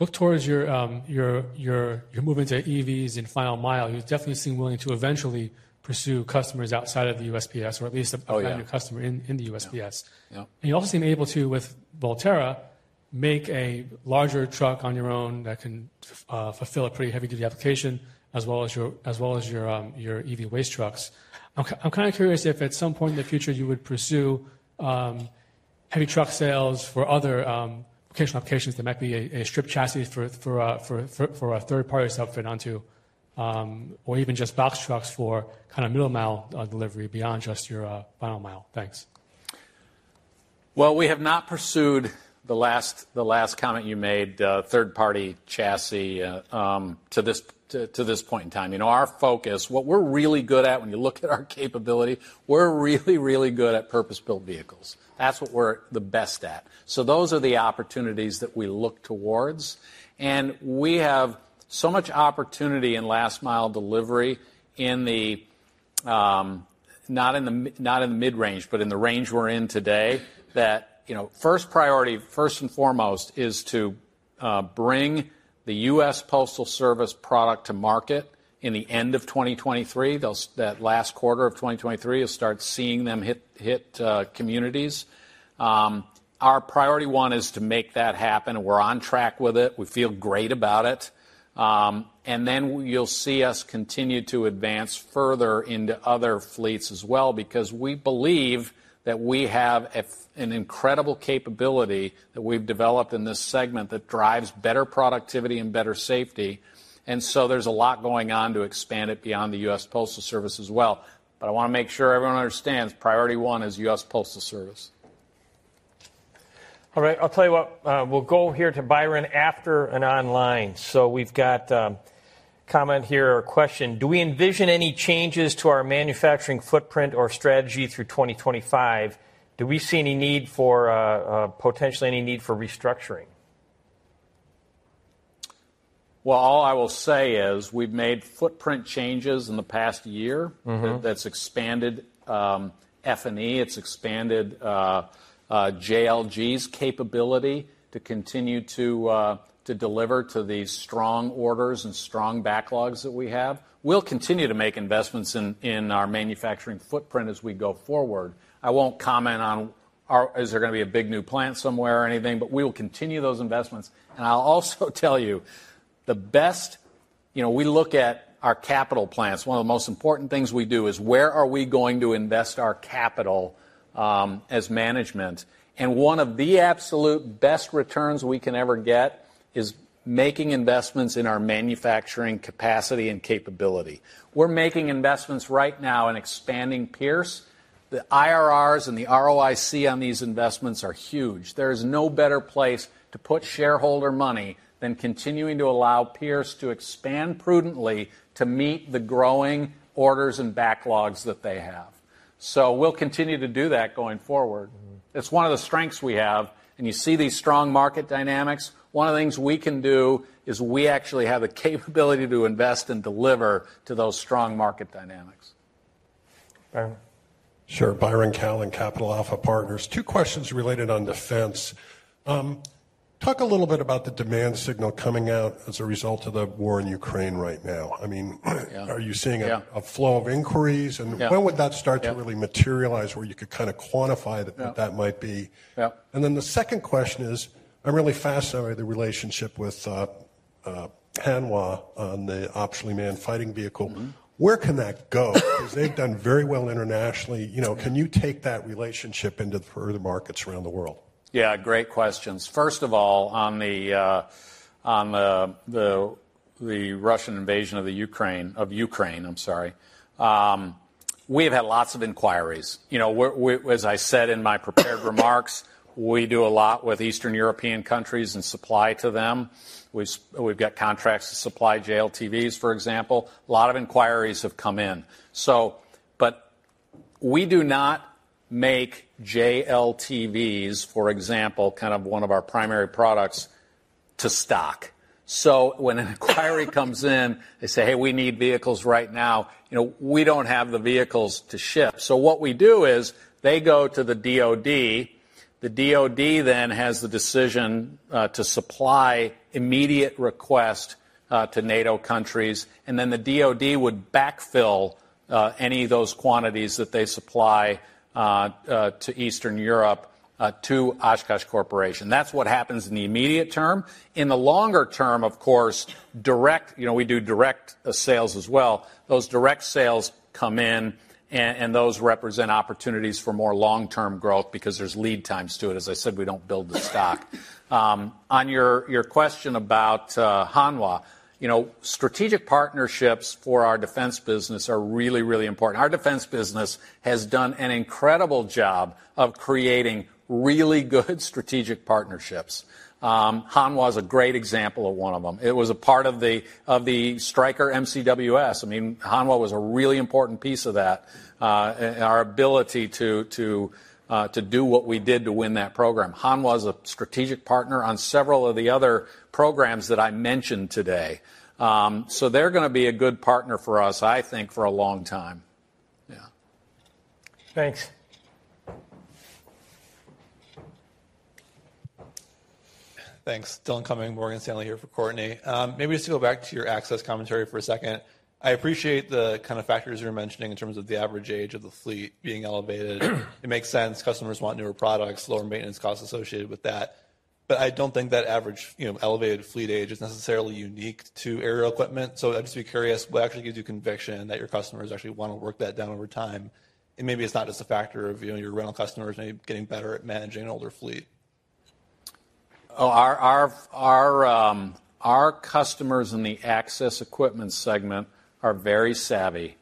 look towards your move into EVs and final mile, you definitely seem willing to eventually pursue customers outside of the USPS or at least. Oh, yeah. A value customer in the USPS. Yeah. Yeah. You also seem able to, with Volterra, make a larger truck on your own that can fulfill a pretty heavy-duty application as well as your EV waste trucks. I'm kinda curious if at some point in the future you would pursue heavy truck sales for other occasional applications that might be a strip chassis for a third-party sub fit onto, or even just box trucks for kinda middle mile delivery beyond just your final mile. Thanks. Well, we have not pursued the last comment you made, third-party chassis, to this point in time. You know, our focus, what we're really good at when you look at our capability, we're really good at purpose-built vehicles. That's what we're the best at. Those are the opportunities that we look towards. We have so much opportunity in last mile delivery in the, not in the mid-range, but in the range we're in today, that, you know, first priority, first and foremost is to bring the US Postal Service product to market in the end of 2023. That last quarter of 2023, you'll start seeing them hit communities. Our priority one is to make that happen. We're on track with it. We feel great about it. You'll see us continue to advance further into other fleets as well because we believe that we have an incredible capability that we've developed in this segment that drives better productivity and better safety. There's a lot going on to expand it beyond the US Postal Service as well. I wanna make sure everyone understands, priority one is US Postal Service. All right. I'll tell you what, we'll go here to Byron after an online. We've got comment here or question. Do we envision any changes to our manufacturing footprint or strategy through 2025? Do we see any need for potentially restructuring? Well, all I will say is we've made footprint changes in the past year. Mm-hmm. That's expanded F&E. It's expanded JLG's capability to continue to deliver to the strong orders and strong backlogs that we have. We'll continue to make investments in our manufacturing footprint as we go forward. I won't comment on. Is there gonna be a big new plant somewhere or anything? We will continue those investments. I'll also tell you, the best. You know, we look at our capital plans. One of the most important things we do is where we are going to invest our capital as management. One of the absolute best returns we can ever get is making investments in our manufacturing capacity and capability. We're making investments right now in expanding Pierce. The IRRs and the ROIC on these investments are huge. There is no better place to put shareholder money than continuing to allow Pierce to expand prudently to meet the growing orders and backlogs that they have. We'll continue to do that going forward. Mm-hmm. It's one of the strengths we have. You see these strong market dynamics, one of the things we can do is we actually have the capability to invest and deliver to those strong market dynamics. Byron. Sure. Byron Callan, Capital Alpha Partners. Two questions related on defense. Talk a little bit about the demand signal coming out as a result of the war in Ukraine right now. I mean. Yeah. Are you seeing a- Yeah a flow of inquiries? Yeah. When would that start? Yeah to really materialize where you could kinda quantify. Yeah What that might be? Yeah. The second question is, I'm really fascinated with the relationship with Hanwha on the Optionally Manned Fighting Vehicle. Mm-hmm. Where can that go? 'Cause they've done very well internationally. You know, can you take that relationship into further markets around the world? Yeah, great questions. First of all, on the Russian invasion of Ukraine, I'm sorry, we have had lots of inquiries. You know, as I said in my prepared remarks, we do a lot with Eastern European countries and supply to them. We've got contracts to supply JLTVs, for example. A lot of inquiries have come in. We do not make JLTVs, for example, kind of one of our primary products, to stock. When an inquiry comes in, they say, "Hey, we need vehicles right now," you know, we don't have the vehicles to ship. What we do is they go to the DoD. The DoD has the decision to supply on immediate request to NATO countries, and then the DoD would backfill any of those quantities that they supply to Eastern Europe to Oshkosh Corporation. That's what happens in the immediate term. In the longer term, of course, you know, we do direct sales as well. Those direct sales come in and those represent opportunities for more long-term growth because there's lead times to it. As I said, we don't build to stock. On your question about Hanwha, you know, strategic partnerships for our Defense business are really important. Our Defense business has done an incredible job of creating really good strategic partnerships. Hanwha is a great example of one of them. It was a part of the Stryker MCWS. I mean, Hanwha was a really important piece of that, and our ability to do what we did to win that program. Hanwha is a strategic partner on several of the other programs that I mentioned today. They're gonna be a good partner for us, I think, for a long time. Yeah. Thanks. Thanks. Dillon Cumming, Morgan Stanley, here for Courtney. Maybe just to go back to your access commentary for a second. I appreciate the kind of factors you're mentioning in terms of the average age of the fleet being elevated. It makes sense. Customers want newer products, lower maintenance costs associated with that. I don't think that average, you know, elevated fleet age is necessarily unique to aerial equipment. I'd just be curious what actually gives you conviction that your customers actually wanna work that down over time. Maybe it's not just a factor of, you know, your rental customers maybe getting better at managing an older fleet? Our customers in the access equipment segment are very savvy,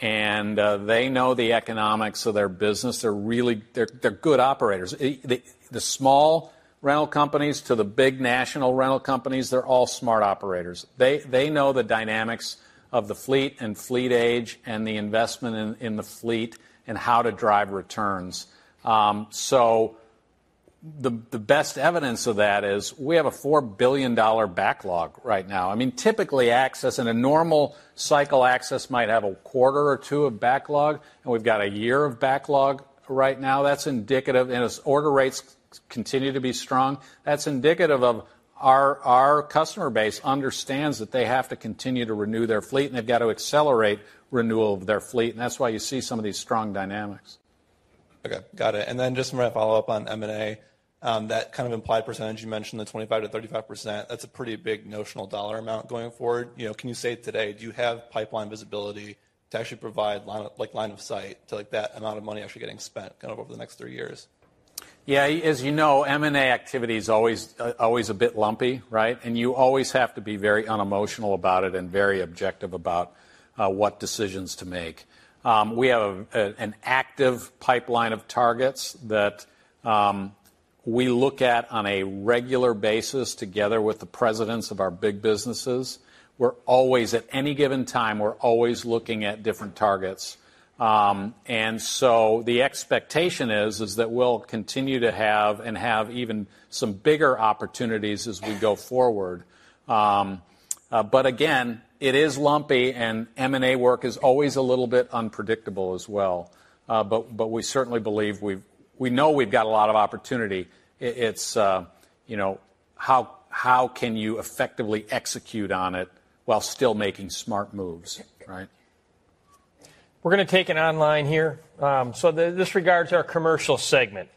and they know the economics of their business. They're really good operators. The small rental companies to the big national rental companies, they're all smart operators. They know the dynamics of the fleet and fleet age and the investment in the fleet and how to drive returns. The best evidence of that is we have a $4 billion backlog right now. I mean, typically access in a normal cycle might have a quarter or two of backlog, and we've got a year of backlog right now. That's indicative. As order rates continue to be strong, that's indicative of our customer base understands that they have to continue to renew their fleet, and they've got to accelerate renewal of their fleet, and that's why you see some of these strong dynamics. Okay. Got it. Then just a follow-up on M&A. That kind of implied percentage, you mentioned the 25%-35%. That's a pretty big notional dollar amount going forward. You know, can you say today, do you have pipeline visibility to actually provide line of sight to, like, that amount of money actually getting spent kind of over the next three years? Yeah. As you know, M&A activity is always a bit lumpy, right? You always have to be very unemotional about it and very objective about what decisions to make. We have an active pipeline of targets that we look at on a regular basis together with the presidents of our big businesses. We're always, at any given time, looking at different targets. The expectation is that we'll continue to have even some bigger opportunities as we go forward. Again, it is lumpy, and M&A work is always a little bit unpredictable as well. But we certainly believe we know we've got a lot of opportunity. It's you know, how can you effectively execute on it while still making smart moves, right? We're gonna take it online here. This regards our commercial segment,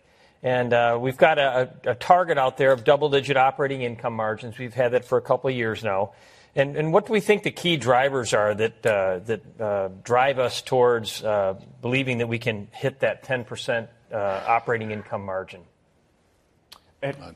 and we've got a target out there of double-digit operating income margins. We've had that for a couple years now. What do we think the key drivers are that drive us towards believing that we can hit that 10% operating income margin?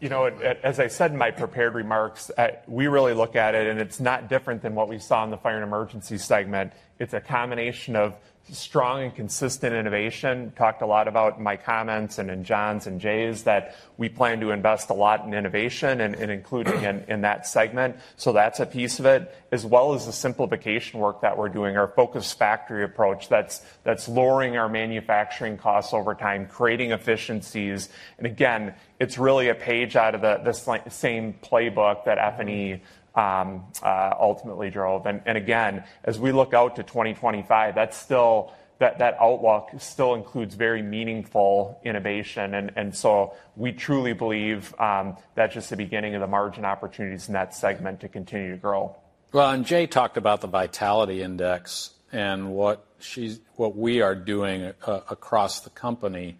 You know, as I said in my prepared remarks, we really look at it, and it's not different than what we saw in the fire and emergency segment. It's a combination of strong and consistent innovation. Talked a lot about in my comments and in John's and Jay's, that we plan to invest a lot in innovation and including in that segment. That's a piece of it, as well as the simplification work that we're doing, our focused factory approach that's lowering our manufacturing costs over time, creating efficiencies. Again, it's really a page out of the same playbook that F&E ultimately drove. Again, as we look out to 2025, that outlook still includes very meaningful innovation. We truly believe that's just the beginning of the margin opportunities in that segment to continue to grow. Jayanthi Iyengar talked about the Vitality Index and what we are doing across the company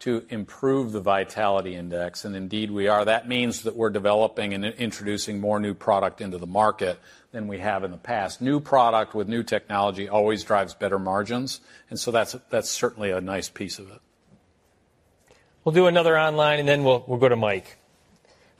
to improve the Vitality Index, and indeed we are. That means that we're developing and introducing more new product into the market than we have in the past. New product with new technology always drives better margins, and that's certainly a nice piece of it. We'll do another online, and then we'll go to Mike.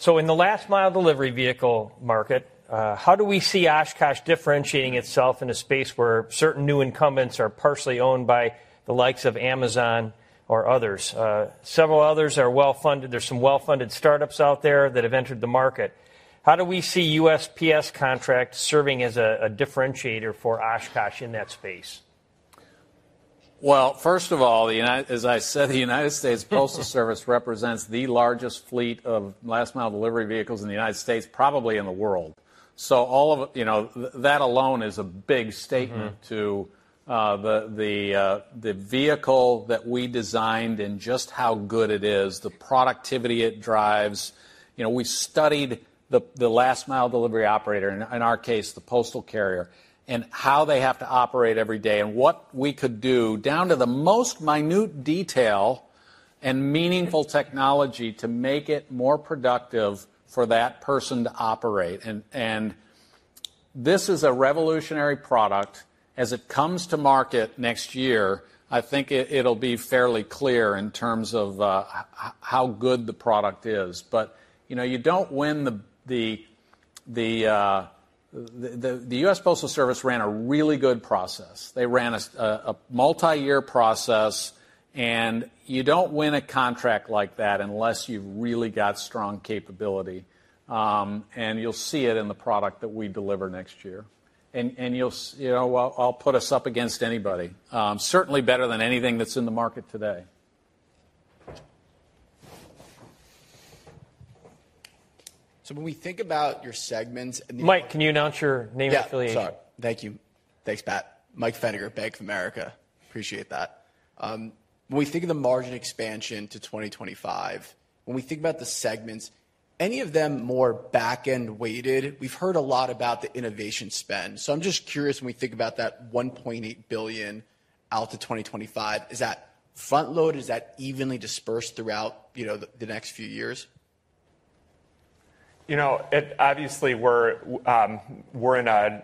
In the last mile delivery vehicle market, how do we see Oshkosh differentiating itself in a space where certain new incumbents are partially owned by the likes of Amazon or others? Several others are well-funded. There's some well-funded startups out there that have entered the market. How do we see USPS contracts serving as a differentiator for Oshkosh in that space? Well, first of all, as I said, the United States Postal Service represents the largest fleet of last mile delivery vehicles in the United States, probably in the world. All of, you know, that alone is a big statement. Mm-hmm To the vehicle that we designed and just how good it is, the productivity it drives. You know, we studied the last mile delivery operator, in our case, the postal carrier, and how they have to operate every day and what we could do down to the most minute detail and meaningful technology to make it more productive for that person to operate. This is a revolutionary product. As it comes to market next year, I think it'll be fairly clear in terms of how good the product is. You know, you don't win the US Postal Service ran a really good process. They ran a multi-year process, and you don't win a contract like that unless you've really got strong capability. You'll see it in the product that we deliver next year. You know, I'll put us up against anybody. Certainly better than anything that's in the market today. When we think about your segments and the- Mike, can you announce your name and affiliation? Yeah, sorry. Thank you. Thanks, Pat. Mike Feniger, Bank of America. Appreciate that. When we think of the margin expansion to 2025, when we think about the segments, any of them more back-end weighted? We've heard a lot about the innovation spend. I'm just curious when we think about that $1.8 billion out to 2025, is that front load? Is that evenly dispersed throughout, you know, the next few years? You know, obviously, we're in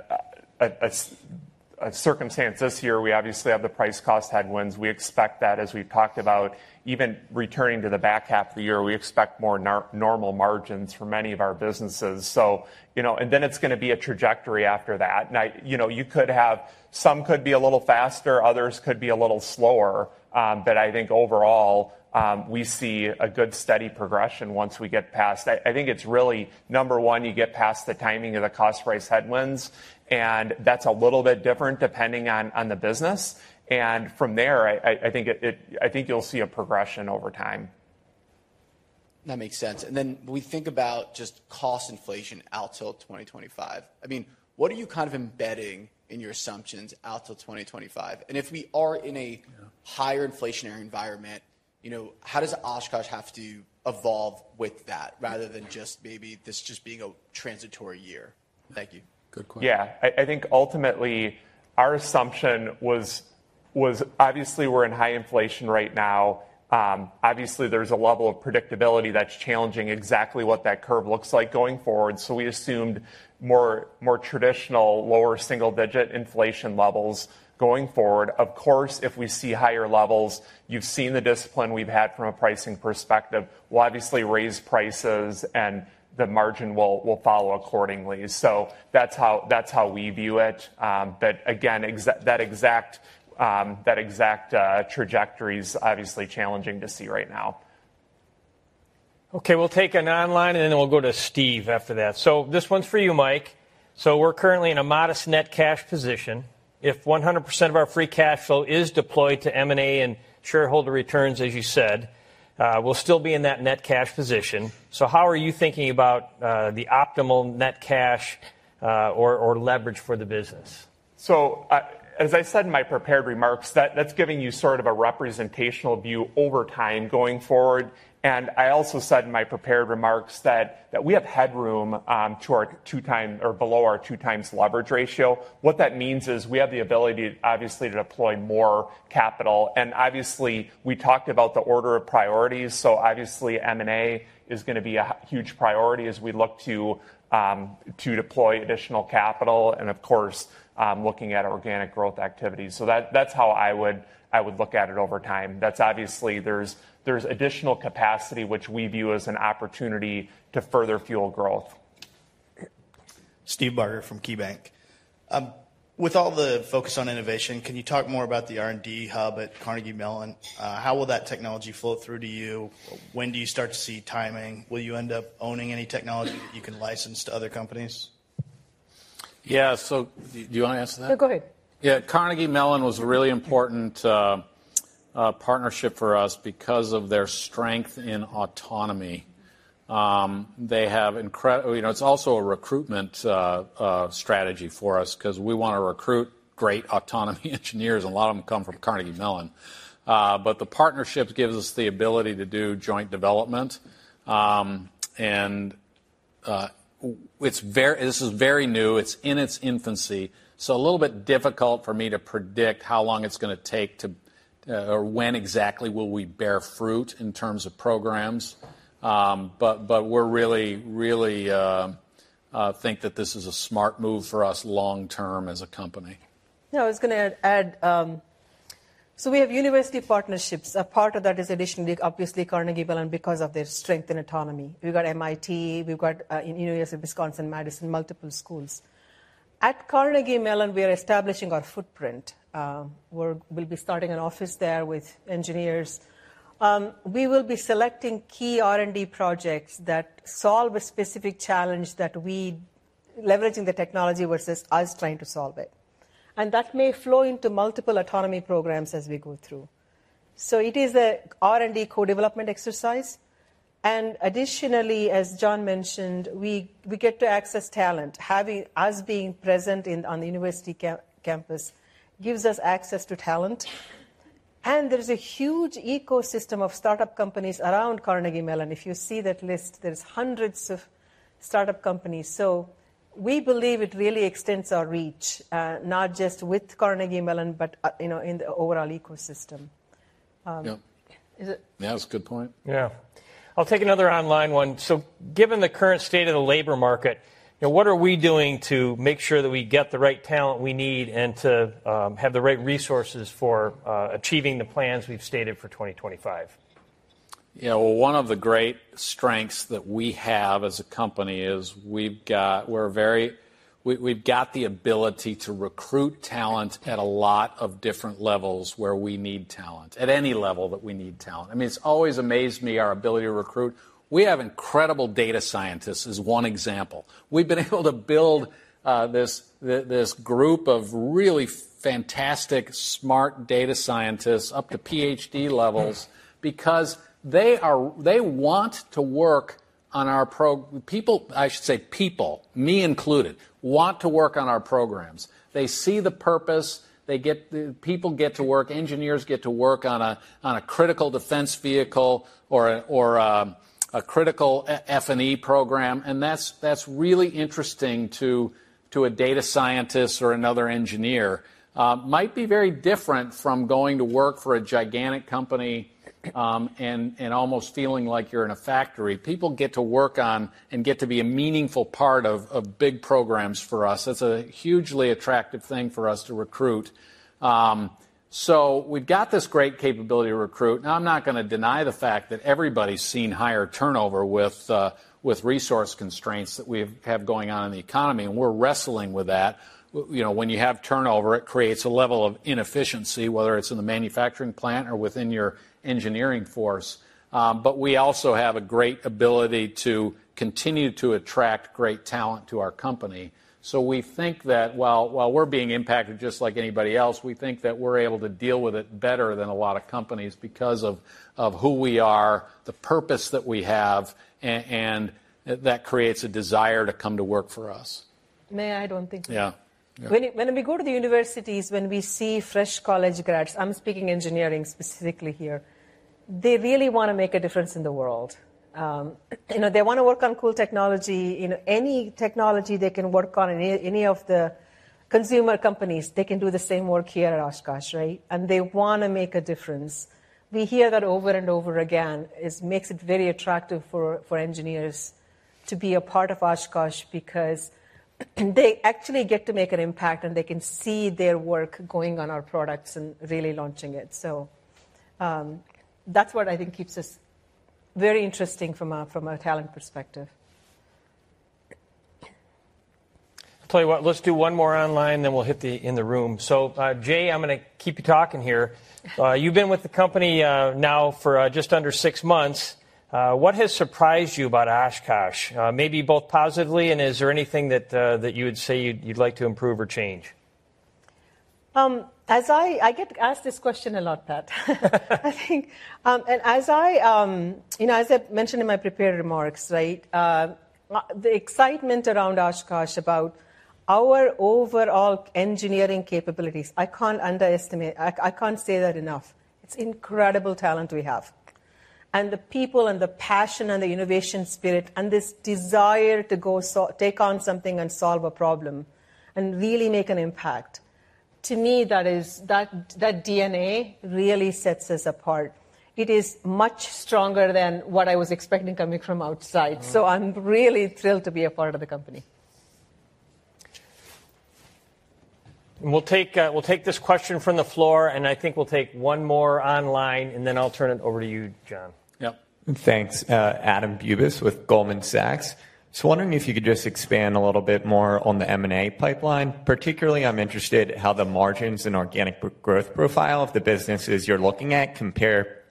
a circumstance this year. We obviously have the price cost headwinds. We expect that, as we've talked about. Even returning to the back half of the year, we expect more normal margins for many of our businesses. You know, and then it's gonna be a trajectory after that. You know, you could have. Some could be a little faster, others could be a little slower. I think overall, we see a good, steady progression once we get past that. I think it's really number one, you get past the timing of the cost price headwinds, and that's a little bit different depending on the business. From there, I think you'll see a progression over time. That makes sense. Then when we think about just cost inflation out till 2025, I mean, what are you kind of embedding in your assumptions out till 2025? If we are in a higher inflationary environment, you know, how does Oshkosh have to evolve with that rather than just maybe this being a transitory year? Thank you. Good question. Yeah. I think ultimately our assumption was obviously we're in high inflation right now. Obviously, there's a level of predictability that's challenging exactly what that curve looks like going forward. We assumed more traditional lower single digit inflation levels going forward. Of course, if we see higher levels, you've seen the discipline we've had from a pricing perspective. We'll obviously raise prices and the margin will follow accordingly. That's how we view it. Again, that exact trajectory is obviously challenging to see right now. Okay, we'll take an online, and then we'll go to Steve after that. This one's for you, Mike. We're currently in a modest net cash position. If 100% of our free cash flow is deployed to M&A and shareholder returns, as you said, we'll still be in that net cash position. How are you thinking about the optimal net cash or leverage for the business? As I said in my prepared remarks, that's giving you sort of a representative view over time going forward. I also said in my prepared remarks that we have headroom to our 2x or below our 2x leverage ratio. What that means is we have the ability, obviously, to deploy more capital. Obviously, we talked about the order of priorities, so obviously M&A is gonna be a huge priority as we look to deploy additional capital and of course, looking at organic growth activities. That's how I would look at it over time. That's obviously there's additional capacity which we view as an opportunity to further fuel growth. Okay. Steve Barger from KeyBanc. With all the focus on innovation, can you talk more about the R&D hub at Carnegie Mellon? How will that technology flow through to you? When do you start to see timing? Will you end up owning any technology that you can license to other companies? Yeah. Do you wanna answer that? No, go ahead. Carnegie Mellon was a really important partnership for us because of their strength in autonomy. You know, it's also a recruitment strategy for us 'cause we wanna recruit great autonomy engineers, a lot of them come from Carnegie Mellon. The partnership gives us the ability to do joint development and this is very new, it's in its infancy, so a little bit difficult for me to predict how long it's gonna take to or when exactly will we bear fruit in terms of programs. We really think that this is a smart move for us long term as a company. No, I was gonna add, so we have university partnerships. A part of that is additionally, obviously Carnegie Mellon, because of their strength in autonomy. We've got MIT, we've got University of Wisconsin-Madison, multiple schools. At Carnegie Mellon, we are establishing our footprint. We'll be starting an office there with engineers. We will be selecting key R&D projects that solve a specific challenge that we leveraging the technology versus us trying to solve it. That may flow into multiple autonomy programs as we go through. It is a R&D co-development exercise, and additionally, as John mentioned, we get to access talent. Having us being present in, on the university campus gives us access to talent. There is a huge ecosystem of startup companies around Carnegie Mellon. If you see that list, there's hundreds of startup companies. We believe it really extends our reach, not just with Carnegie Mellon, but you know, in the overall ecosystem. Yeah. Is it- That's a good point. Yeah. I'll take another online one. Given the current state of the labor market, you know, what are we doing to make sure that we get the right talent we need and to have the right resources for achieving the plans we've stated for 2025? You know, one of the great strengths that we have as a company is we've got the ability to recruit talent at a lot of different levels where we need talent, at any level that we need talent. I mean, it's always amazed me our ability to recruit. We have incredible data scientists, as one example. We've been able to build this group of really fantastic, smart data scientists up to PhD levels because they want to work on our programs. People, I should say people, me included, want to work on our programs. They see the purpose, people get to work, engineers get to work on a critical defense vehicle or a critical F&E program, and that's really interesting to a data scientist or another engineer. Might be very different from going to work for a gigantic company and almost feeling like you're in a factory. People get to work on and get to be a meaningful part of big programs for us. That's a hugely attractive thing for us to recruit. We've got this great capability to recruit. Now, I'm not gonna deny the fact that everybody's seen higher turnover with resource constraints that we have going on in the economy, and we're wrestling with that. You know, when you have turnover, it creates a level of inefficiency, whether it's in the manufacturing plant or within your engineering force. But we also have a great ability to continue to attract great talent to our company. We think that while we're being impacted just like anybody else, we think that we're able to deal with it better than a lot of companies because of who we are, the purpose that we have, and that creates a desire to come to work for us. May I add one thing? Yeah. When we go to the universities, when we see fresh college grads, I'm speaking of engineering specifically here, they really wanna make a difference in the world. You know, they wanna work on cool technology. You know, any technology they can work on in any of the consumer companies, they can do the same work here at Oshkosh, right? They wanna make a difference. We hear that over and over again. It makes it very attractive for engineers to be a part of Oshkosh because they actually get to make an impact, and they can see their work going on our products and really launching it. That's what I think keeps us very interesting from a talent perspective. I tell you what, let's do one more online, then we'll hit them in the room. Jay, I'm gonna keep you talking here. You've been with the company now for just under six months. What has surprised you about Oshkosh? Maybe both positively, and is there anything that you would say you'd like to improve or change? I get asked this question a lot, Pat. I think, as I, you know, as I mentioned in my prepared remarks, right, the excitement around Oshkosh about our overall engineering capabilities, I can't underestimate. I can't say that enough. It's incredible talent we have. The people and the passion and the innovation spirit and this desire to take on something and solve a problem and really make an impact, to me, that is that DNA really sets us apart. It is much stronger than what I was expecting coming from outside. Mm-hmm. I'm really thrilled to be a part of the company. We'll take this question from the floor, and I think we'll take one more online, and then I'll turn it over to you, John. Yep. Thanks. Adam Bubes with Goldman Sachs. Just wondering if you could just expand a little bit more on the M&A pipeline? Particularly, I'm interested how the margins and organic growth profile of the businesses you're looking at compare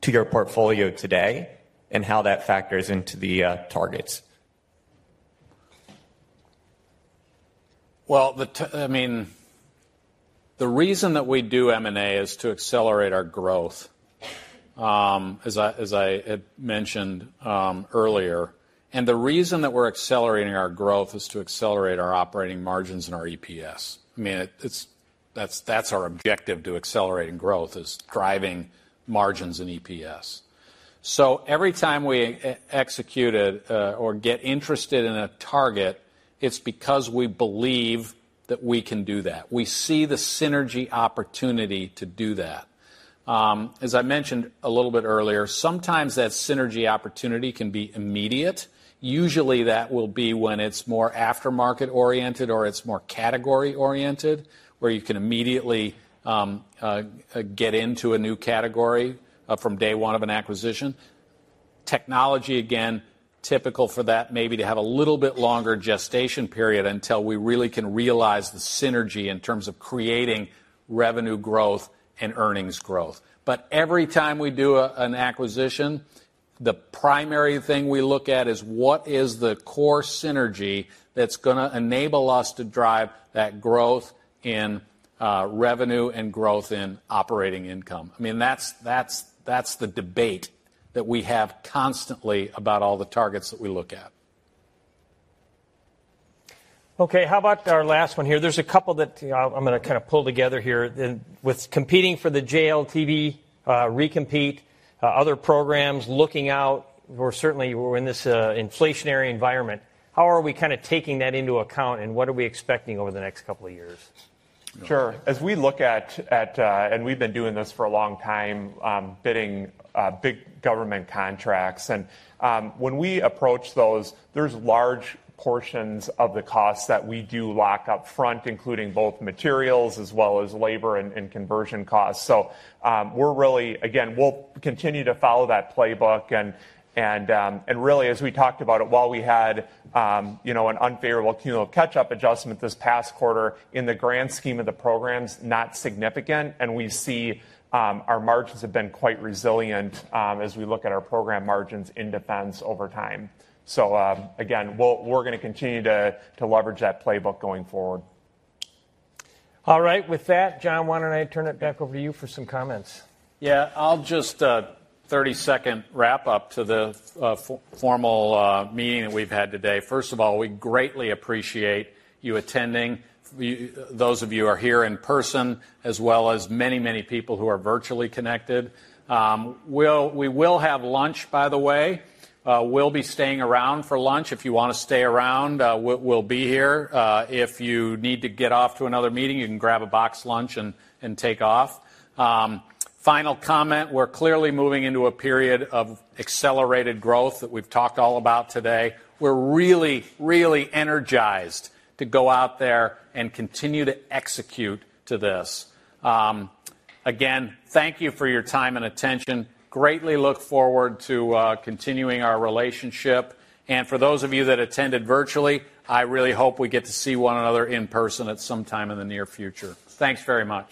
to your portfolio today and how that factors into the targets? I mean, the reason that we do M&A is to accelerate our growth, as I had mentioned earlier. The reason that we're accelerating our growth is to accelerate our operating margins and our EPS. I mean, it's that our objective to accelerating growth is driving margins and EPS. Every time we execute a or get interested in a target, it's because we believe that we can do that. We see the synergy opportunity to do that. As I mentioned a little bit earlier, sometimes that synergy opportunity can be immediate. Usually, that will be when it's more after market-oriented or it's more category-oriented, where you can immediately get into a new category from day one of an acquisition. Technology, again, typical for that maybe to have a little bit longer gestation period until we really can realize the synergy in terms of creating revenue growth and earnings growth. Every time we do an acquisition, the primary thing we look at is what is the core synergy that's gonna enable us to drive that growth in revenue and growth in operating income. I mean, that's the debate that we have constantly about all the targets that we look at. Okay. How about our last one here? There's a couple that I'm gonna kind of pull together here. With competing for the JLTV recompete, other programs looking out, we're in this inflationary environment, how are we kinda taking that into account, and what are we expecting over the next couple of years? Sure. As we look at and we've been doing this for a long time, bidding big government contracts, and when we approach those, there's large portions of the cost that we do lock up front, including both materials as well as labor and conversion costs. We're really. Again, we'll continue to follow that playbook and really, as we talked about it, while we had, you know, an unfavorable cumulative catch-up adjustment this past quarter, in the grand scheme of the programs, not significant, and we see our margins have been quite resilient, as we look at our program margins in Defense over time. Again, we're gonna continue to leverage that playbook going forward. All right. With that, John, why don't I turn it back over to you for some comments? Yeah. I'll just 30-second wrap up to the formal meeting that we've had today. First of all, we greatly appreciate you attending. Those of you are here in person as well as many people who are virtually connected. We will have lunch, by the way. We'll be staying around for lunch. If you wanna stay around, we'll be here. If you need to get off to another meeting, you can grab a boxed lunch and take off. Final comment, we're clearly moving into a period of accelerated growth that we've talked all about today. We're really energized to go out there and continue to execute to this. Again, thank you for your time and attention. Greatly look forward to continuing our relationship. For those of you that attended virtually, I really hope we get to see one another in person at some time in the near future. Thanks very much.